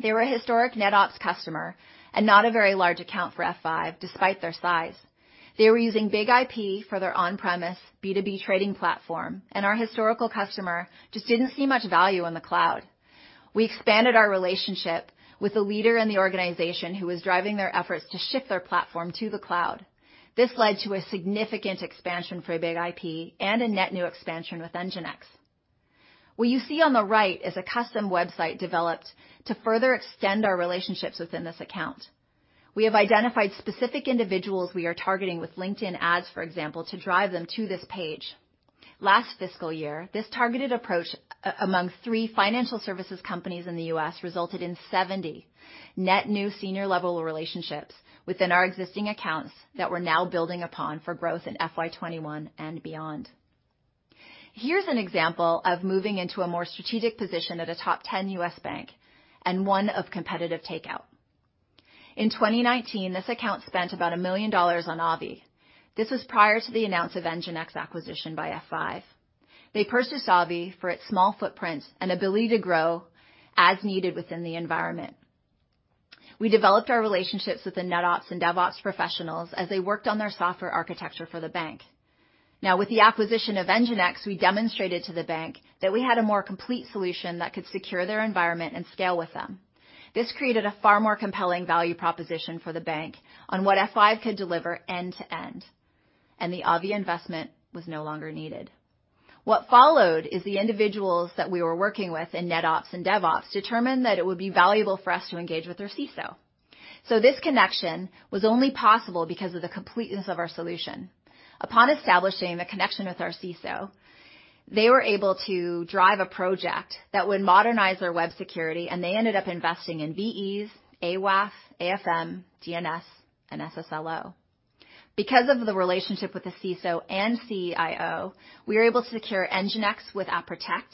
They were a historic NetOps customer and not a very large account for F5 despite their size. They were using BIG-IP for their on-premises B2B trading platform, and our historical customer just didn't see much value in the cloud. We expanded our relationship with a leader in the organization who was driving their efforts to shift their platform to the cloud. This led to a significant expansion for a BIG-IP and a net new expansion with NGINX. What you see on the right is a custom website developed to further extend our relationships within this account. We have identified specific individuals we are targeting with LinkedIn ads, for example, to drive them to this page. Last fiscal year, this targeted approach among three financial services companies in the U.S. resulted in 70 net new senior-level relationships within our existing accounts that we're now building upon for growth in FY 2021 and beyond. Here's an example of moving into a more strategic position at a top 10 U.S. bank and one of competitive takeout. In 2019, this account spent about $1 million on Avi. This was prior to the announcement of NGINX acquisition by F5. They purchased Avi for its small footprint and ability to grow as needed within the environment. We developed our relationships with the NetOps and DevOps professionals as they worked on their software architecture for the bank. Now, with the acquisition of NGINX, we demonstrated to the bank that we had a more complete solution that could secure their environment and scale with them. This created a far more compelling value proposition for the bank on what F5 could deliver end to end, and the Avi investment was no longer needed. What followed is the individuals that we were working with in NetOps and DevOps determined that it would be valuable for us to engage with their CISO. So this connection was only possible because of the completeness of our solution. Upon establishing the connection with our CISO, they were able to drive a project that would modernize their web security, and they ended up investing in VEs, AWAF, AFM, DNS, and SSLO. Because of the relationship with the CISO and CIO, we were able to secure NGINX with App Protect,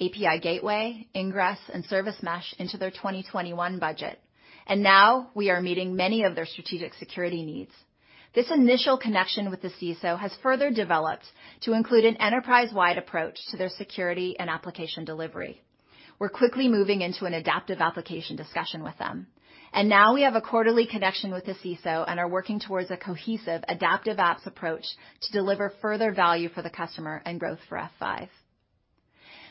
API Gateway, Ingress, and Service Mesh into their 2021 budget. And now, we are meeting many of their strategic security needs. This initial connection with the CISO has further developed to include an enterprise-wide approach to their security and application delivery. We're quickly moving into an adaptive application discussion with them. And now, we have a quarterly connection with the CISO and are working towards a cohesive adaptive apps approach to deliver further value for the customer and growth for F5.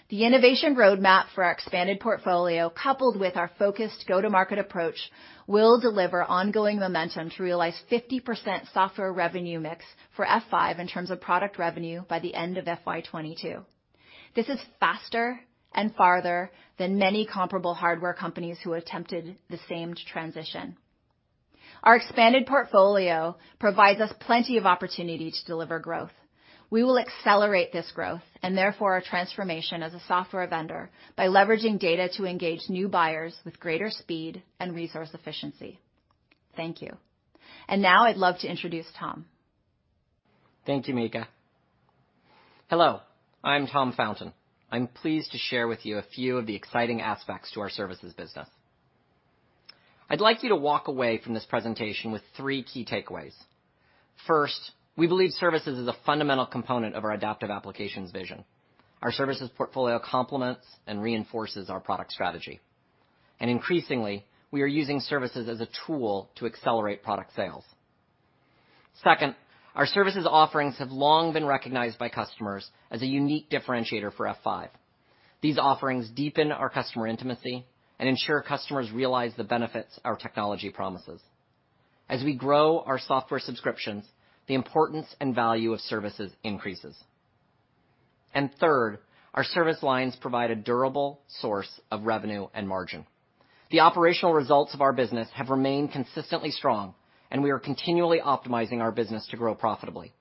The innovation roadmap for our expanded portfolio, coupled with our focused go-to-market approach, will deliver ongoing momentum to realize 50% software revenue mix for F5 in terms of product revenue by the end of FY 2022. This is faster and farther than many comparable hardware companies who attempted the same transition. Our expanded portfolio provides us plenty of opportunity to deliver growth. We will accelerate this growth and therefore our transformation as a software vendor by leveraging data to engage new buyers with greater speed and resource efficiency. Thank you. And now, I'd love to introduce Tom. Thank you, Mika. Hello. I'm Tom Fountain. I'm pleased to share with you a few of the exciting aspects to our services business. I'd like you to walk away from this presentation with three key takeaways. First, we believe services is a fundamental component of our Adaptive Applications vision. Our services portfolio complements and reinforces our product strategy. And increasingly, we are using services as a tool to accelerate product sales. Second, our services offerings have long been recognized by customers as a unique differentiator for F5. These offerings deepen our customer intimacy and ensure customers realize the benefits our technology promises. As we grow our software subscriptions, the importance and value of services increases. And third, our service lines provide a durable source of revenue and margin. The operational results of our business have remained consistently strong, and we are continually optimizing our business to grow profitably.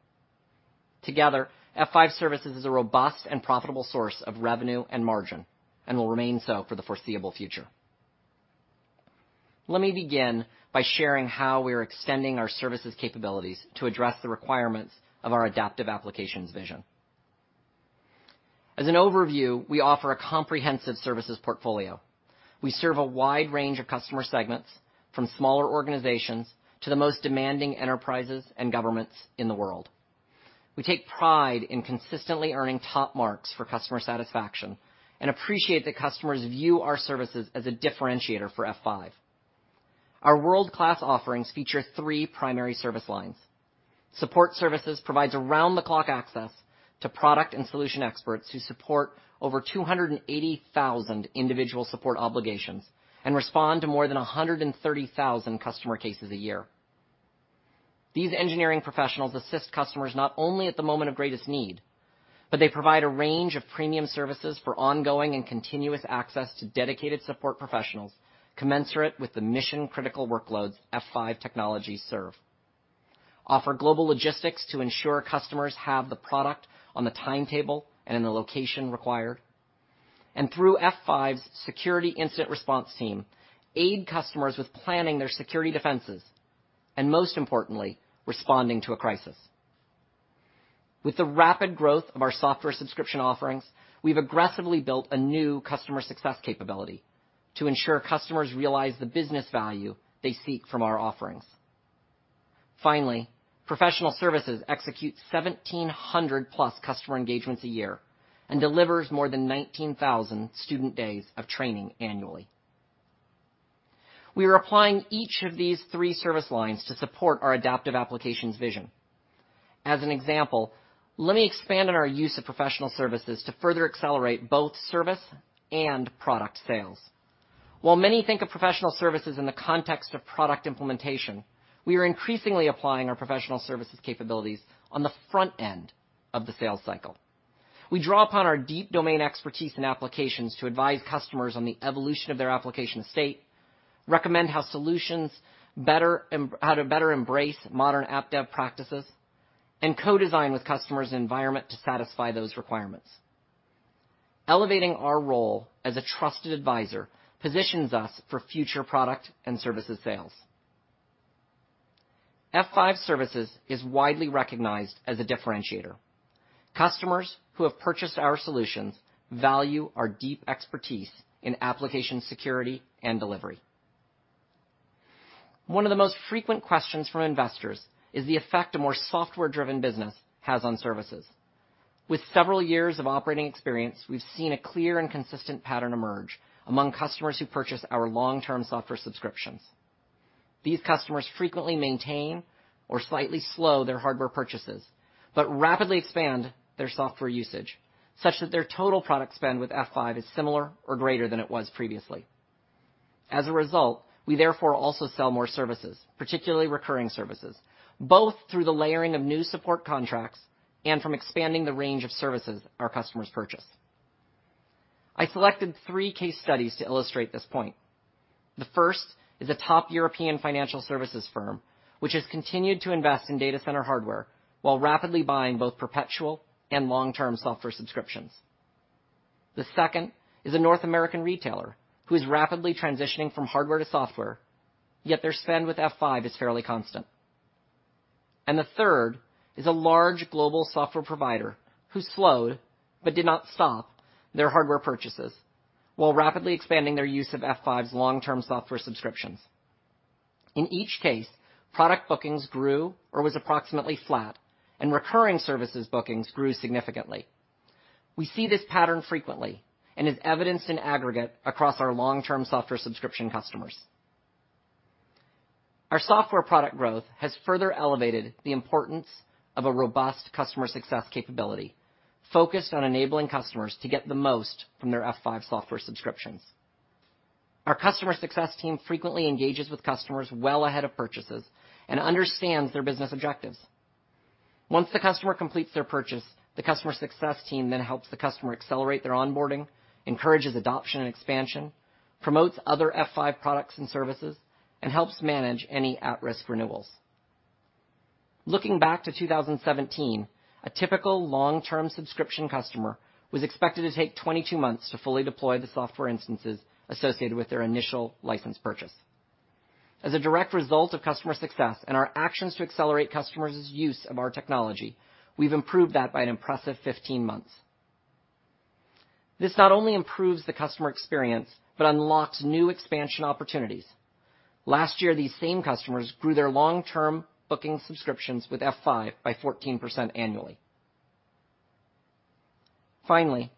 Together, F5 Services is a robust and profitable source of revenue and margin and will remain so for the foreseeable future. Let me begin by sharing how we are extending our services capabilities to address the requirements of our Adaptive Applications vision. As an overview, we offer a comprehensive services portfolio. We serve a wide range of customer segments from smaller organizations to the most demanding enterprises and governments in the world. We take pride in consistently earning top marks for customer satisfaction and appreciate that customers view our services as a differentiator for F5. Our world-class offerings feature three primary service lines. Support services provide around-the-clock access to product and solution experts who support over 280,000 individual support obligations and respond to more than 130,000 customer cases a year. These engineering professionals assist customers not only at the moment of greatest need, but they provide a range of premium services for ongoing and continuous access to dedicated support professionals commensurate with the mission-critical workloads F5 technology serves, offer global logistics to ensure customers have the product on the timetable and in the location required, and through F5's Security Incident Response Team, aid customers with planning their security defenses and, most importantly, responding to a crisis. With the rapid growth of our software subscription offerings, we've aggressively built a new Customer Success capability to ensure customers realize the business value they seek from our offerings. Finally, Professional Services execute 1,700-plus customer engagements a year and deliver more than 19,000 student days of training annually. We are applying each of these three service lines to support our Adaptive Applications vision. As an example, let me expand on our use of Professional Services to further accelerate both service and product sales. While many think of Professional Services in the context of product implementation, we are increasingly applying our Professional Services capabilities on the front end of the sales cycle. We draw upon our deep domain expertise in applications to advise customers on the evolution of their application estate, recommend how solutions better embrace modern app dev practices, and co-design with customers' environment to satisfy those requirements. Elevating our role as a trusted advisor positions us for future product and services sales. F5 Services is widely recognized as a differentiator. Customers who have purchased our solutions value our deep expertise in application security and delivery. One of the most frequent questions from investors is the effect a more software-driven business has on services. With several years of operating experience, we've seen a clear and consistent pattern emerge among customers who purchase our long-term software subscriptions. These customers frequently maintain or slightly slow their hardware purchases but rapidly expand their software usage such that their total product spend with F5 is similar or greater than it was previously. As a result, we therefore also sell more services, particularly recurring services, both through the layering of new support contracts and from expanding the range of services our customers purchase. I selected three case studies to illustrate this point. The first is a top European financial services firm which has continued to invest in data center hardware while rapidly buying both perpetual and long-term software subscriptions. The second is a North American retailer who is rapidly transitioning from hardware to software, yet their spend with F5 is fairly constant. And the third is a large global software provider who slowed but did not stop their hardware purchases while rapidly expanding their use of F5's long-term software subscriptions. In each case, product bookings grew or was approximately flat, and recurring services bookings grew significantly. We see this pattern frequently and is evidenced in aggregate across our long-term software subscription customers. Our software product growth has further elevated the importance of a robust Customer Success capability focused on enabling customers to get the most from their F5 software subscriptions. Our Customer Success team frequently engages with customers well ahead of purchases and understands their business objectives. Once the customer completes their purchase, the Customer Success team then helps the customer accelerate their onboarding, encourages adoption and expansion, promotes other F5 products and services, and helps manage any at-risk renewals. Looking back to 2017, a typical long-term subscription customer was expected to take 22 months to fully deploy the software instances associated with their initial license purchase. As a direct result of Customer Success and our actions to accelerate customers' use of our technology, we've improved that by an impressive 15 months. This not only improves the customer experience but unlocks new expansion opportunities. Last year, these same customers grew their long-term booking subscriptions with F5 by 14% annually. Finally,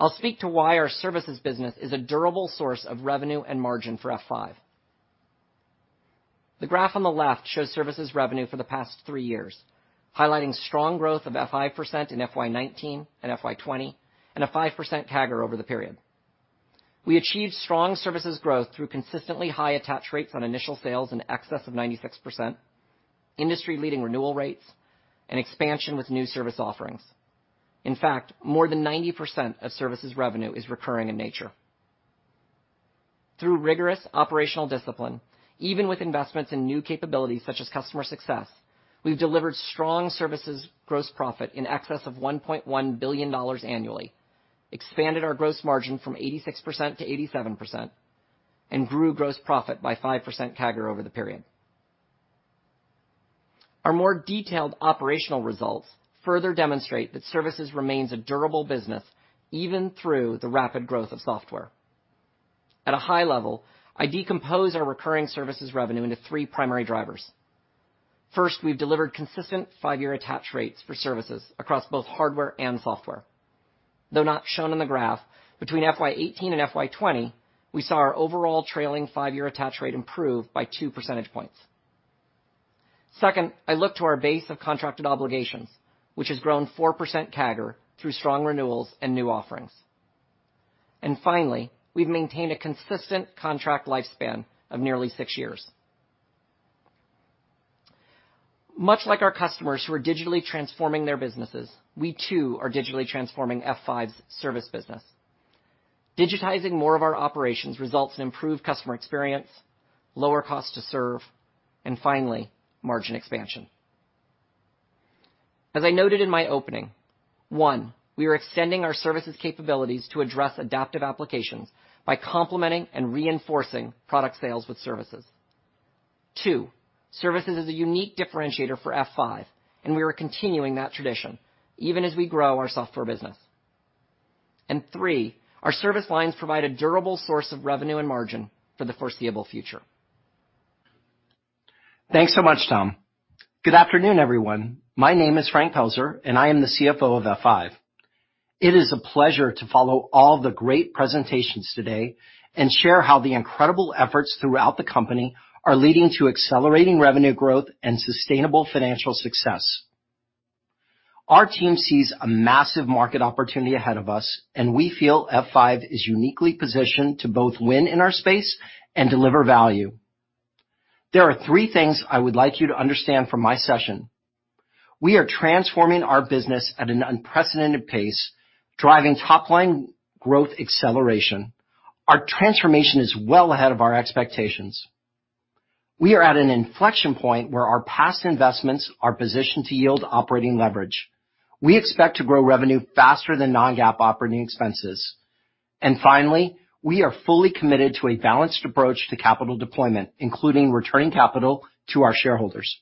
I'll speak to why our services business is a durable source of revenue and margin for F5. The graph on the left shows services revenue for the past three years, highlighting strong growth of 5% in FY 2019 and FY 2020 and a 5% CAGR over the period. We achieved strong services growth through consistently high attach rates on initial sales in excess of 96%, industry-leading renewal rates, and expansion with new service offerings. In fact, more than 90% of services revenue is recurring in nature. Through rigorous operational discipline, even with investments in new capabilities such as Customer Success, we've delivered strong services gross profit in excess of $1.1 billion annually, expanded our gross margin from 86% to 87%, and grew gross profit by 5% CAGR over the period. Our more detailed operational results further demonstrate that services remains a durable business even through the rapid growth of software. At a high level, I decompose our recurring services revenue into three primary drivers. First, we've delivered consistent five-year attach rates for services across both hardware and software. Though not shown in the graph, between FY 2018 and FY 2020, we saw our overall trailing five-year attach rate improve by two percentage points. Second, I look to our base of contracted obligations, which has grown 4% CAGR through strong renewals and new offerings. And finally, we've maintained a consistent contract lifespan of nearly six years. Much like our customers who are digitally transforming their businesses, we too are digitally transforming F5's service business. Digitizing more of our operations results in improved customer experience, lower cost to serve, and finally, margin expansion. As I noted in my opening, one, we are extending our services capabilities to address Adaptive Applications by complementing and reinforcing product sales with services. Two, services is a unique differentiator for F5, and we are continuing that tradition even as we grow our software business. And three, our service lines provide a durable source of revenue and margin for the foreseeable future. Thanks so much, Tom. Good afternoon, everyone. My name is Frank Pelzer, and I am the CFO of F5. It is a pleasure to follow all the great presentations today and share how the incredible efforts throughout the company are leading to accelerating revenue growth and sustainable financial success. Our team sees a massive market opportunity ahead of us, and we feel F5 is uniquely positioned to both win in our space and deliver value. There are three things I would like you to understand from my session. We are transforming our business at an unprecedented pace, driving top-line growth acceleration. Our transformation is well ahead of our expectations. We are at an inflection point where our past investments are positioned to yield operating leverage. We expect to grow revenue faster than non-GAAP operating expenses, and finally, we are fully committed to a balanced approach to capital deployment, including returning capital to our shareholders.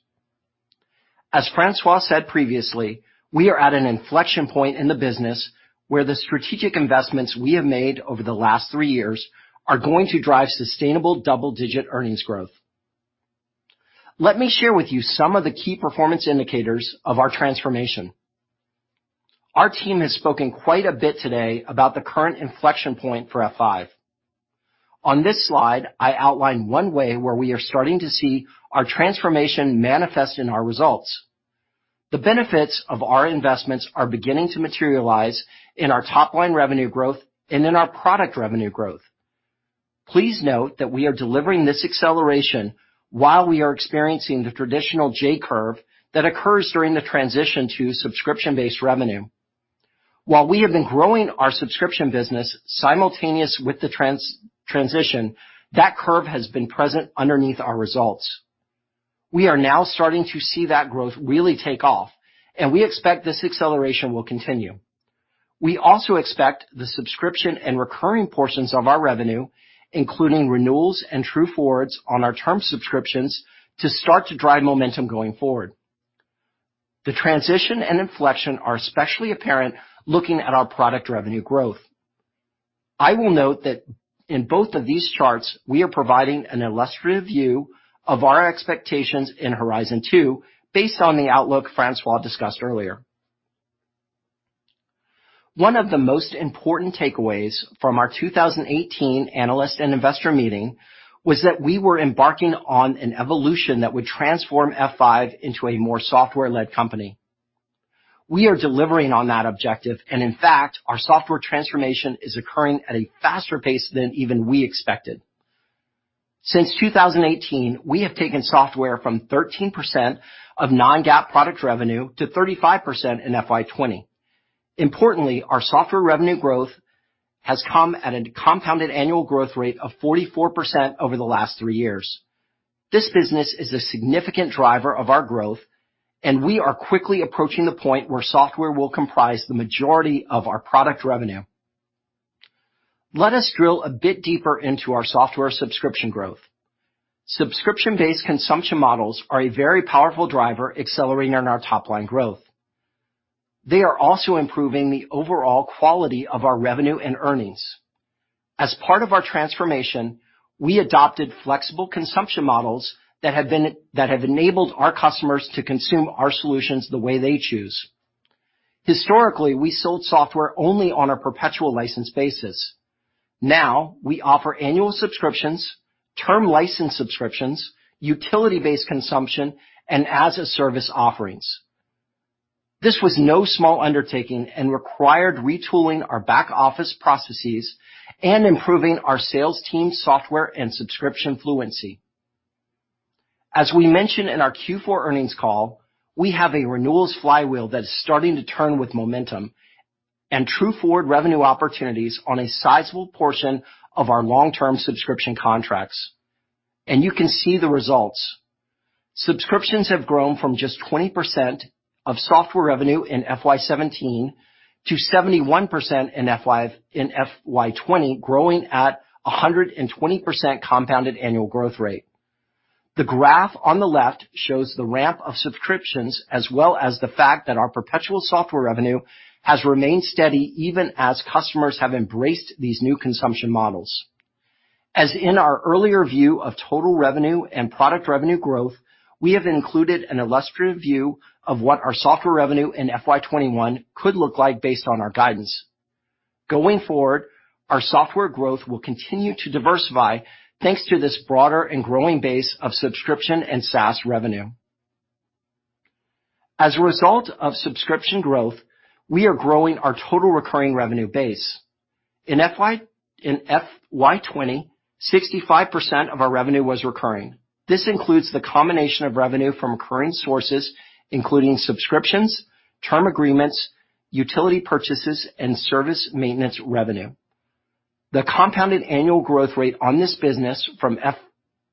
As François said previously, we are at an inflection point in the business where the strategic investments we have made over the last three years are going to drive sustainable double-digit earnings growth. Let me share with you some of the key performance indicators of our transformation. Our team has spoken quite a bit today about the current inflection point for F5. On this slide, I outline one way where we are starting to see our transformation manifest in our results. The benefits of our investments are beginning to materialize in our top-line revenue growth and in our product revenue growth. Please note that we are delivering this acceleration while we are experiencing the traditional J-curve that occurs during the transition to subscription-based revenue. While we have been growing our subscription business simultaneously with the transition, that curve has been present underneath our results. We are now starting to see that growth really take off, and we expect this acceleration will continue. We also expect the subscription and recurring portions of our revenue, including renewals and True Forwards on our term subscriptions, to start to drive momentum going forward. The transition and inflection are especially apparent looking at our product revenue growth. I will note that in both of these charts, we are providing an illustrative view of our expectations in Horizon 2 based on the outlook François discussed earlier. One of the most important takeaways from our 2018 analyst and investor meeting was that we were embarking on an evolution that would transform F5 into a more software-led company. We are delivering on that objective, and in fact, our software transformation is occurring at a faster pace than even we expected. Since 2018, we have taken software from 13% of non-GAAP product revenue to 35% in FY 2020. Importantly, our software revenue growth has come at a compounded annual growth rate of 44% over the last three years. This business is a significant driver of our growth, and we are quickly approaching the point where software will comprise the majority of our product revenue. Let us drill a bit deeper into our software subscription growth. Subscription-based consumption models are a very powerful driver accelerating on our top-line growth. They are also improving the overall quality of our revenue and earnings. As part of our transformation, we adopted flexible consumption models that have enabled our customers to consume our solutions the way they choose. Historically, we sold software only on a perpetual license basis. Now, we offer annual subscriptions, term license subscriptions, utility-based consumption, and as-a-service offerings. This was no small undertaking and required retooling our back office processes and improving our sales team software and subscription fluency. As we mentioned in our Q4 earnings call, we have a renewals flywheel that is starting to turn with momentum and True Forward revenue opportunities on a sizable portion of our long-term subscription contracts. And you can see the results. Subscriptions have grown from just 20% of software revenue in FY 2017 to 71% in FY 2020, growing at 120% compounded annual growth rate. The graph on the left shows the ramp of subscriptions as well as the fact that our perpetual software revenue has remained steady even as customers have embraced these new consumption models. As in our earlier view of total revenue and product revenue growth, we have included an illustrative view of what our software revenue in FY 21 could look like based on our guidance. Going forward, our software growth will continue to diversify thanks to this broader and growing base of subscription and SaaS revenue. As a result of subscription growth, we are growing our total recurring revenue base. In FY 20, 65% of our revenue was recurring. This includes the combination of revenue from recurring sources, including subscriptions, term agreements, utility purchases, and service maintenance revenue. The compounded annual growth rate on this business from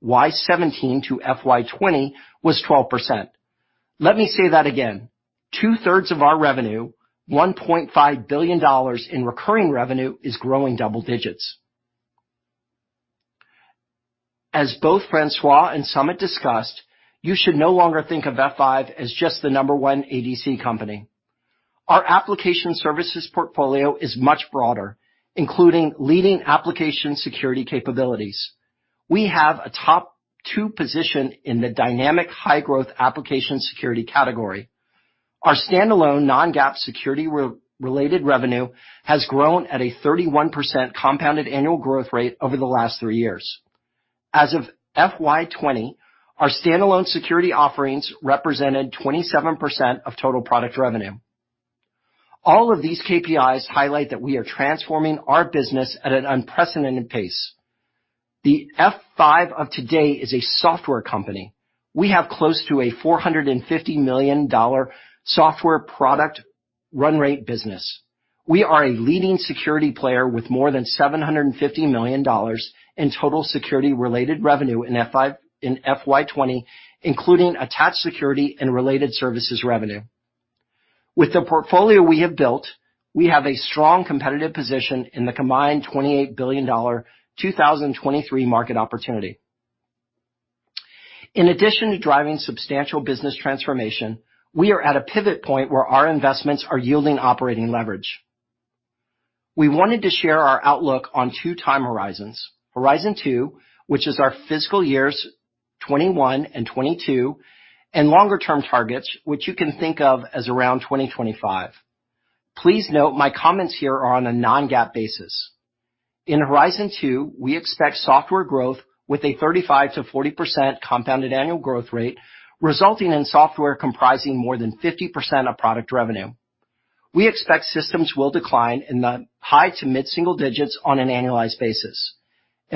FY 17 to FY 20 was 12%. Let me say that again. Two-thirds of our revenue, $1.5 billion in recurring revenue, is growing double digits. As both François and Sumit discussed, you should no longer think of F5 as just the number one ADC company. Our application services portfolio is much broader, including leading application security capabilities. We have a top two position in the dynamic high-growth application security category. Our standalone non-GAAP security-related revenue has grown at a 31% compounded annual growth rate over the last three years. As of FY 2020, our standalone security offerings represented 27% of total product revenue. All of these KPIs highlight that we are transforming our business at an unprecedented pace. The F5 of today is a software company. We have close to a $450 million software product run rate business. We are a leading security player with more than $750 million in total security-related revenue in FY 20, including attached security and related services revenue. With the portfolio we have built, we have a strong competitive position in the combined $28 billion 2023 market opportunity. In addition to driving substantial business transformation, we are at a pivot point where our investments are yielding operating leverage. We wanted to share our outlook on two time horizons: Horizon 2, which is our fiscal years 2021 and 2022, and longer-term targets, which you can think of as around 2025. Please note my comments here are on a non-GAAP basis. In Horizon 2, we expect software growth with a 35%-40% compounded annual growth rate, resulting in software comprising more than 50% of product revenue. We expect systems will decline in the high to mid-single digits on an annualized basis.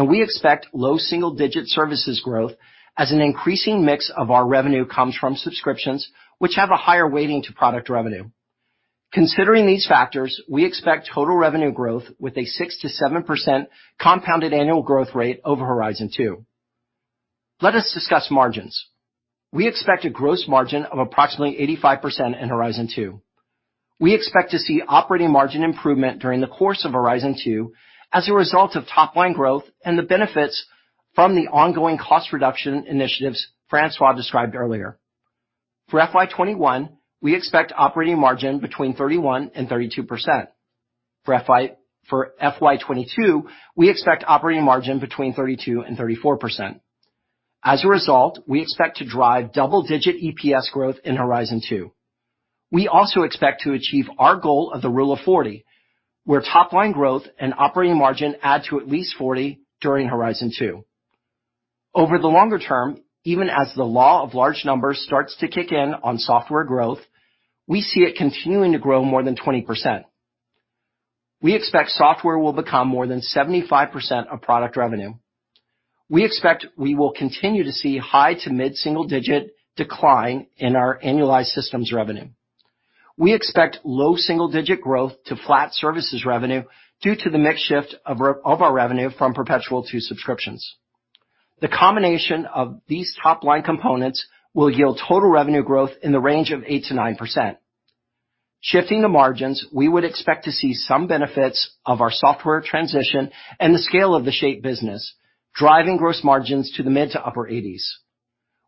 We expect low single-digit services growth as an increasing mix of our revenue comes from subscriptions, which have a higher weighting to product revenue. Considering these factors, we expect total revenue growth with a 6%-7% compounded annual growth rate over Horizon 2. Let us discuss margins. We expect a gross margin of approximately 85% in Horizon 2. We expect to see operating margin improvement during the course of Horizon 2 as a result of top-line growth and the benefits from the ongoing cost reduction initiatives François described earlier. For FY 2021, we expect operating margin between 31% and 32%. For FY 2022, we expect operating margin between 32% and 34%. As a result, we expect to drive double-digit EPS growth in Horizon 2. We also expect to achieve our goal of the Rule of 40, where top-line growth and operating margin add to at least 40 during Horizon 2. Over the longer term, even as the law of large numbers starts to kick in on software growth, we see it continuing to grow more than 20%. We expect software will become more than 75% of product revenue. We expect we will continue to see high- to mid-single-digit decline in our annualized systems revenue. We expect low single-digit growth to flat services revenue due to the mix shift of our revenue from perpetual to subscriptions. The combination of these top-line components will yield total revenue growth in the range of 8%-9%. Shifting the margins, we would expect to see some benefits of our software transition and the scale of the Shape business, driving gross margins to the mid- to upper 80s.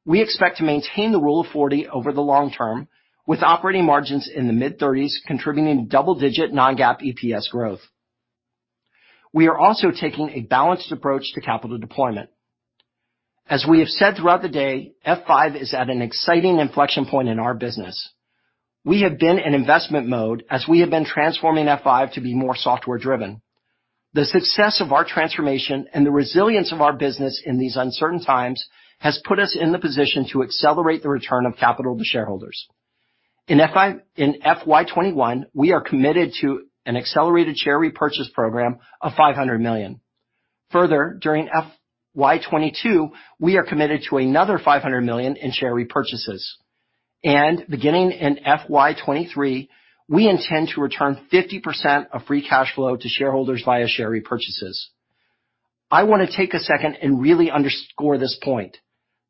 We expect to maintain the Rule of 40 over the long term, with operating margins in the mid-30s contributing to double-digit non-GAAP EPS growth. We are also taking a balanced approach to capital deployment. As we have said throughout the day, F5 is at an exciting inflection point in our business. We have been in investment mode as we have been transforming F5 to be more software-driven. The success of our transformation and the resilience of our business in these uncertain times has put us in the position to accelerate the return of capital to shareholders. In FY 2021, we are committed to an accelerated share repurchase program of $500 million. Further, during FY 2022, we are committed to another $500 million in share repurchases. And beginning in FY 2023, we intend to return 50% of free cash flow to shareholders via share repurchases. I want to take a second and really underscore this point.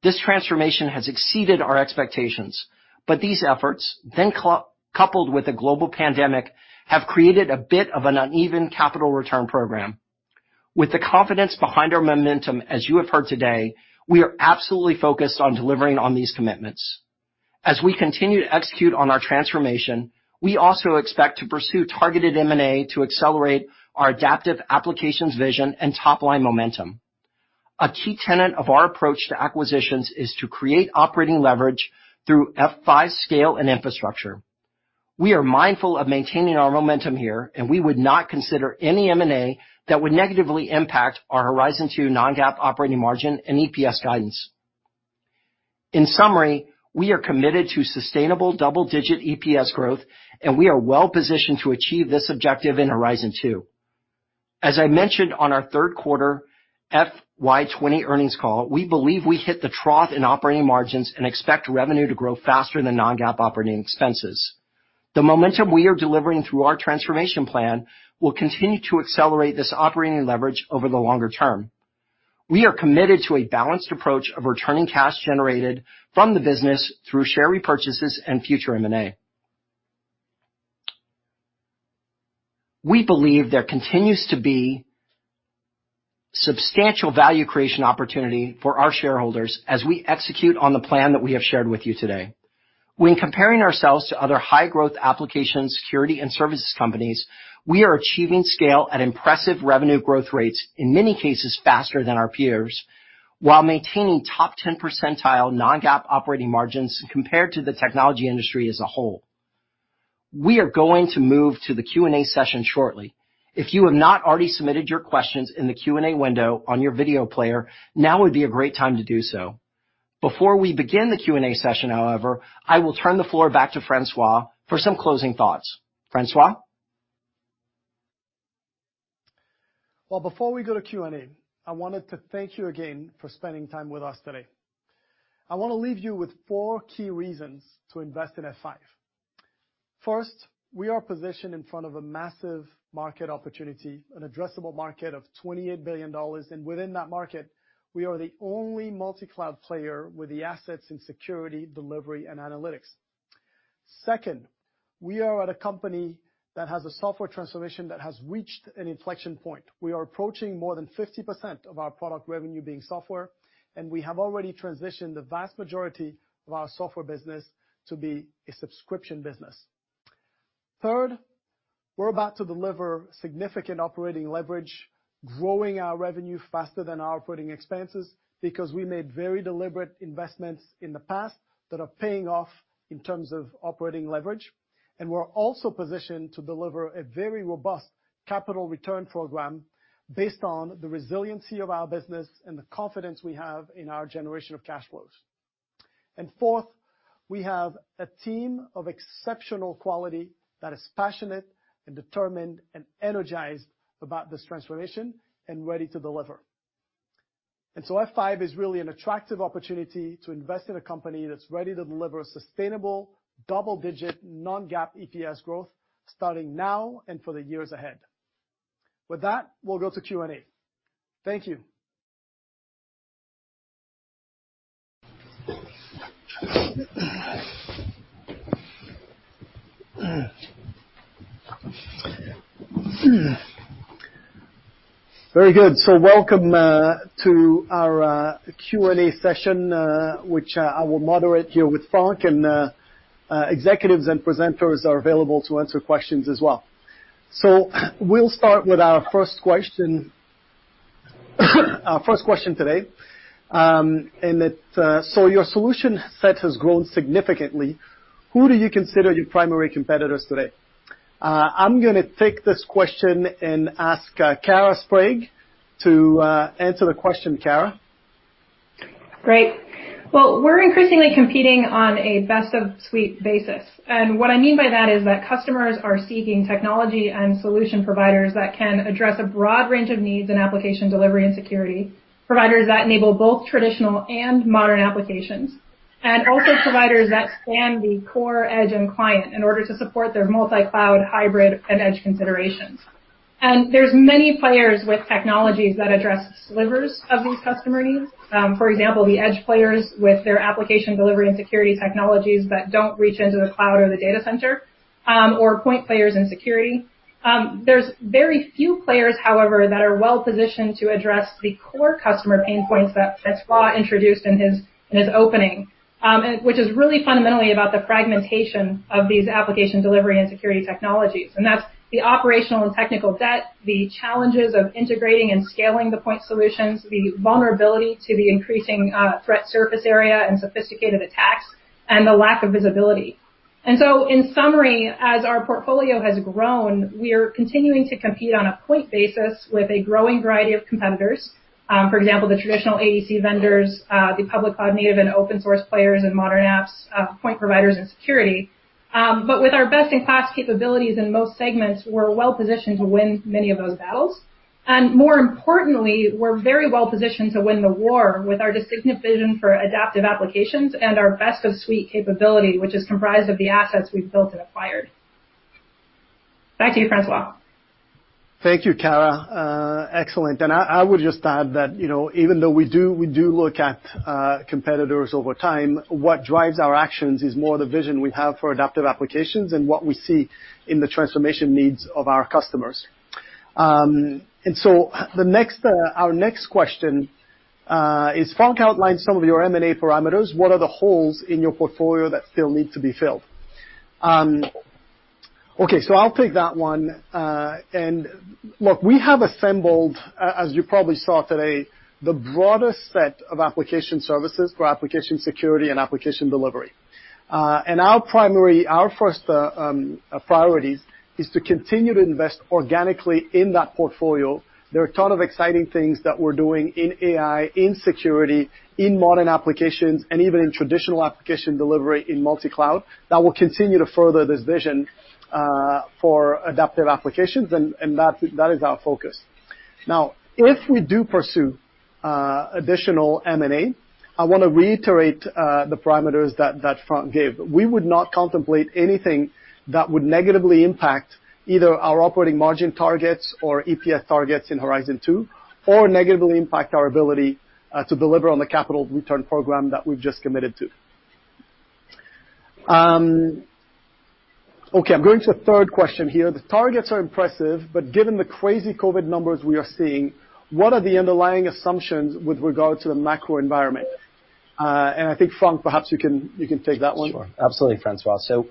This transformation has exceeded our expectations, but these efforts, then coupled with a global pandemic, have created a bit of an uneven capital return program. With the confidence behind our momentum, as you have heard today, we are absolutely focused on delivering on these commitments. As we continue to execute on our transformation, we also expect to pursue targeted M&A to accelerate our Adaptive Applications vision and top-line momentum. A key tenet of our approach to acquisitions is to create operating leverage through F5 scale and infrastructure. We are mindful of maintaining our momentum here, and we would not consider any M&A that would negatively impact our Horizon 2 non-GAAP operating margin and EPS guidance. In summary, we are committed to sustainable double-digit EPS growth, and we are well positioned to achieve this objective in Horizon 2. As I mentioned on our third quarter FY 2020 earnings call, we believe we hit the trough in operating margins and expect revenue to grow faster than non-GAAP operating expenses. The momentum we are delivering through our transformation plan will continue to accelerate this operating leverage over the longer term. We are committed to a balanced approach of returning cash generated from the business through share repurchases and future M&A. We believe there continues to be substantial value creation opportunity for our shareholders as we execute on the plan that we have shared with you today. When comparing ourselves to other high-growth application security and services companies, we are achieving scale at impressive revenue growth rates, in many cases faster than our peers, while maintaining top 10 percentile non-GAAP operating margins compared to the technology industry as a whole. We are going to move to the Q&A session shortly. If you have not already submitted your questions in the Q&A window on your video player, now would be a great time to do so. Before we begin the Q&A session, however, I will turn the floor back to François for some closing thoughts. François? Well, before we go to Q&A, I wanted to thank you again for spending time with us today. I want to leave you with four key reasons to invest in F5. First, we are positioned in front of a massive market opportunity, an addressable market of $28 billion, and within that market, we are the only multi-cloud player with the assets in security, delivery, and analytics. Second, we are at a company that has a software transformation that has reached an inflection point. We are approaching more than 50% of our product revenue being software, and we have already transitioned the vast majority of our software business to be a subscription business. Third, we're about to deliver significant operating leverage, growing our revenue faster than our operating expenses because we made very deliberate investments in the past that are paying off in terms of operating leverage. And we're also positioned to deliver a very robust capital return program based on the resiliency of our business and the confidence we have in our generation of cash flows. And fourth, we have a team of exceptional quality that is passionate and determined and energized about this transformation and ready to deliver. And so F5 is really an attractive opportunity to invest in a company that's ready to deliver sustainable double-digit non-GAAP EPS growth starting now and for the years ahead. With that, we'll go to Q&A. Thank you. Very good, so welcome to our Q&A session, which I will moderate here with Frank, and executives and presenters are available to answer questions as well, so we'll start with our first question, our first question today, and so your solution set has grown significantly. Who do you consider your primary competitors today? I'm going to take this question and ask Kara Sprague to answer the question, Kara. Great, well, we're increasingly competing on a best-of-suite basis, and what I mean by that is that customers are seeking technology and solution providers that can address a broad range of needs in application delivery and security, providers that enable both traditional and modern applications, and also providers that span the core, edge, and client in order to support their multi-cloud, hybrid, and edge considerations. And there's many players with technologies that address slivers of these customer needs. For example, the edge players with their application delivery and security technologies that don't reach into the cloud or the data center, or point players in security. There's very few players, however, that are well positioned to address the core customer pain points that François introduced in his opening, which is really fundamentally about the fragmentation of these application delivery and security technologies. And that's the operational and technical debt, the challenges of integrating and scaling the point solutions, the vulnerability to the increasing threat surface area and sophisticated attacks, and the lack of visibility. And so in summary, as our portfolio has grown, we are continuing to compete on a point basis with a growing variety of competitors. For example, the traditional ADC vendors, the public cloud native and open-source players in modern apps, point providers in security, but with our best-in-class capabilities in most segments, we're well positioned to win many of those battles, and more importantly, we're very well positioned to win the war with our distinctive vision for Adaptive Applications and our best-of-suite capability, which is comprised of the assets we've built and acquired. Back to you, François. Thank you, Kara. Excellent, and I would just add that even though we do look at competitors over time, what drives our actions is more the vision we have for Adaptive Applications and what we see in the transformation needs of our customers. And so our next question is: Frank outlined some of your M&A parameters. What are the holes in your portfolio that still need to be filled? Okay, so I'll take that one. And look, we have assembled, as you probably saw today, the broadest set of application services for application security and application delivery. And our primary, our first priorities is to continue to invest organically in that portfolio. There are a ton of exciting things that we're doing in AI, in security, in modern applications, and even in traditional application delivery in multi-cloud that will continue to further this vision for Adaptive Applications. And that is our focus. Now, if we do pursue additional M&A, I want to reiterate the parameters that Frank gave. We would not contemplate anything that would negatively impact either our operating margin targets or EPS targets in Horizon 2 or negatively impact our ability to deliver on the capital return program that we've just committed to. Okay, I'm going to a third question here. The targets are impressive, but given the crazy COVID numbers we are seeing, what are the underlying assumptions with regard to the macro environment? And I think, Frank, perhaps you can take that one. Sure. Absolutely, François. So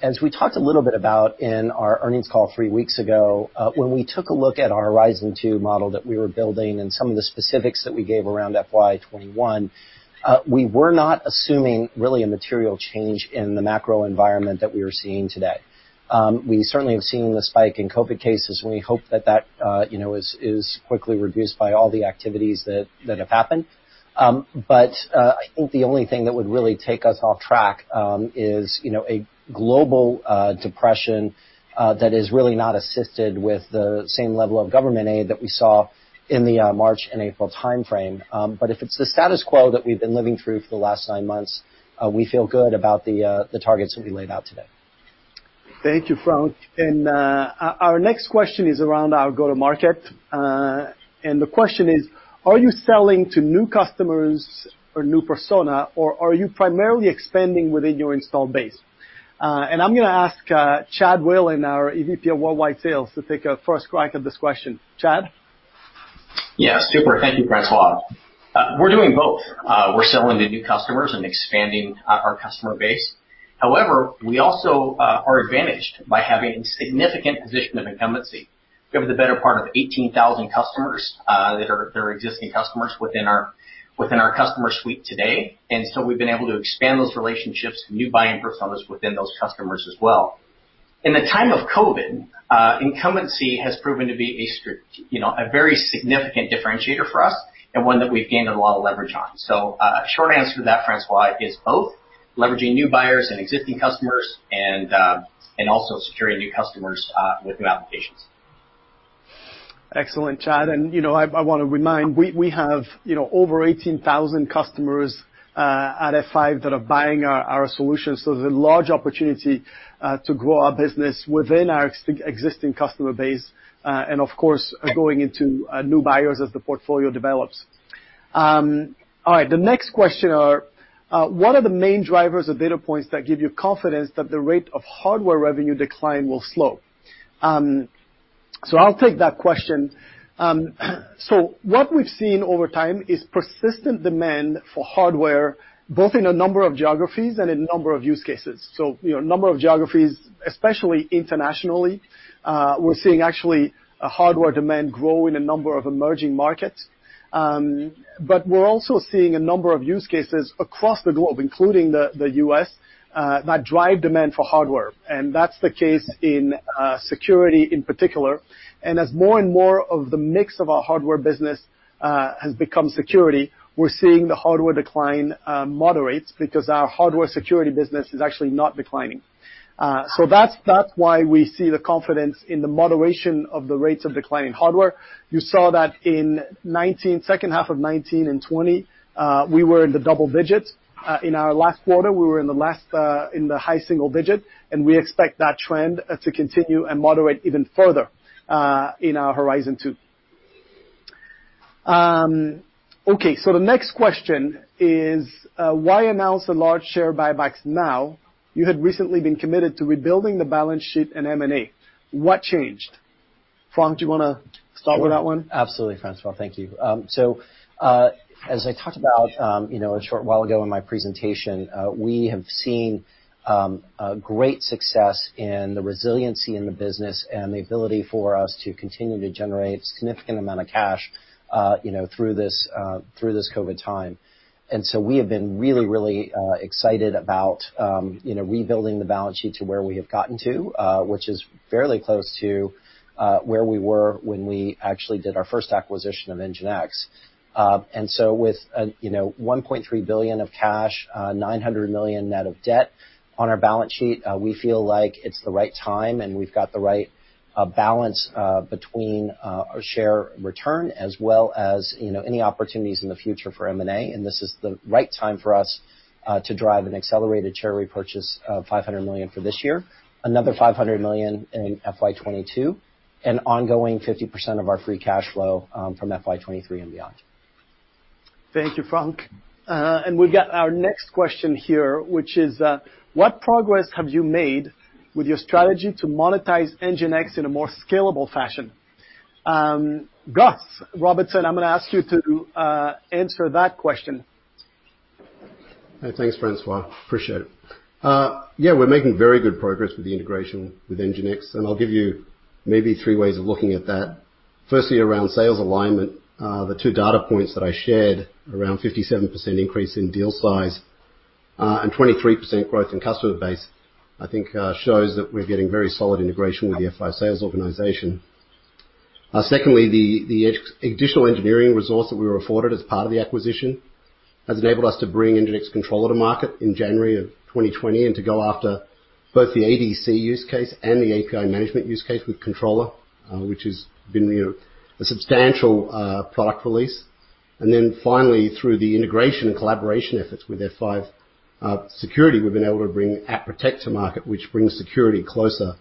as we talked a little bit about in our earnings call three weeks ago, when we took a look at our Horizon 2 model that we were building and some of the specifics that we gave around FY 2021, we were not assuming really a material change in the macro environment that we are seeing today. We certainly have seen the spike in COVID cases, and we hope that that is quickly reduced by all the activities that have happened. But I think the only thing that would really take us off track is a global depression that is really not assisted with the same level of government aid that we saw in the March and April timeframe. But if it's the status quo that we've been living through for the last nine months, we feel good about the targets that we laid out today. Thank you, Frank. And our next question is around our go-to-market. And the question is, are you selling to new customers or new persona, or are you primarily expanding within your installed base? And I'm going to ask Chad Whalen, our EVP of Worldwide Sales, to take a first crack at this question. Chad? Yeah, super. Thank you, François. We're doing both. We're selling to new customers and expanding our customer base. However, we also are advantaged by having a significant position of incumbency. We have the better part of 18,000 customers that are existing customers within our customer suite today. And so we've been able to expand those relationships to new buying personas within those customers as well. In the time of COVID, incumbency has proven to be a very significant differentiator for us and one that we've gained a lot of leverage on. So short answer to that, François, is both leveraging new buyers and existing customers and also securing new customers with new applications. Excellent, Chad. And I want to remind, we have over 18,000 customers at F5 that are buying our solutions. So there's a large opportunity to grow our business within our existing customer base and, of course, going into new buyers as the portfolio develops. All right, the next question are, what are the main drivers or data points that give you confidence that the rate of hardware revenue decline will slow? So I'll take that question. So what we've seen over time is persistent demand for hardware, both in a number of geographies and in a number of use cases. So a number of geographies, especially internationally, we're seeing actually hardware demand grow in a number of emerging markets. But we're also seeing a number of use cases across the globe, including the U.S., that drive demand for hardware. And that's the case in security in particular. And as more and more of the mix of our hardware business has become security, we're seeing the hardware decline moderate because our hardware security business is actually not declining. So that's why we see the confidence in the moderation of the rates of declining hardware. You saw that in the second half of 2019 and 2020, we were in the double digit. In our last quarter, we were in the high single digit, and we expect that trend to continue and moderate even further in our Horizon 2. Okay, so the next question is, why announce a large share buyback now? You had recently been committed to rebuilding the balance sheet and M&A. What changed? Frank, do you want to start with that one? Absolutely, François. Thank you. So as I talked about a short while ago in my presentation, we have seen great success in the resiliency in the business and the ability for us to continue to generate a significant amount of cash through this COVID time. And so we have been really, really excited about rebuilding the balance sheet to where we have gotten to, which is fairly close to where we were when we actually did our first acquisition of NGINX. And so with $1.3 billion of cash, $900 million net of debt on our balance sheet, we feel like it's the right time and we've got the right balance between our share return as well as any opportunities in the future for M&A. And this is the right time for us to drive an accelerated share repurchase of $500 million for this year, another $500 million in FY 2022, and ongoing 50% of our free cash flow from FY 2023 and beyond. Thank you, Frank. And we've got our next question here, which is, what progress have you made with your strategy to monetize NGINX in a more scalable fashion? Gus Robertson, I'm going to ask you to answer that question. Thanks, François. Appreciate it. Yeah, we're making very good progress with the integration with NGINX. And I'll give you maybe three ways of looking at that. Firstly, around sales alignment, the two data points that I shared around 57% increase in deal size and 23% growth in customer base, I think shows that we're getting very solid integration with the F5 sales organization. Secondly, the additional engineering resource that we were afforded as part of the acquisition has enabled us to bring NGINX Controller to market in January of 2020 and to go after both the ADC use case and the API management use case with Controller, which has been a substantial product release. And then finally, through the integration and collaboration efforts with F5 security, we've been able to bring App Protect to market, which brings security closer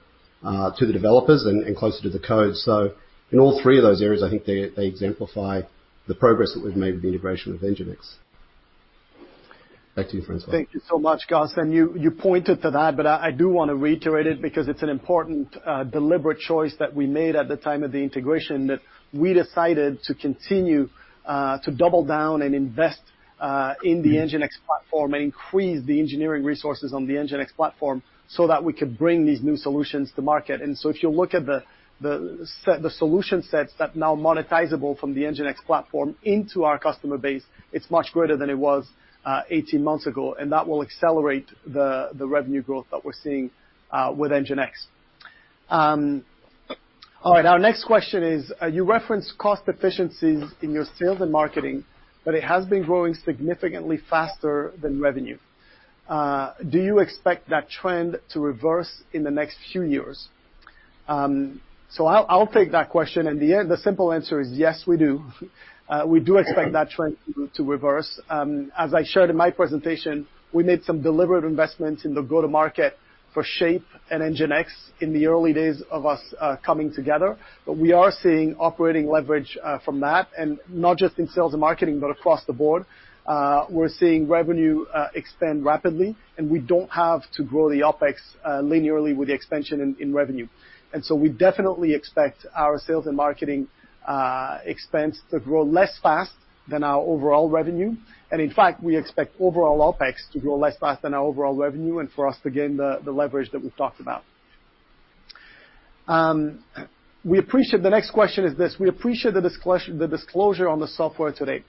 to the developers and closer to the code. So in all three of those areas, I think they exemplify the progress that we've made with the integration of NGINX. Back to you, François. Thank you so much, Gus. And you pointed to that, but I do want to reiterate it because it's an important deliberate choice that we made at the time of the integration that we decided to continue to double down and invest in the NGINX platform and increase the engineering resources on the NGINX platform so that we could bring these new solutions to market. And so if you look at the solution sets that are now monetizable from the NGINX platform into our customer base, it's much greater than it was 18 months ago. And that will accelerate the revenue growth that we're seeing with NGINX. All right, our next question is, you referenced cost efficiencies in your sales and marketing, but it has been growing significantly faster than revenue. Do you expect that trend to reverse in the next few years? So I'll take that question. And the simple answer is yes, we do. We do expect that trend to reverse. As I shared in my presentation, we made some deliberate investments in the go-to-market for Shape and NGINX in the early days of us coming together. But we are seeing operating leverage from that, and not just in sales and marketing, but across the board. We're seeing revenue expand rapidly, and we don't have to grow the OpEx linearly with the expansion in revenue, and so we definitely expect our sales and marketing expense to grow less fast than our overall revenue, and in fact, we expect overall OpEx to grow less fast than our overall revenue and for us to gain the leverage that we've talked about. The next question is this: we appreciate the disclosure on the software today.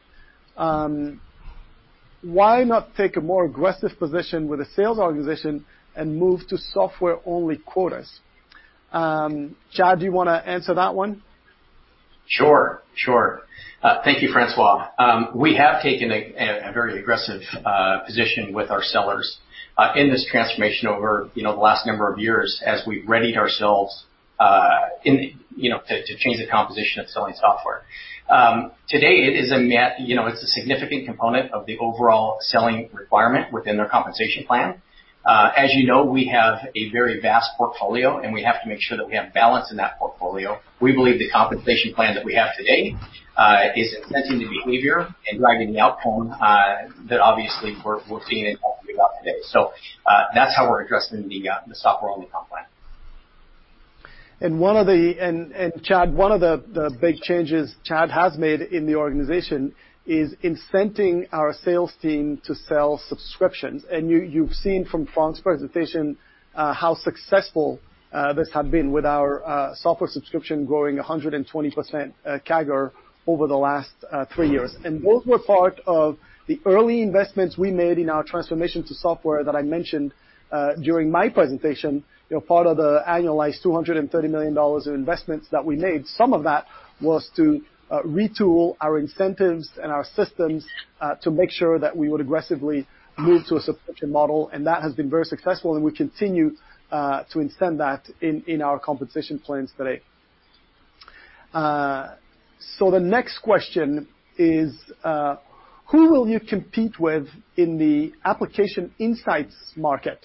Why not take a more aggressive position with a sales organization and move to software-only quotas? Chad, do you want to answer that one? Sure, sure. Thank you, François. We have taken a very aggressive position with our sellers in this transformation over the last number of years as we've readied ourselves to change the composition of selling software. Today, it is a significant component of the overall selling requirement within their compensation plan. As you know, we have a very vast portfolio, and we have to make sure that we have balance in that portfolio. We believe the compensation plan that we have today is incenting the behavior and driving the outcome that obviously we're seeing and talking about today. So that's how we're addressing the software-only comp plan. And Chad, one of the big changes Chad has made in the organization is incenting our sales team to sell subscriptions. And you've seen from Frank's presentation how successful this has been with our software subscription growing 120% CAGR over the last three years. And those were part of the early investments we made in our transformation to software that I mentioned during my presentation, part of the annualized $230 million of investments that we made. Some of that was to retool our incentives and our systems to make sure that we would aggressively move to a subscription model. And that has been very successful, and we continue to incent that in our compensation plans today. So the next question is, who will you compete with in the application insights market?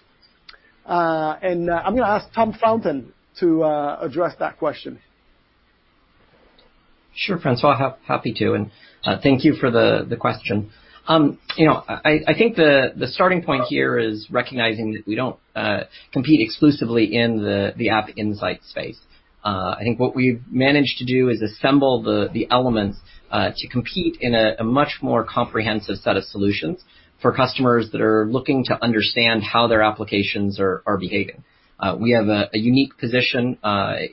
And I'm going to ask Tom Fountain to address that question. Sure, François, happy to. And thank you for the question. I think the starting point here is recognizing that we don't compete exclusively in the App Insights space. I think what we've managed to do is assemble the elements to compete in a much more comprehensive set of solutions for customers that are looking to understand how their applications are behaving. We have a unique position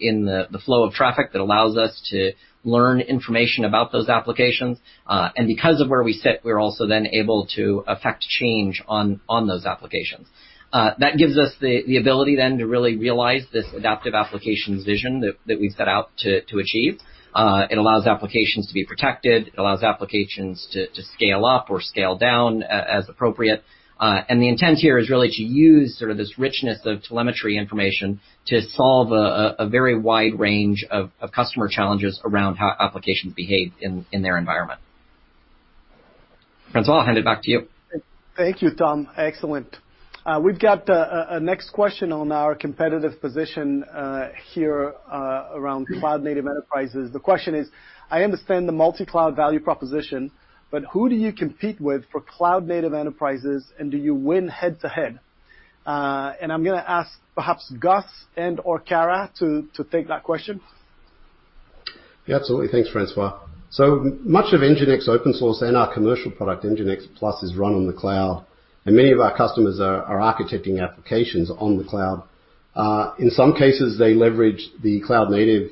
in the flow of traffic that allows us to learn information about those applications. And because of where we sit, we're also then able to affect change on those applications. That gives us the ability then to really realize this Adaptive Applications vision that we've set out to achieve. It allows applications to be protected. It allows applications to scale up or scale down as appropriate. And the intent here is really to use sort of this richness of telemetry information to solve a very wide range of customer challenges around how applications behave in their environment. François, I'll hand it back to you. Thank you, Tom. Excellent. We've got a next question on our competitive position here around cloud-native enterprises. The question is, I understand the multi-cloud value proposition, but who do you compete with for cloud-native enterprises, and do you win head-to-head? And I'm going to ask perhaps Gus and/or Kara to take that question. Yeah, absolutely. Thanks, François. So much of NGINX Open Source and our commercial product, NGINX Plus, is run on the cloud. And many of our customers are architecting applications on the cloud. In some cases, they leverage the cloud-native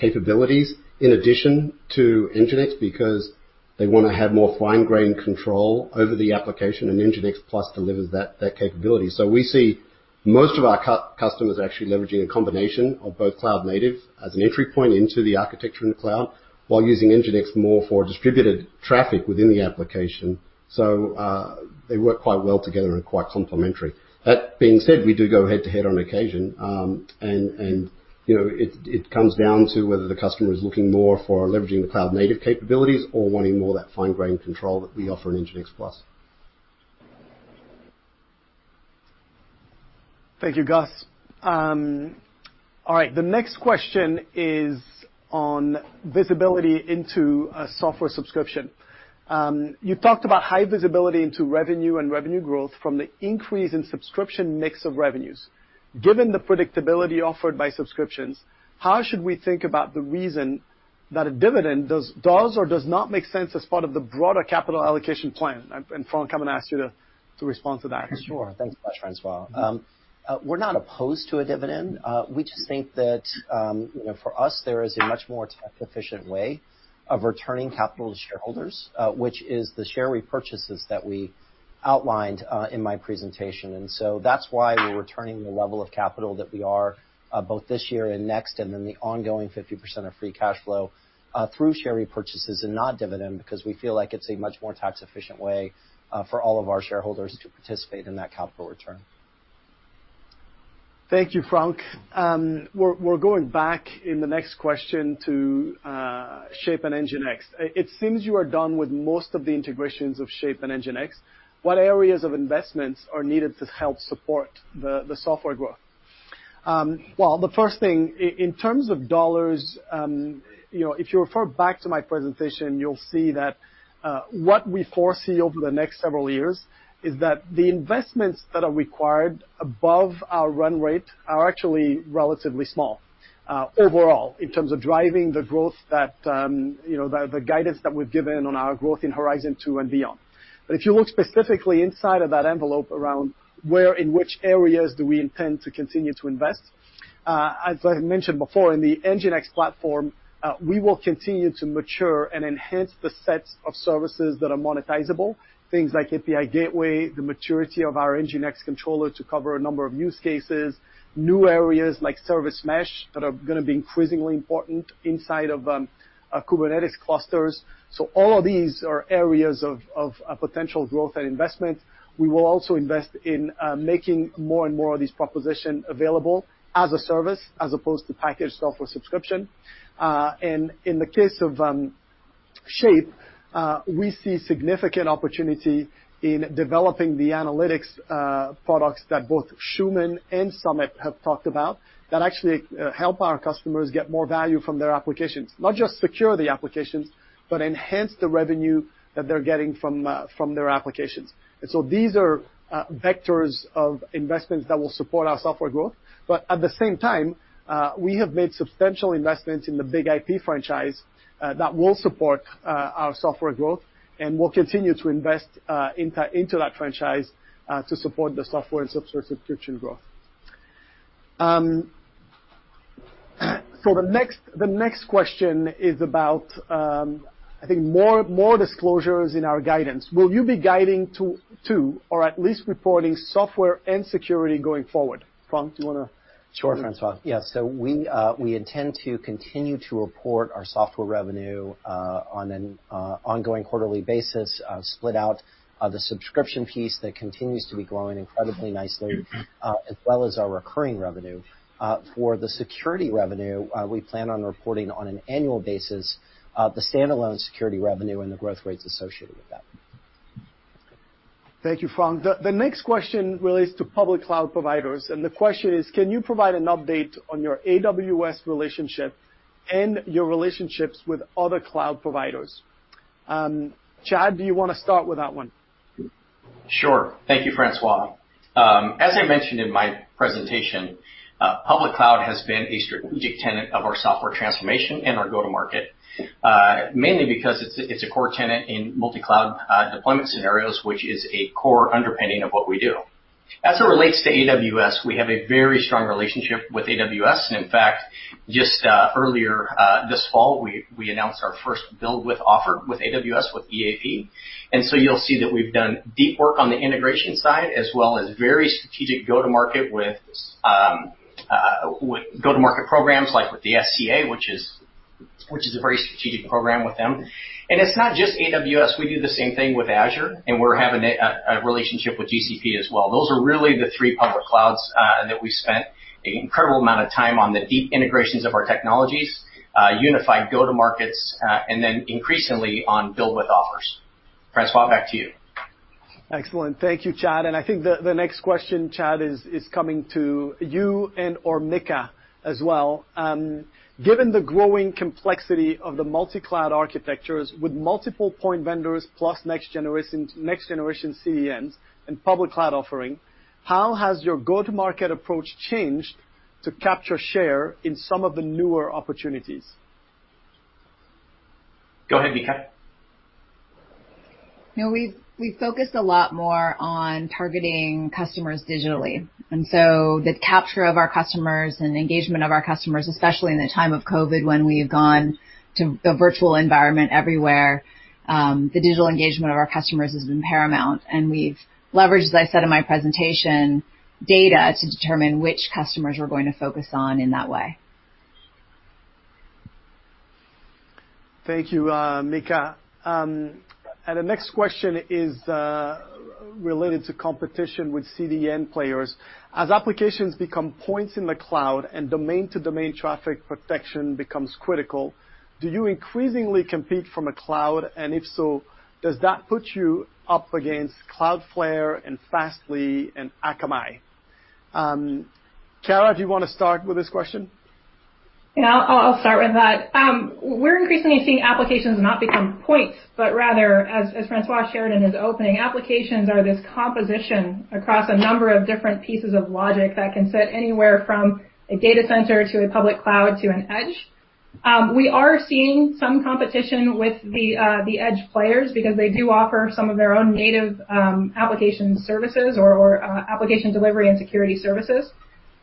capabilities in addition to NGINX because they want to have more fine-grained control over the application, and NGINX Plus delivers that capability. So we see most of our customers actually leveraging a combination of both cloud-native as an entry point into the architecture in the cloud while using NGINX more for distributed traffic within the application. So they work quite well together and are quite complementary. That being said, we do go head-to-head on occasion. And it comes down to whether the customer is looking more for leveraging the cloud-native capabilities or wanting more of that fine-grained control that we offer in NGINX Plus. Thank you, Gus. All right, the next question is on visibility into a software subscription. You talked about high visibility into revenue and revenue growth from the increase in subscription mix of revenues. Given the predictability offered by subscriptions, how should we think about the reason that a dividend does or does not make sense as part of the broader capital allocation plan? And Frank is going to ask you to respond to that. Sure, thanks so much, François. We're not opposed to a dividend. We just think that for us, there is a much more efficient way of returning capital to shareholders, which is the share repurchases that we outlined in my presentation. And so that's why we're returning the level of capital that we are both this year and next, and then the ongoing 50% of free cash flow through share repurchases and not dividend, because we feel like it's a much more tax-efficient way for all of our shareholders to participate in that capital return. Thank you, Frank. We're going back in the next question to Shape and NGINX. It seems you are done with most of the integrations of Shape and NGINX. What areas of investments are needed to help support the software growth? Well, the first thing, in terms of dollars, if you refer back to my presentation, you'll see that what we foresee over the next several years is that the investments that are required above our run rate are actually relatively small overall in terms of driving the growth, the guidance that we've given on our growth in Horizon 2 and beyond. But if you look specifically inside of that envelope around where in which areas do we intend to continue to invest? As I mentioned before, in the NGINX platform, we will continue to mature and enhance the sets of services that are monetizable, things like API Gateway, the maturity of our NGINX Controller to cover a number of use cases, new areas like service mesh that are going to be increasingly important inside of Kubernetes clusters. So all of these are areas of potential growth and investment. We will also invest in making more and more of these propositions available as a service, as opposed to packaged software subscription, and in the case of Shape, we see significant opportunity in developing the analytics products that both Shuman and Sumit have talked about that actually help our customers get more value from their applications, not just secure the applications, but enhance the revenue that they're getting from their applications, and so these are vectors of investments that will support our software growth, but at the same time, we have made substantial investments in the BIG-IP franchise that will support our software growth and will continue to invest into that franchise to support the software and subscription growth, so the next question is about, I think, more disclosures in our guidance. Will you be guiding to, or at least reporting software and security going forward? François, do you want to? Sure, François. Yeah, so we intend to continue to report our software revenue on an ongoing quarterly basis, split out the subscription piece that continues to be growing incredibly nicely, as well as our recurring revenue. For the security revenue, we plan on reporting on an annual basis the standalone security revenue and the growth rates associated with that. Thank you, Frank. The next question relates to public cloud providers, and the question is, can you provide an update on your AWS relationship and your relationships with other cloud providers? Chad, do you want to start with that one? Sure, thank you, François. As I mentioned in my presentation, public cloud has been a strategic tenet of our software transformation and our go-to-market, mainly because it's a core tenet in multi-cloud deployment scenarios, which is a core underpinning of what we do. As it relates to AWS, we have a very strong relationship with AWS. And in fact, just earlier this fall, we announced our first Build With offer with AWS with EAP. And so you'll see that we've done deep work on the integration side, as well as very strategic go-to-market programs like with the SCA, which is a very strategic program with them. And it's not just AWS. We do the same thing with Azure, and we're having a relationship with GCP as well. Those are really the three public clouds that we spent an incredible amount of time on: the deep integrations of our technologies, unified go-to-markets, and then increasingly on Build With offers. François, back to you. Excellent. Thank you, Chad. And I think the next question, Chad, is coming to you and/or Mika as well. Given the growing complexity of the multi-cloud architectures with multiple point vendors plus next-generation CDNs and public cloud offering, how has your go-to-market approach changed to capture share in some of the newer opportunities? Go ahead, Mika. We've focused a lot more on targeting customers digitally, and so the capture of our customers and engagement of our customers, especially in the time of COVID when we have gone to the virtual environment everywhere, the digital engagement of our customers has been paramount, and we've leveraged, as I said in my presentation, data to determine which customers we're going to focus on in that way. Thank you, Mika, and the next question is related to competition with CDN players. As applications become points in the cloud and domain-to-domain traffic protection becomes critical, do you increasingly compete from a cloud? And if so, does that put you up against Cloudflare and Fastly and Akamai? Kara, do you want to start with this question? Yeah, I'll start with that. We're increasingly seeing applications not become points, but rather, as François shared in his opening, applications are this composition across a number of different pieces of logic that can sit anywhere from a data center to a public cloud to an edge. We are seeing some competition with the edge players because they do offer some of their own native application services or application delivery and security services.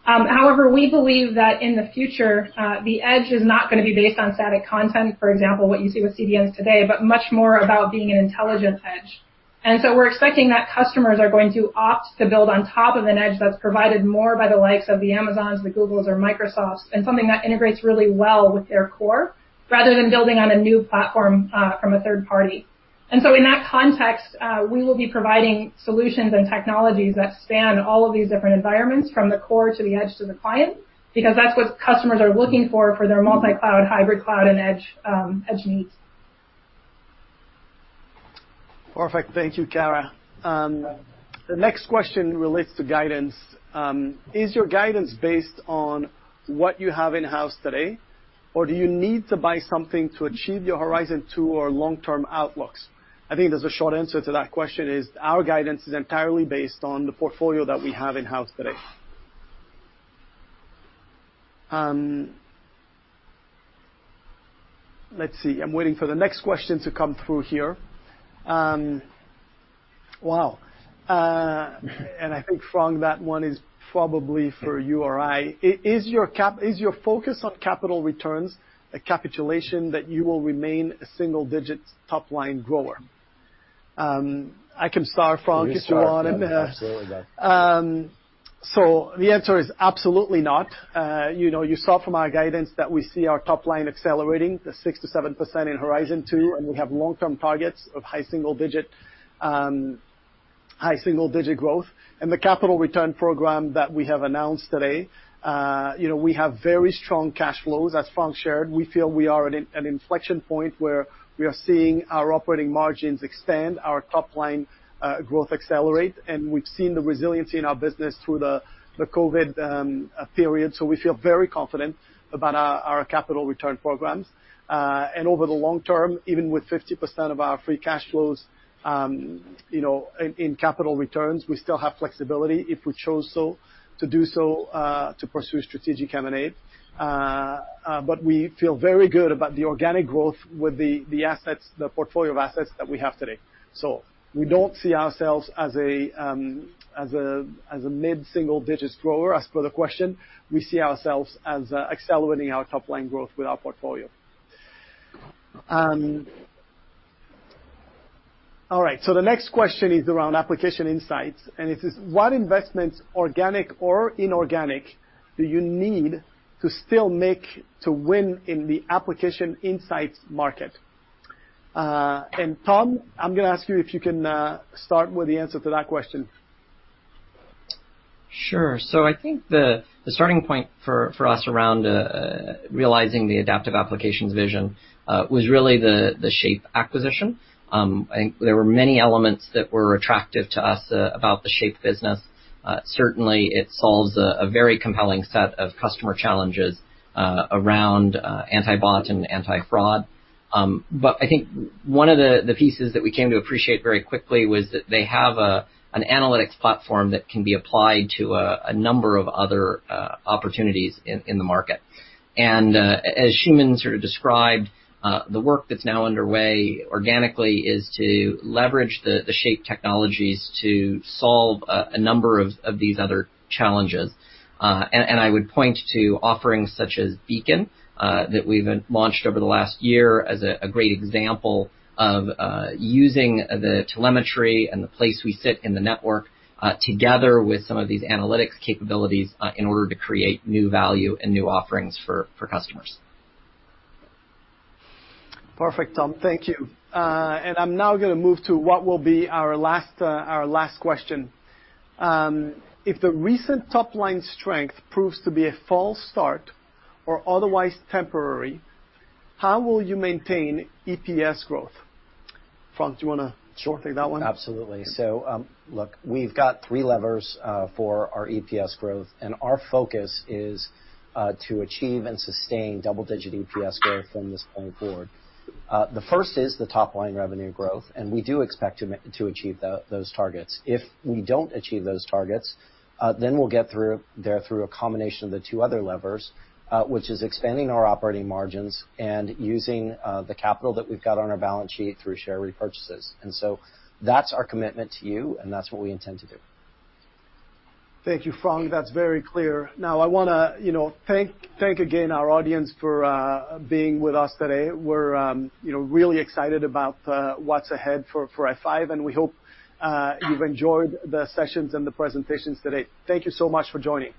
However, we believe that in the future, the edge is not going to be based on static content, for example, what you see with CDNs today, but much more about being an intelligent edge. And so we're expecting that customers are going to opt to build on top of an edge that's provided more by the likes of the Amazons, the Googles, or Microsofts, and something that integrates really well with their core rather than building on a new platform from a third party. And so in that context, we will be providing solutions and technologies that span all of these different environments from the core to the edge to the client because that's what customers are looking for their multi-cloud, hybrid cloud, and edge needs. Perfect. Thank you, Kara. The next question relates to guidance. Is your guidance based on what you have in-house today, or do you need to buy something to achieve your Horizon 2 or long-term outlooks? I think there's a short answer to that question: our guidance is entirely based on the portfolio that we have in-house today. Let's see. I'm waiting for the next question to come through here. Wow. And I think François, that one is probably for you or I. Is your focus on capital returns a capitulation that you will remain a single-digit top-line grower? I can start, François, if you want. Absolutely, go. So the answer is absolutely not. You saw from our guidance that we see our top-line accelerating, the 6%-7% in Horizon 2, and we have long-term targets of high single-digit growth. And the capital return program that we have announced today, we have very strong cash flows, as Frank shared. We feel we are at an inflection point where we are seeing our operating margins expand, our top-line growth accelerate, and we've seen the resiliency in our business through the COVID period. So we feel very confident about our capital return programs. And over the long term, even with 50% of our free cash flows in capital returns, we still have flexibility, if we chose so, to do so to pursue strategic M&A. But we feel very good about the organic growth with the portfolio of assets that we have today. So we don't see ourselves as a mid-single-digit grower, as per the question. We see ourselves as accelerating our top-line growth with our portfolio. All right, so the next question is around application insights. And it says, what investments, organic or inorganic, do you need to still make to win in the application insights market? And Tom, I'm going to ask you if you can start with the answer to that question. Sure. So I think the starting point for us around realizing the Adaptive Applications vision was really the Shape acquisition. I think there were many elements that were attractive to us about the Shape business. Certainly, it solves a very compelling set of customer challenges around anti-bot and anti-fraud. But I think one of the pieces that we came to appreciate very quickly was that they have an analytics platform that can be applied to a number of other opportunities in the market. And as Shuman sort of described, the work that's now underway organically is to leverage the Shape technologies to solve a number of these other challenges. And I would point to offerings such as Beacon that we've launched over the last year as a great example of using the telemetry and the place we sit in the network together with some of these analytics capabilities in order to create new value and new offerings for customers. Perfect, Tom. Thank you. And I'm now going to move to what will be our last question. If the recent top-line strength proves to be a false start or otherwise temporary, how will you maintain EPS growth? Frank, do you want to take that one? Sure. Absolutely. So look, we've got three levers for our EPS growth, and our focus is to achieve and sustain double-digit EPS growth from this point forward. The first is the top-line revenue growth, and we do expect to achieve those targets. If we don't achieve those targets, then we'll get there through a combination of the two other levers, which is expanding our operating margins and using the capital that we've got on our balance sheet through share repurchases. And so that's our commitment to you, and that's what we intend to do. Thank you, Frank. That's very clear. Now, I want to thank again our audience for being with us today. We're really excited about what's ahead for F5, and we hope you've enjoyed the sessions and the presentations today. Thank you so much for joining.